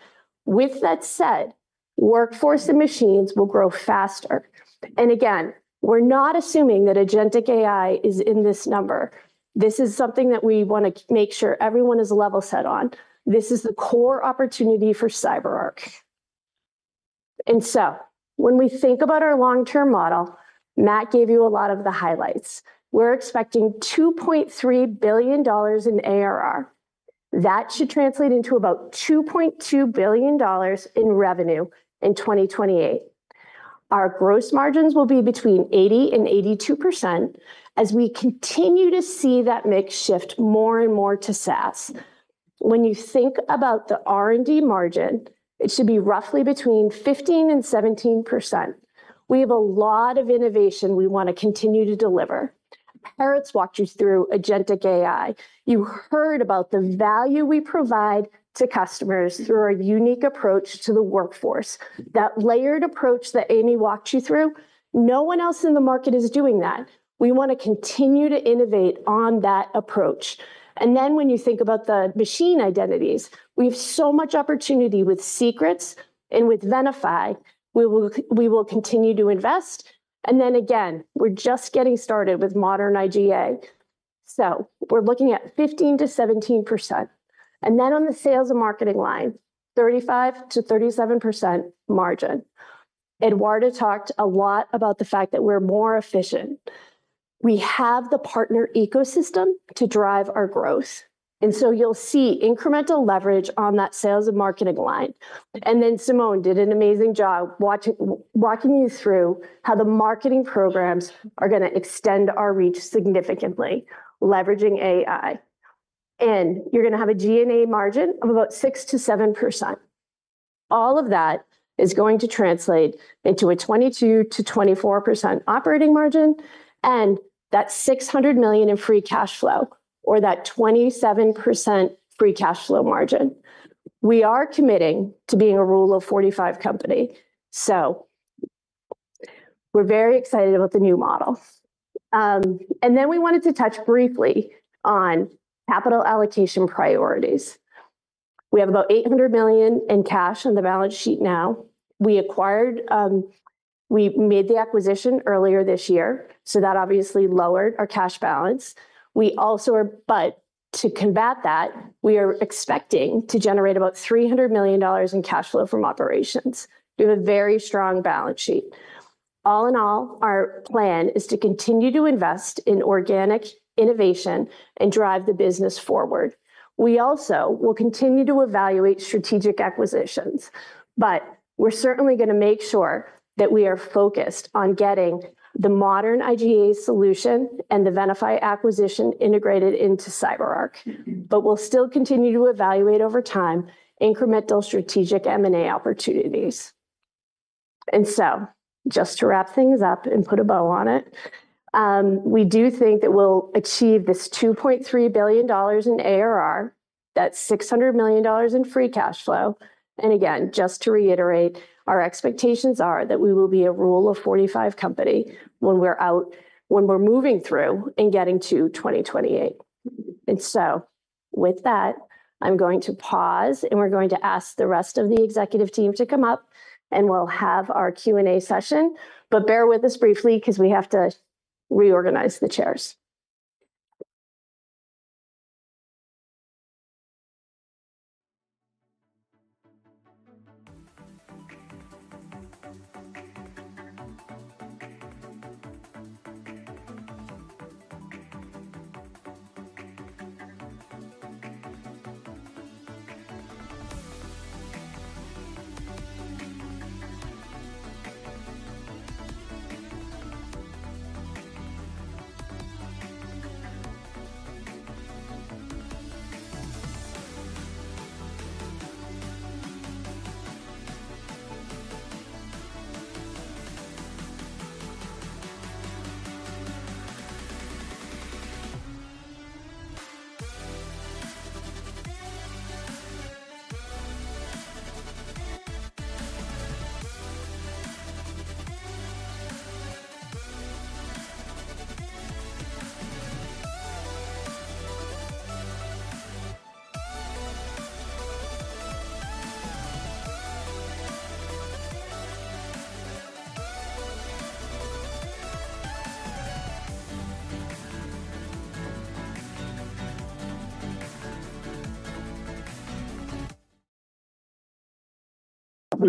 [SPEAKER 2] With that said, workforce and machines will grow faster. And again, we're not assuming that agentic AI is in this number. This is something that we want to make sure everyone is level set on. This is the core opportunity for CyberArk. And so when we think about our long-term model, Matt gave you a lot of the highlights. We're expecting $2.3 billion in ARR. That should translate into about $2.2 billion in revenue in 2028. Our gross margins will be between 80%-82% as we continue to see that mix shift more and more to SaaS. When you think about the R&D margin, it should be roughly between 15%-17%. We have a lot of innovation we want to continue to deliver. Peretz's walked you through agentic AI. You heard about the value we provide to customers through our unique approach to the workforce. That layered approach that Amy walked you through, no one else in the market is doing that. We want to continue to innovate on that approach. And then when you think about the machine identities, we have so much opportunity with Secrets and with Venafi. We will continue to invest. And then again, we're just getting started with modern IGA. So we're looking at 15%-17%. And then on the sales and marketing line, 35%-37% margin. Eduarda talked a lot about the fact that we're more efficient. We have the partner ecosystem to drive our growth. And so you'll see incremental leverage on that sales and marketing line. And then Simon did an amazing job walking you through how the marketing programs are going to extend our reach significantly, leveraging AI. And you're going to have a G&A margin of about 6%-7%. All of that is going to translate into a 22%-24% operating margin and that $600 million in free cash flow or that 27% free cash flow margin. We are committing to being a rule of 45 company. So we're very excited about the new model. Then we wanted to touch briefly on capital allocation priorities. We have about $800 million in cash on the balance sheet now. We made the acquisition earlier this year, so that obviously lowered our cash balance. But to combat that, we are expecting to generate about $300 million in cash flow from operations. We have a very strong balance sheet. All in all, our plan is to continue to invest in organic innovation and drive the business forward. We also will continue to evaluate strategic acquisitions, but we're certainly going to make sure that we are focused on getting the modern IGA solution and the Venafi acquisition integrated into CyberArk. But we'll still continue to evaluate over time incremental strategic M&A opportunities. And so just to wrap things up and put a bow on it, we do think that we'll achieve this $2.3 billion in ARR, that's $600 million in free cash flow. And again, just to reiterate, our expectations are that we will be a Rule of 45 company when we're moving through and getting to 2028. And so with that, I'm going to pause and we're going to ask the rest of the executive team to come up and we'll have our Q&A session. But bear with us briefly because we have to reorganize the chairs.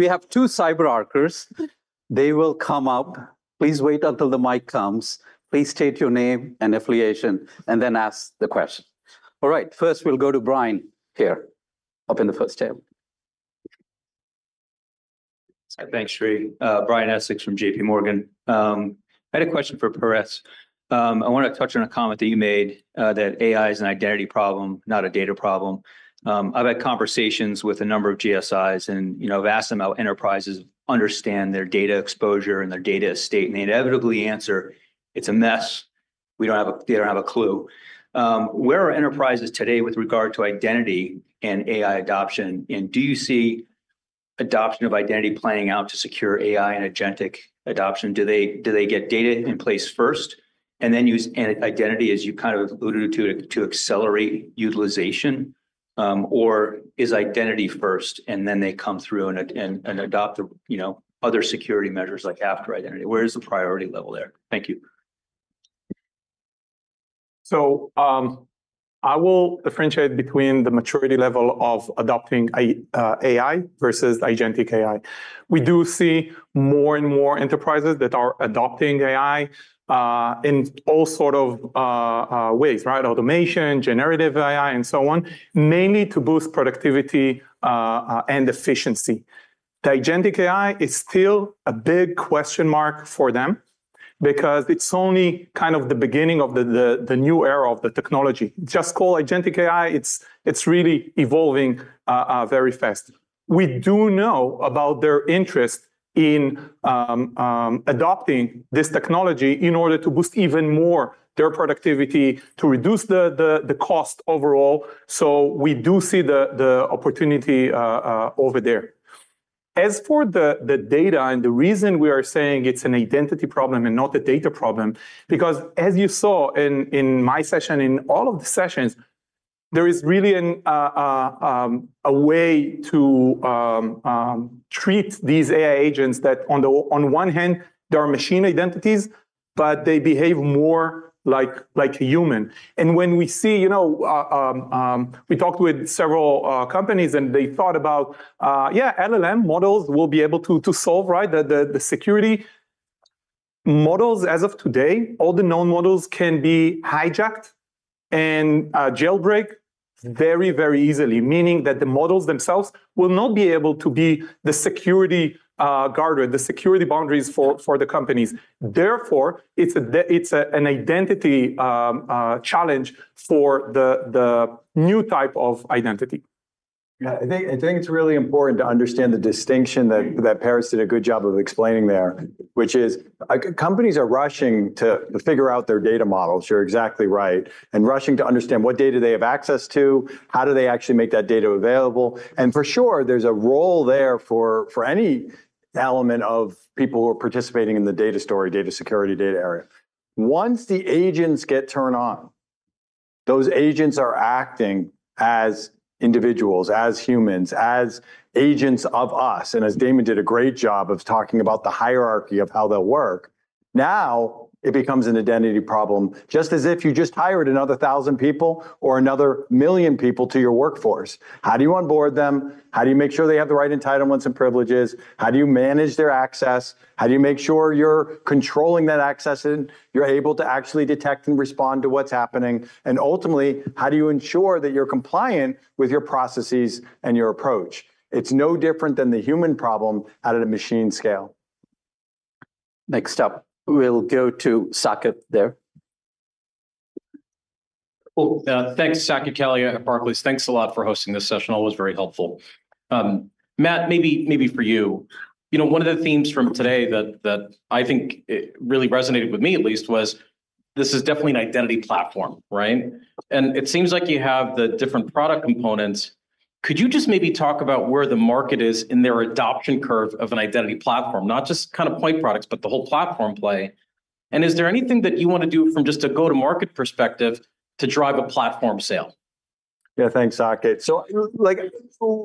[SPEAKER 1] We have two CyberArkers. They will come up. Please wait until the mic comes. Please state your name and affiliation and then ask the question. All right. First, we'll go to Brian here up in the first table.
[SPEAKER 13] Thanks, Sri. Brian Essex from J.P. Morgan. I had a question for Peretz. I want to touch on a comment that you made that AI is an identity problem, not a data problem. I've had conversations with a number of GSIs and I've asked them how enterprises understand their data exposure and their data estate. And they inevitably answer, "It's a mess. We don't have a clue." Where are enterprises today with regard to identity and AI adoption? And do you see adoption of identity playing out to secure AI and agentic adoption? Do they get data in place first and then use identity, as you kind of alluded to, to accelerate utilization? Or is identity first and then they come through and adopt other security measures like after identity? Where is the priority level there? Thank you.
[SPEAKER 6] So I will differentiate between the maturity level of adopting AI versus agentic AI. We do see more and more enterprises that are adopting AI in all sorts of ways, right? Automation, generative AI, and so on, mainly to boost productivity and efficiency. The agentic AI is still a big question mark for them because it's only kind of the beginning of the new era of the technology. Just call agentic AI. It's really evolving very fast. We do know about their interest in adopting this technology in order to boost even more their productivity, to reduce the cost overall. So we do see the opportunity over there. As for the data and the reason we are saying it's an identity problem and not a data problem, because as you saw in my session, in all of the sessions, there is really a way to treat these AI agents that on one hand, they're machine identities, but they behave more like a human. When we see, you know, we talked with several companies and they thought about, yeah, LLM models will be able to solve, right? The security models, as of today, all the known models can be hijacked and jailbroken very, very easily, meaning that the models themselves will not be able to be the security guard or the security boundaries for the companies. Therefore, it's an identity challenge for the new type of identity.
[SPEAKER 2] Yeah, I think it's really important to understand the distinction that Peretz did a good job of explaining there, which is companies are rushing to figure out their data models, you're exactly right, and rushing to understand what data they have access to, how do they actually make that data available. For sure, there's a role there for any element of people who are participating in the data story, data security, data area. Once the agents get turned on, those agents are acting as individuals, as humans, as agents of us. And as Damon did a great job of talking about the hierarchy of how they'll work, now it becomes an identity problem, just as if you just hired another thousand people or another million people to your workforce. How do you onboard them? How do you make sure they have the right entitlements and privileges? How do you manage their access? How do you make sure you're controlling that access and you're able to actually detect and respond to what's happening? And ultimately, how do you ensure that you're compliant with your processes and your approach? It's no different than the human problem at a machine scale.
[SPEAKER 1] Next up, we'll go to Saket there.
[SPEAKER 14] Thanks, Saket Kalia at Barclays. Thanks a lot for hosting this session. Always very helpful. Matt, maybe for you, one of the themes from today that I think really resonated with me at least was this is definitely an identity platform, right? And it seems like you have the different product components. Could you just maybe talk about where the market is in their adoption curve of an identity platform, not just kind of point products, but the whole platform play? And is there anything that you want to do from just a go-to-market perspective to drive a platform sale?
[SPEAKER 2] Yeah, thanks, Saket. So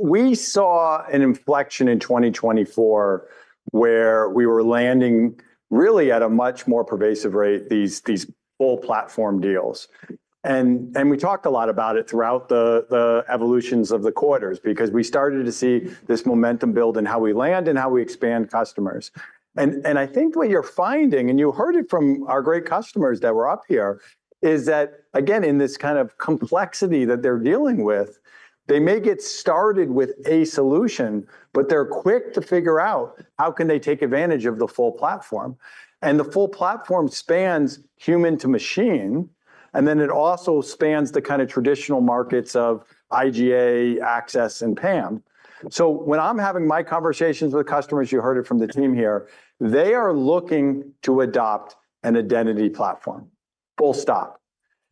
[SPEAKER 2] we saw an inflection in 2024 where we were landing really at a much more pervasive rate, these full platform deals. And we talked a lot about it throughout the evolutions of the quarters because we started to see this momentum build in how we land and how we expand customers. I think what you're finding, and you heard it from our great customers that were up here, is that, again, in this kind of complexity that they're dealing with, they may get started with a solution, but they're quick to figure out how can they take advantage of the full platform. And the full platform spans human to machine, and then it also spans the kind of traditional markets of IGA, Access, and PAM. So when I'm having my conversations with customers, you heard it from the team here, they are looking to adopt an identity platform. Full stop.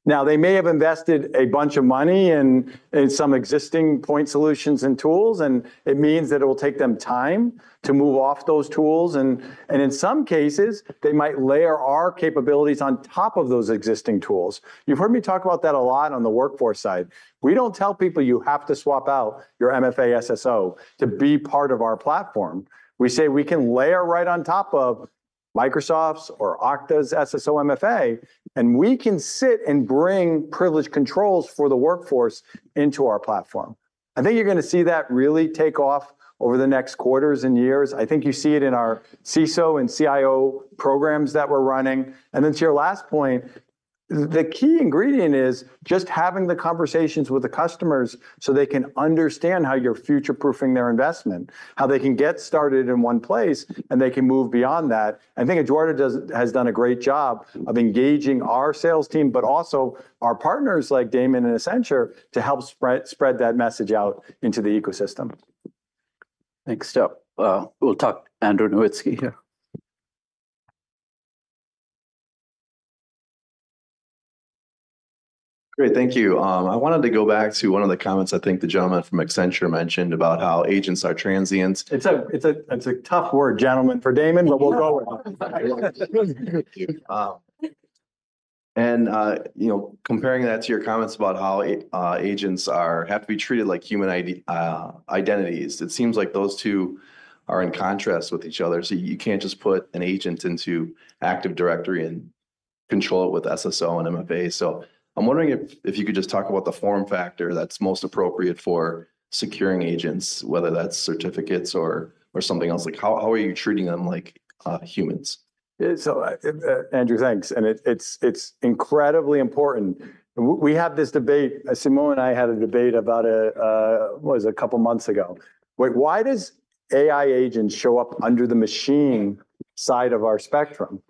[SPEAKER 2] Now, they may have invested a bunch of money in some existing point solutions and tools, and it means that it will take them time to move off those tools. And in some cases, they might layer our capabilities on top of those existing tools. You've heard me talk about that a lot on the workforce side. We don't tell people you have to swap out your MFA SSO to be part of our platform. We say we can layer right on top of Microsoft's or Okta's SSO MFA, and we can sit and bring privileged controls for the workforce into our platform. I think you're going to see that really take off over the next quarters and years. I think you see it in our CISO and CIO programs that we're running. And then to your last point, the key ingredient is just having the conversations with the customers so they can understand how you're future-proofing their investment, how they can get started in one place, and they can move beyond that. I think Eduarda has done a great job of engaging our sales team, but also our partners like Damon and Accenture to help spread that message out into the ecosystem.
[SPEAKER 14] Thanks, Step.
[SPEAKER 1] We'll talk Andrew Nowinski here. Great, thank you. I wanted to go back to one of the comments I think the gentleman from Accenture mentioned about how agents are transients. It's a tough word, gentlemen, for Damon, but we'll go with it, and comparing that to your comments about how agents have to be treated like human identities, it seems like those two are in contrast with each other. You can't just put an agent into Active Directory and control it with SSO and MFA. I'm wondering if you could just talk about the form factor that's most appropriate for securing agents, whether that's certificates or something else. How are you treating them like humans?
[SPEAKER 2] Yeah, so Andrew, thanks, and it's incredibly important. We had this debate. Simon and I had a debate about it a couple of months ago. Why does AI agents show up under the machine side of our spectrum?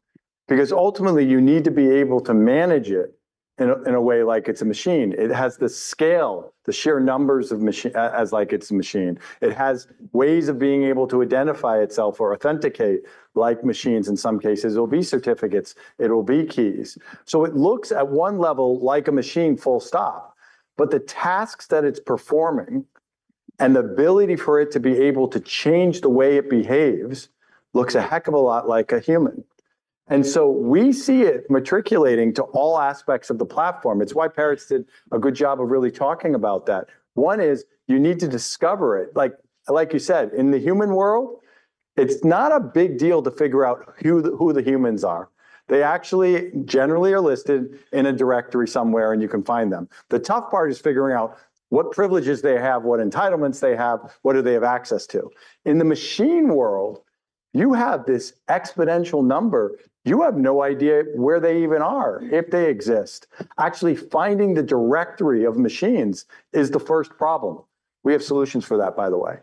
[SPEAKER 2] Because ultimately, you need to be able to manage it in a way like it's a machine. It has the scale, the sheer numbers of machine as like it's a machine. It has ways of being able to identify itself or authenticate like machines in some cases. It will be certificates. It will be keys. So it looks at one level like a machine, full stop. But the tasks that it's performing and the ability for it to be able to change the way it behaves looks a heck of a lot like a human, and so we see it matriculating to all aspects of the platform. It's why Parrott did a good job of really talking about that. One is you need to discover it. Like you said, in the human world, it's not a big deal to figure out who the humans are. They actually generally are listed in a directory somewhere and you can find them. The tough part is figuring out what privileges they have, what entitlements they have, what do they have access to. In the machine world, you have this exponential number. You have no idea where they even are, if they exist. Actually finding the directory of machines is the first problem. We have solutions for that, by the way.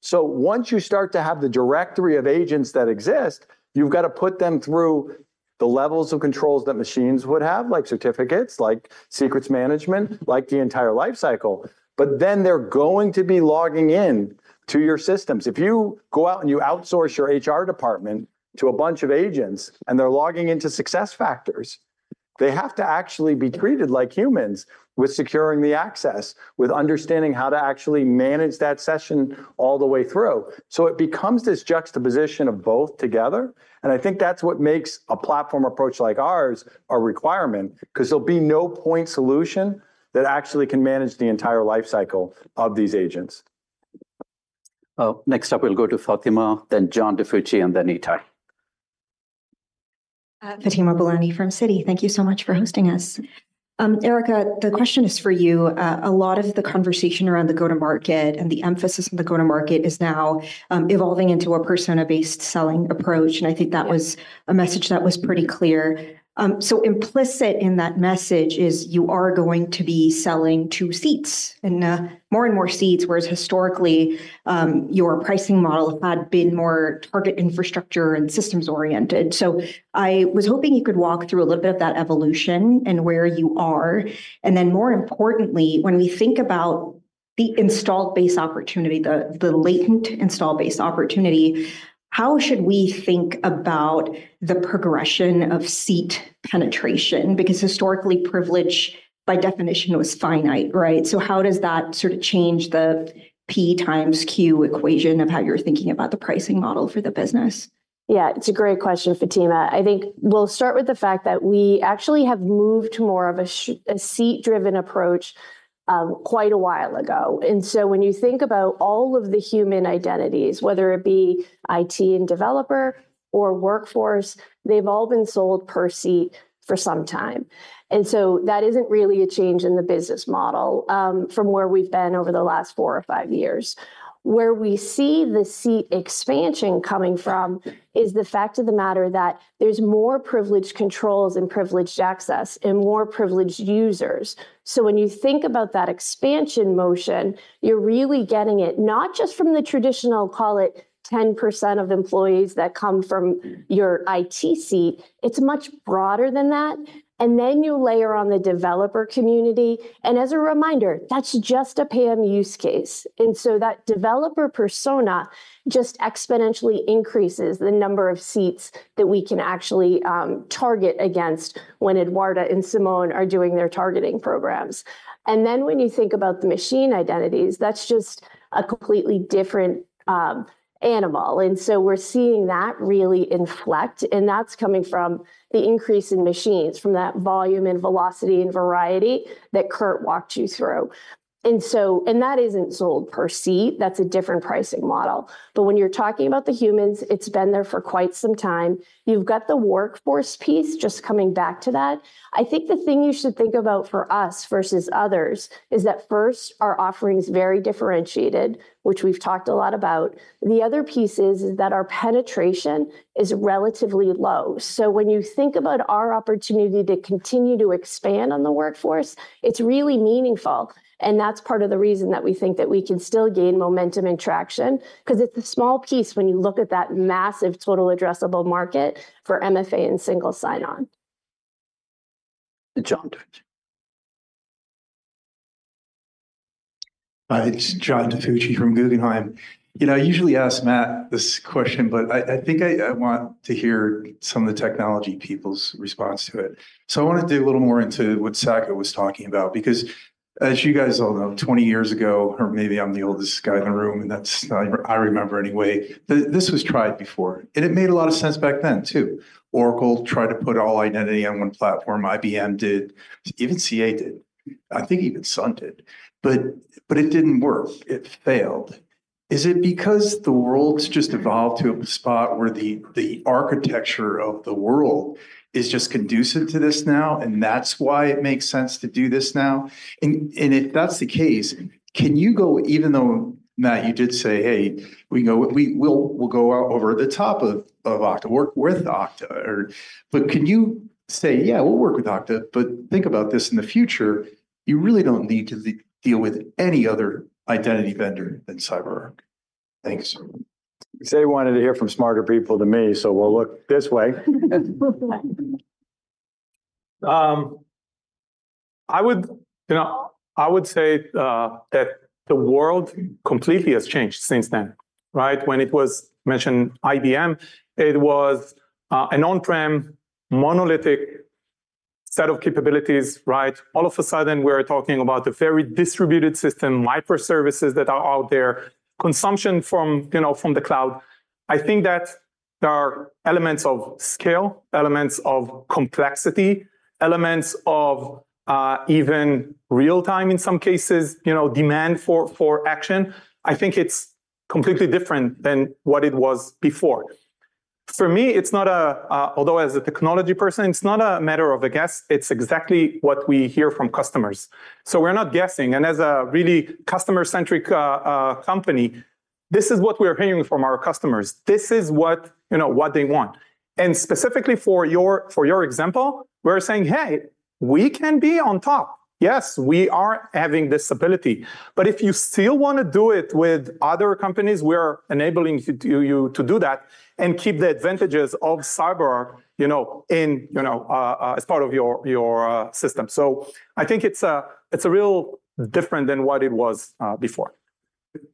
[SPEAKER 2] So once you start to have the directory of agents that exist, you've got to put them through the levels of controls that machines would have, like certificates, like secrets management, like the entire lifecycle. But then they're going to be logging in to your systems. If you go out and you outsource your HR department to a bunch of agents and they're logging into SuccessFactors, they have to actually be treated like humans with securing the access, with understanding how to actually manage that session all the way through. So it becomes this juxtaposition of both together. And I think that's what makes a platform approach like ours a requirement because there'll be no point solution that actually can manage the entire lifecycle of these agents.
[SPEAKER 1] Next up, we'll go to Fatima, then John DiFucci, and then Ittai. Fatima Boolani from Citi.
[SPEAKER 15] Thank you so much for hosting us. Erica, the question is for you. A lot of the conversation around the go-to-market and the emphasis on the go-to-market is now evolving into a persona-based selling approach. I think that was a message that was pretty clear. Implicit in that message is you are going to be selling two seats and more and more seats, whereas historically, your pricing model had been more target infrastructure and systems-oriented. I was hoping you could walk through a little bit of that evolution and where you are. Then more importantly, when we think about the install-based opportunity, the latent install-based opportunity, how should we think about the progression of seat penetration? Because historically, privilege by definition was finite, right? How does that sort of change the P times Q equation of how you're thinking about the pricing model for the business?
[SPEAKER 12] Yeah, it's a great question, Fatima. I think we'll start with the fact that we actually have moved to more of a seat-driven approach quite a while ago. And so when you think about all of the human identities, whether it be IT and developer or workforce, they've all been sold per seat for some time. And so that isn't really a change in the business model from where we've been over the last four or five years. Where we see the seat expansion coming from is the fact of the matter that there's more privileged controls and privileged access and more privileged users. So when you think about that expansion motion, you're really getting it not just from the traditional, call it 10% of employees that come from your IT seat. It's much broader than that. And then you layer on the developer community. And as a reminder, that's just a PAM use case. That developer persona just exponentially increases the number of seats that we can actually target against when Eduarda and Simon are doing their targeting programs. When you think about the machine identities, that's just a completely different animal. We're seeing that really inflect. That's coming from the increase in machines, from that volume and velocity and variety that Kurt walked you through. That isn't sold per seat. That's a different pricing model. When you're talking about the humans, it's been there for quite some time. You've got the workforce piece just coming back to that. I think the thing you should think about for us versus others is that first, our offering is very differentiated, which we've talked a lot about. The other piece is that our penetration is relatively low. So when you think about our opportunity to continue to expand on the workforce, it's really meaningful. And that's part of the reason that we think that we can still gain momentum and traction because it's a small piece when you look at that massive total addressable market for MFA and single sign-on.
[SPEAKER 1] John DiFucci.
[SPEAKER 16] Hi, John DiFucci from Guggenheim. I usually ask Matt this question, but I think I want to hear some of the technology people's response to it. So I want to dig a little more into what the CISO was talking about because as you guys all know, 20 years ago, or maybe I'm the oldest guy in the room, and that's how I remember anyway, this was tried before. And it made a lot of sense back then too. Oracle tried to put all identity on one platform. IBM did. Even CA did. I think even Sun did. But it didn't work. It failed. Is it because the world's just evolved to a spot where the architecture of the world is just conducive to this now, and that's why it makes sense to do this now? And if that's the case, can you go, even though, Matt, you did say, "Hey, we'll go over the top of Okta work with Okta." But can you say, "Yeah, we'll work with Okta, but think about this in the future. You really don't need to deal with any other identity vendor than CyberArk." Thanks.
[SPEAKER 2] They wanted to hear from smarter people than me, so we'll look this way.
[SPEAKER 6] I would say that the world completely has changed since then, right? When it was mentioned IBM, it was an on-prem monolithic set of capabilities, right? All of a sudden, we're talking about a very distributed system, microservices that are out there, consumption from the cloud. I think that there are elements of scale, elements of complexity, elements of even real-time in some cases, demand for action. I think it's completely different than what it was before. For me, it's not a, although as a technology person, it's not a matter of a guess. It's exactly what we hear from customers. So we're not guessing. And as a really customer-centric company, this is what we're hearing from our customers. This is what they want. And specifically for your example, we're saying, "Hey, we can be on top." Yes, we are having this ability. But if you still want to do it with other companies, we are enabling you to do that and keep the advantages of CyberArk as part of your system. I think it's really different than what it was before.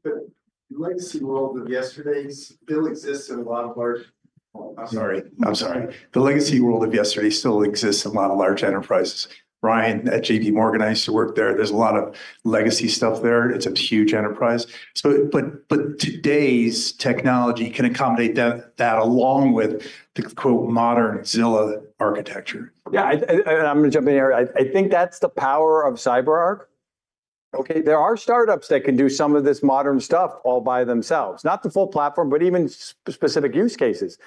[SPEAKER 16] The legacy world of yesterday still exists in a lot of large enterprises. Brian at J.P. Morgan, I used to work there. There's a lot of legacy stuff there. It's a huge enterprise. But today's technology can accommodate that along with the "modern Zilla architecture."
[SPEAKER 2] Yeah, I'm going to jump in here. I think that's the power of CyberArk. Okay, there are startups that can do some of this modern stuff all by themselves. Not the full platform, but even specific use cases.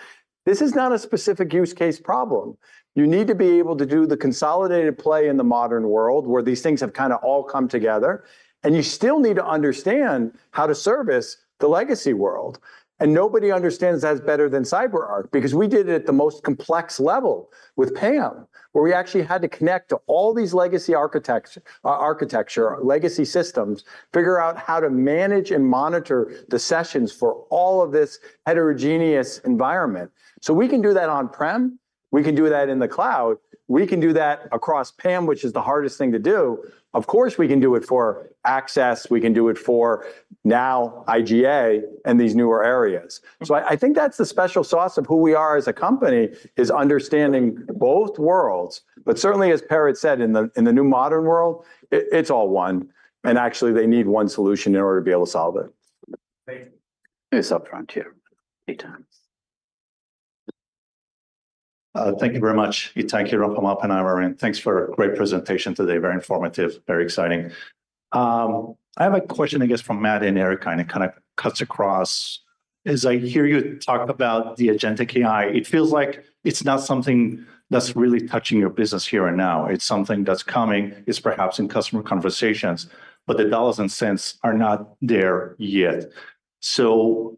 [SPEAKER 2] This is not a specific use case problem. You need to be able to do the consolidated play in the modern world where these things have kind of all come together. You still need to understand how to service the legacy world. Nobody understands that better than CyberArk because we did it at the most complex level with PAM, where we actually had to connect to all these legacy architecture, legacy systems, figure out how to manage and monitor the sessions for all of this heterogeneous environment. So we can do that on-prem. We can do that in the cloud. We can do that across PAM, which is the hardest thing to do. Of course, we can do it for access. We can do it for now IGA and these newer areas. So I think that's the special sauce of who we are as a company is understanding both worlds. But certainly, as Peretz said, in the new modern world, it's all one. And actually, they need one solution in order to be able to solve it.
[SPEAKER 16] Thank you.
[SPEAKER 1] It's upfront here, Ittai. Thank you very much, Ittai Kidron from Oppenheimer, and thanks for a great presentation today. Very informative, very exciting. I have a question, I guess, from Matt and Erica, and it kind of cuts across. As I hear you talk about the agentic AI, it feels like it's not something that's really touching your business here and now. It's something that's coming, it's perhaps in customer conversations, but the dollars and cents are not there yet. So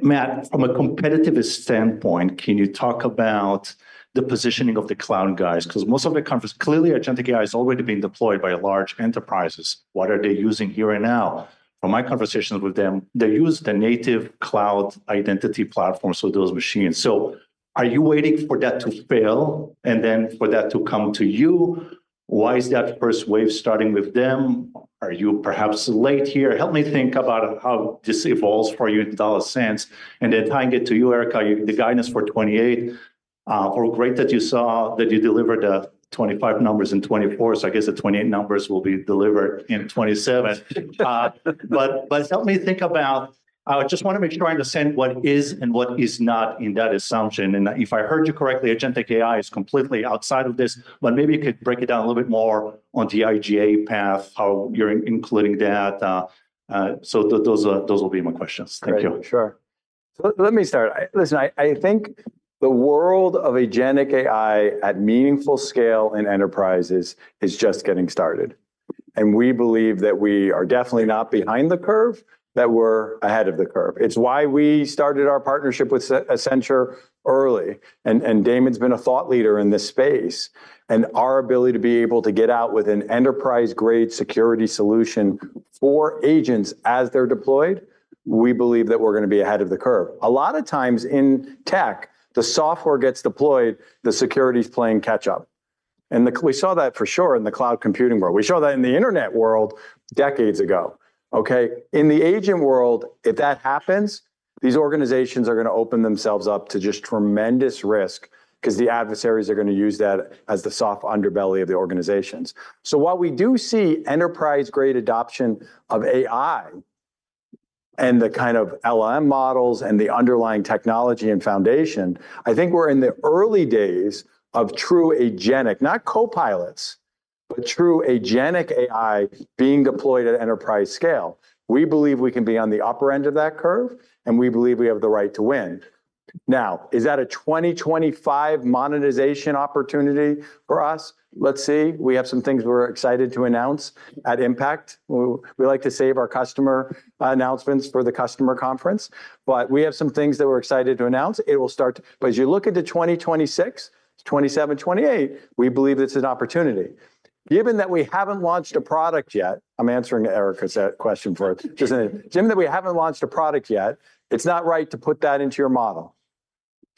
[SPEAKER 1] Matt, from a competitive standpoint, can you talk about the positioning of the cloud guys? Because most of the conversation, clearly, agentic AI is already being deployed by large enterprises. What are they using here and now? From my conversations with them, they use the native cloud identity platforms for those machines. So are you waiting for that to fail and then for that to come to you? Why is that first wave starting with them? Are you perhaps late here? Help me think about how this evolves for you in dollars and cents. And then tying it to you, Erica, the guidance for 2028. We're glad that you saw that you delivered the 2025 numbers in 2024. So I guess the 2028 numbers will be delivered in 2027. But help me think about. I just want to make sure I understand what is and what is not in that assumption. And if I heard you correctly, agentic AI is completely outside of this, but maybe you could break it down a little bit more on the IGA path, how you're including that. So those will be my questions. Thank you.
[SPEAKER 2] Sure. So let me start. Listen, I think the world of agentic AI at meaningful scale in enterprises is just getting started. And we believe that we are definitely not behind the curve, that we're ahead of the curve. It's why we started our partnership with Accenture early. And Damon's been a thought leader in this space. And our ability to be able to get out with an enterprise-grade security solution for agents as they're deployed, we believe that we're going to be ahead of the curve. A lot of times in tech, the software gets deployed, the security's playing catch-up. And we saw that for sure in the cloud computing world. We saw that in the internet world decades ago. Okay? In the agent world, if that happens, these organizations are going to open themselves up to just tremendous risk because the adversaries are going to use that as the soft underbelly of the organizations. While we do see enterprise-grade adoption of AI and the kind of LLM models and the underlying technology and foundation, I think we're in the early days of true agentic, not copilots, but true agentic AI being deployed at enterprise scale. We believe we can be on the upper end of that curve, and we believe we have the right to win. Now, is that a 2025 monetization opportunity for us? Let's see. We have some things we're excited to announce at Impact. We like to save our customer announcements for the customer conference. But we have some things that we're excited to announce. It will start to, but as you look into 2026, 2027, 2028, we believe this is an opportunity. Given that we haven't launched a product yet, I'm answering Erica's question for it. Just a given that we haven't launched a product yet, it's not right to put that into your model.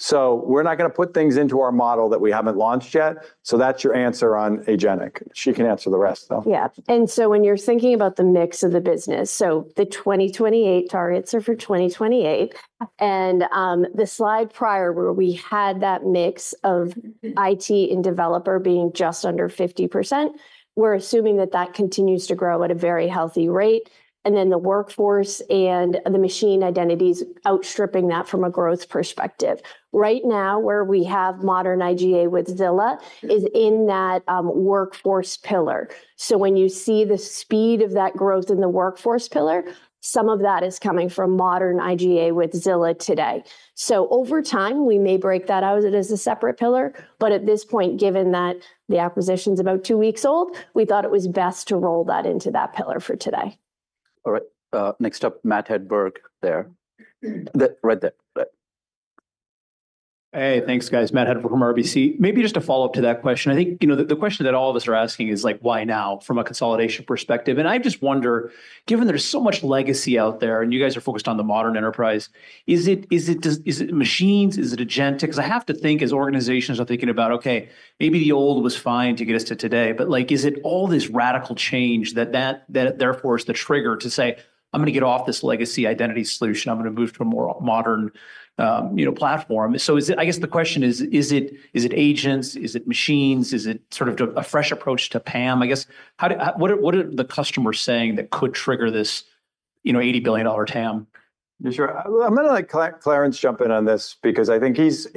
[SPEAKER 2] So we're not going to put things into our model that we haven't launched yet. So that's your answer on agentic. She can answer the rest, though.
[SPEAKER 12] Yeah. And so when you're thinking about the mix of the business, so the 2028 targets are for 2028. And the slide prior where we had that mix of IT and developer being just under 50%, we're assuming that that continues to grow at a very healthy rate. And then the workforce and the machine identities outstripping that from a growth perspective. Right now, where we have modern IGA with Zilla is in that workforce pillar. So when you see the speed of that growth in the workforce pillar, some of that is coming from modern IGA with Zilla today. So over time, we may break that out as a separate pillar. But at this point, given that the acquisition is about two weeks old, we thought it was best to roll that into that pillar for today.
[SPEAKER 1] All right. Next up, Matt Hedberg there. Right there.
[SPEAKER 17] Hey, thanks, guys. Matt Hedberg from RBC. Maybe just a follow-up to that question. I think the question that all of us are asking is like, why now from a consolidation perspective? And I just wonder, given there's so much legacy out there and you guys are focused on the modern enterprise, is it machines? Is it agentic? Because I have to think as organizations are thinking about, okay, maybe the old was fine to get us to today. But is it all this radical change that therefore is the trigger to say, I'm going to get off this legacy identity solution? I'm going to move to a more modern platform. So I guess the question is, is it agents? Is it machines? Is it sort of a fresh approach to PAM? I guess, what are the customers saying that could trigger this $80 billion TAM?
[SPEAKER 2] Sure. I'm going to let Clarence jump in on this because I think he's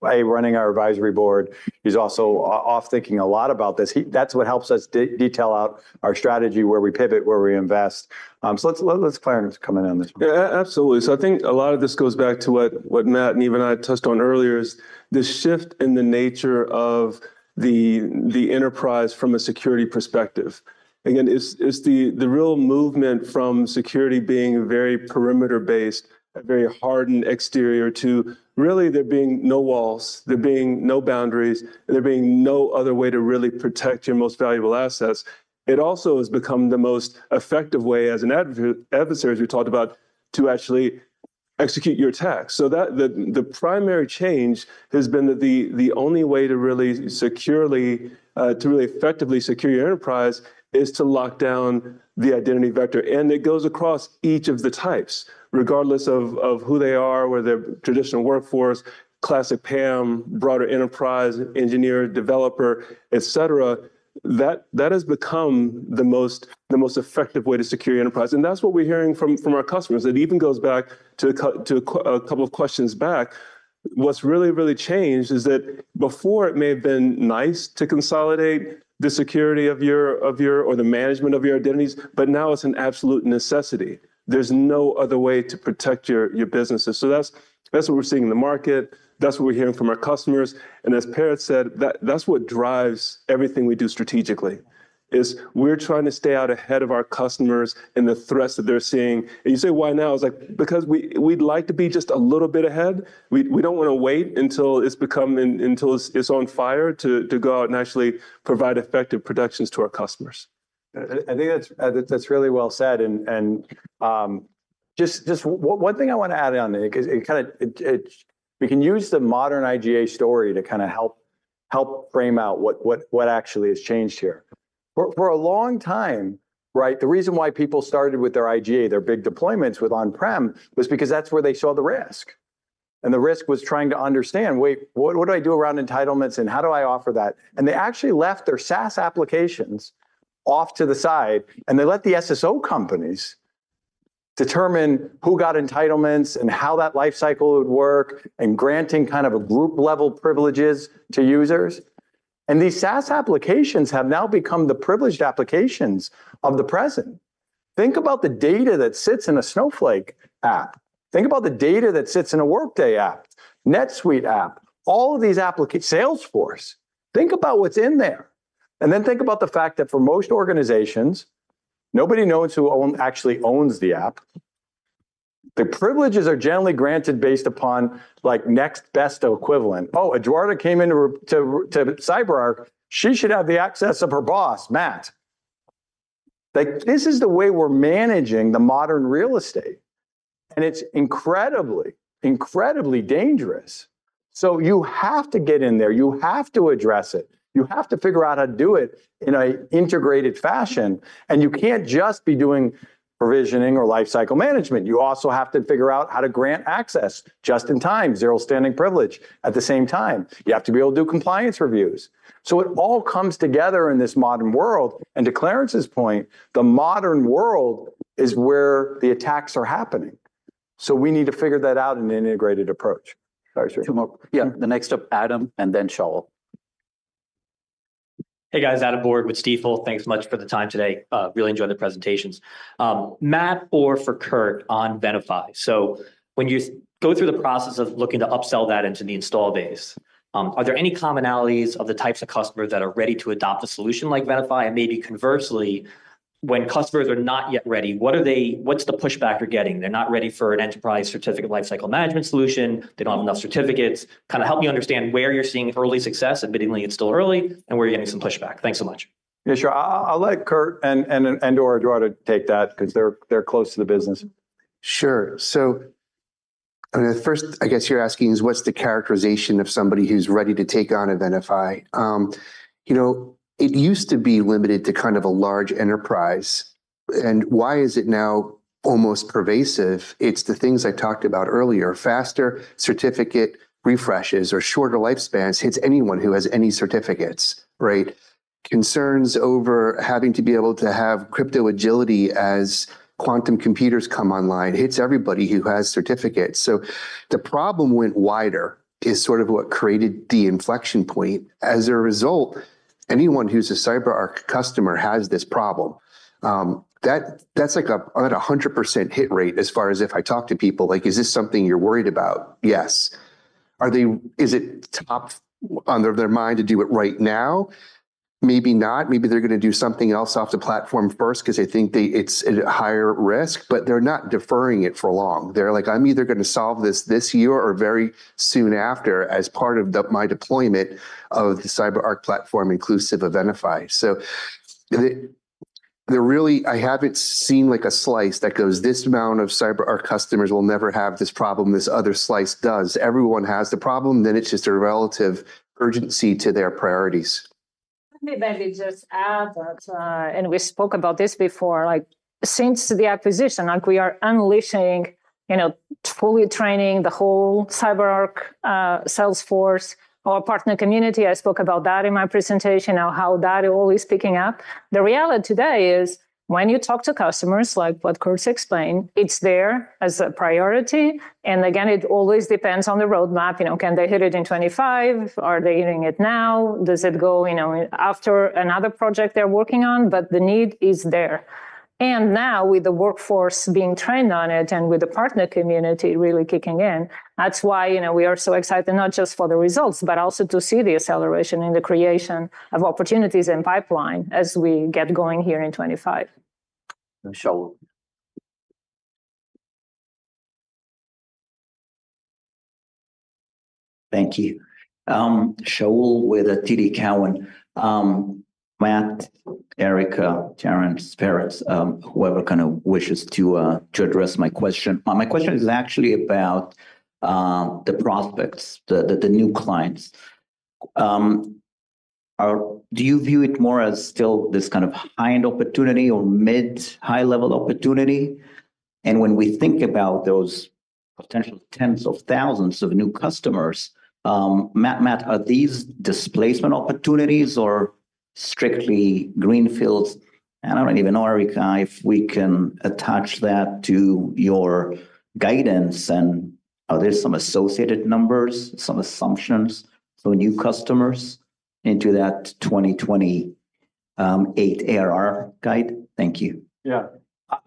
[SPEAKER 2] running our advisory board. He's also off thinking a lot about this. That's what helps us detail out our strategy, where we pivot, where we invest. So let's let Clarence come in on this.
[SPEAKER 3] Absolutely. So I think a lot of this goes back to what Matt and Erica and I touched on earlier, is the shift in the nature of the enterprise from a security perspective. Again, it's the real movement from security being very perimeter-based, very hardened exterior to really there being no walls, there being no boundaries, and there being no other way to really protect your most valuable assets. It also has become the most effective way as an adversary, as we talked about, to actually execute your attacks. So the primary change has been that the only way to really securely, to really effectively secure your enterprise is to lock down the identity vector. And it goes across each of the types, regardless of who they are, whether they're traditional workforce, classic PAM, broader enterprise, engineer, developer, et cetera. That has become the most effective way to secure your enterprise. And that's what we're hearing from our customers. It even goes back to a couple of questions back. What's really, really changed is that before it may have been nice to consolidate the security of your or the management of your identities, but now it's an absolute necessity. There's no other way to protect your businesses. So that's what we're seeing in the market. That's what we're hearing from our customers. And as Parrott said, that's what drives everything we do strategically, is we're trying to stay out ahead of our customers and the threats that they're seeing. And you say, why now? It's like, because we'd like to be just a little bit ahead. We don't want to wait until it's become, until it's on fire to go out and actually provide effective protections to our customers.
[SPEAKER 2] I think that's really well said. And just one thing I want to add on it, because it kind of, we can use the modern IGA story to kind of help frame out what actually has changed here. For a long time, right, the reason why people started with their IGA, their big deployments with on-prem, was because that's where they saw the risk. And the risk was trying to understand, wait, what do I do around entitlements and how do I offer that? And they actually left their SaaS applications off to the side. And they let the SSO companies determine who got entitlements and how that lifecycle would work and granting kind of group-level privileges to users. And these SaaS applications have now become the privileged applications of the present. Think about the data that sits in a Snowflake app. Think about the data that sits in a Workday app, NetSuite app, all of these applications, Salesforce. Think about what's in there, and then think about the fact that for most organizations, nobody knows who actually owns the app. The privileges are generally granted based upon next best equivalent. Oh, Eduarda came into CyberArk. She should have the access of her boss, Matt. This is the way we're managing the modern real estate, and it's incredibly, incredibly dangerous, so you have to get in there. You have to address it. You have to figure out how to do it in an integrated fashion, and you can't just be doing provisioning or lifecycle management. You also have to figure out how to grant access just in time, zero standing privilege at the same time. You have to be able to do compliance reviews. So it all comes together in this modern world. And to Clarence's point, the modern world is where the attacks are happening. So we need to figure that out in an integrated approach. Sorry, sir.
[SPEAKER 1] Yeah. The next up, Adam, and then Shaul.
[SPEAKER 18] Hey, guys, Adam Borg with Stifel. Thanks much for the time today. Really enjoyed the presentations. Matt, or for Kurt on Venafi. So when you go through the process of looking to upsell that into the installed base, are there any commonalities of the types of customers that are ready to adopt a solution like Venafi? And maybe conversely, when customers are not yet ready, what's the pushback you're getting? They're not ready for an enterprise certificate lifecycle management solution. They don't have enough certificates. Kind of help me understand where you're seeing early success, admittedly it's still early, and where you're getting some pushback. Thanks so much.
[SPEAKER 2] Yeah, sure. I'll let Kurt and/or Eduarda take that because they're close to the business.
[SPEAKER 5] Sure. So the first, I guess you're asking is what's the characterization of somebody who's ready to take on a Venafi? It used to be limited to kind of a large enterprise, and why is it now almost pervasive? It's the things I talked about earlier, faster certificate refreshes or shorter lifespans hits anyone who has any certificates, right? Concerns over having to be able to have crypto-agility as quantum computers come online hits everybody who has certificates. So the problem went wider, is sort of what created the inflection point. As a result, anyone who's a CyberArk customer has this problem. That's like a 100% hit rate as far as if I talk to people, like, is this something you're worried about? Yes. Is it top on their mind to do it right now? Maybe not. Maybe they're going to do something else off the platform first because they think it's at a higher risk, but they're not deferring it for long. They're like, "I'm either going to solve this this year or very soon after as part of my deployment of the CyberArk platform inclusive of Venafi." So I haven't seen a slice that goes this amount of CyberArk customers will never have this problem. This other slice does. Everyone has the problem. Then it's just a relative urgency to their priorities.
[SPEAKER 8] Let me very just add that, and we spoke about this before. Since the acquisition, we are unleashing, fully training the whole CyberArk sales force, our partner community. I spoke about that in my presentation, how that all is picking up. The reality today is when you talk to customers, like what Kurt explained, it's there as a priority. And again, it always depends on the roadmap. Can they hit it in 25? Are they hitting it now? Does it go after another project they're working on? But the need is there. And now with the workforce being trained on it and with the partner community really kicking in, that's why we are so excited, not just for the results, but also to see the acceleration in the creation of opportunities and pipeline as we get going here in 25.
[SPEAKER 1] Shaul.
[SPEAKER 19] Thank you. Shaul with TD Cowen. Matt, Erica, Clarence, Peretz, whoever kind of wishes to address my question. My question is actually about the prospects, the new clients. Do you view it more as still this kind of high-end opportunity or mid-high-level opportunity? When we think about those potential tens of thousands of new customers, Matt, are these displacement opportunities or strictly greenfields? And I don't even know, Erica, if we can attach that to your guidance and are there some associated numbers, some assumptions for new customers into that 2028 ARR guide? Thank you.
[SPEAKER 2] Yeah.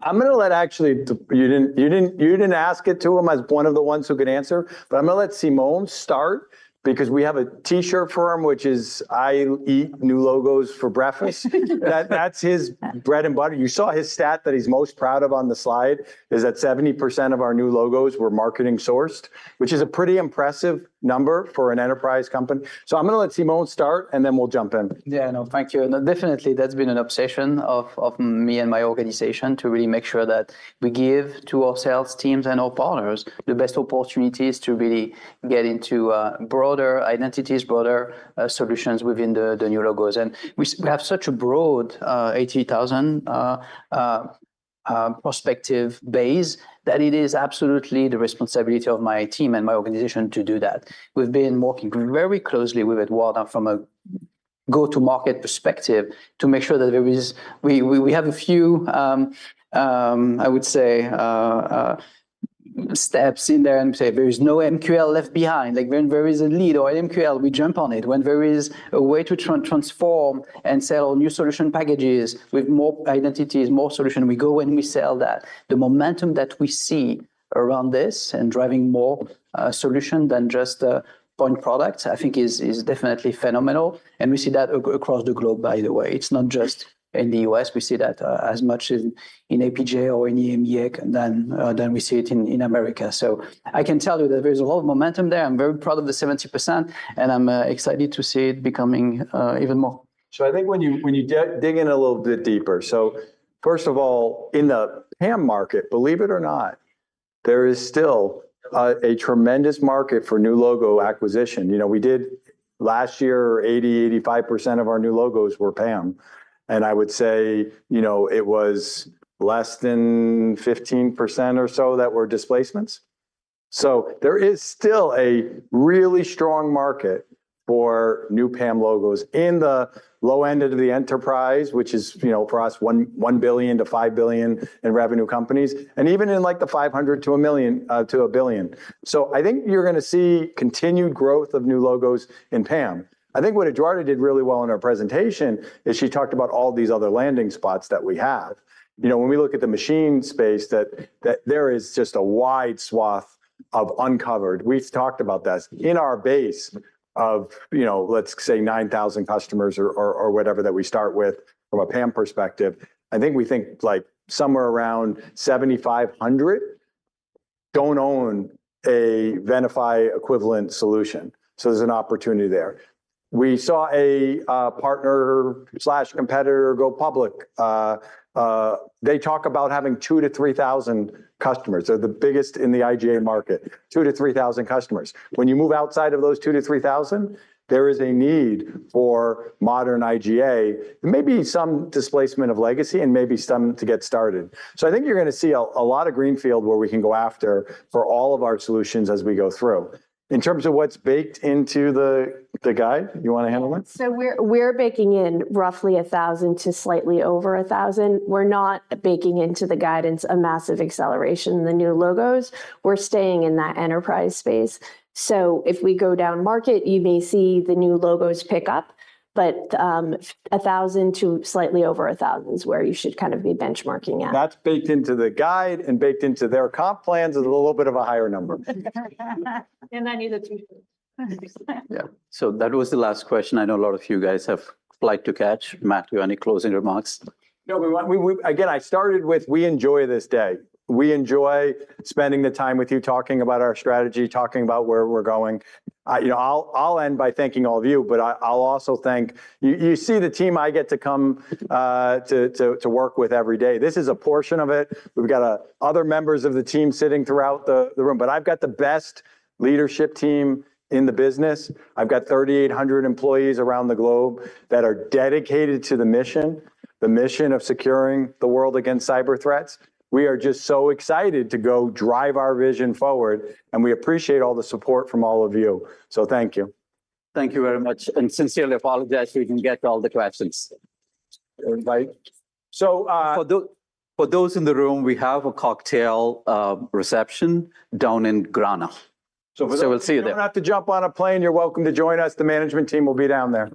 [SPEAKER 2] I'm going to let actually, you didn't ask it to him as one of the ones who could answer, but I'm going to let Simon start because we have a T-shirt for him which is I eat new logos for breakfast. That's his bread and butter. You saw his stat that he's most proud of on the slide is that 70% of our new logos were marketing sourced, which is a pretty impressive number for an enterprise company. So I'm going to let Simon start and then we'll jump in.
[SPEAKER 19] Yeah, no, thank you.
[SPEAKER 7] Definitely, that's been an obsession of me and my organization to really make sure that we give to ourselves, teams, and our partners the best opportunities to really get into broader identities, broader solutions within the new logos. And we have such a broad 80,000 prospective base that it is absolutely the responsibility of my team and my organization to do that. We've been working very closely with Eduarda from a go-to-market perspective to make sure that there is, we have a few, I would say, steps in there and say there is no MQL left behind. Like when there is a lead or an MQL, we jump on it. When there is a way to transform and sell new solution packages with more identities, more solution, we go and we sell that. The momentum that we see around this and driving more solution than just point products, I think is definitely phenomenal. And we see that across the globe, by the way. It's not just in the US. We see that as much as in APJ or in EMEA, and then we see it in America. So I can tell you that there is a lot of momentum there. I'm very proud of the 70%, and I'm excited to see it becoming even more.
[SPEAKER 2] So I think when you dig in a little bit deeper, so first of all, in the PAM market, believe it or not, there is still a tremendous market for new logo acquisition. We did last year, 80-85% of our new logos were PAM. And I would say it was less than 15% or so that were displacements. There is still a really strong market for new PAM logos in the low end of the enterprise, which is for us, $1 billion-$5 billion in revenue companies, and even in like the $500 million to $1 billion. So I think you're going to see continued growth of new logos in PAM. I think what Eduarda did really well in her presentation is she talked about all these other landing spots that we have. When we look at the machine space, that there is just a wide swath of uncovered. We've talked about this in our base of, let's say, 9,000 customers or whatever that we start with from a PAM perspective. I think we think like somewhere around 7,500 don't own a Venafi equivalent solution. So there's an opportunity there. We saw a partner/competitor go public. They talk about having 2,000-3,000 customers. They're the biggest in the IGA market. 2,000 to 3,000 customers. When you move outside of those 2,000 to 3,000, there is a need for modern IGA, maybe some displacement of legacy and maybe some to get started. So I think you're going to see a lot of greenfield where we can go after for all of our solutions as we go through. In terms of what's baked into the guide, you want to handle that?
[SPEAKER 12] So we're baking in roughly 1,000 to slightly over 1,000. We're not baking into the guidance a massive acceleration in the new logos. We're staying in that enterprise space. So if we go down market, you may see the new logos pick up, but 1,000 to slightly over 1,000 is where you should kind of be benchmarking at.
[SPEAKER 2] That's baked into the guide and baked into their comp plans is a little bit of a higher number, and in the near term
[SPEAKER 1] Yeah, so that was the last question. I know a lot of you guys have flight to catch. Matthew, any closing remarks?
[SPEAKER 2] No, again, I started with we enjoy this day. We enjoy spending the time with you talking about our strategy, talking about where we're going. I'll end by thanking all of you, but I'll also thank you see the team I get to come to work with every day. This is a portion of it. We've got other members of the team sitting throughout the room, but I've got the best leadership team in the business. I've got 3,800 employees around the globe that are dedicated to the mission, the mission of securing the world against cyber threats. We are just so excited to go drive our vision forward, and we appreciate all the support from all of you. So thank you.
[SPEAKER 1] Thank you very much. And sincerely apologize if we didn't get to all the questions. For those in the room, we have a cocktail reception down in Grana. So we'll see you there.
[SPEAKER 2] If you don't have to jump on a plane, you're welcome to join us. The management team will be down there.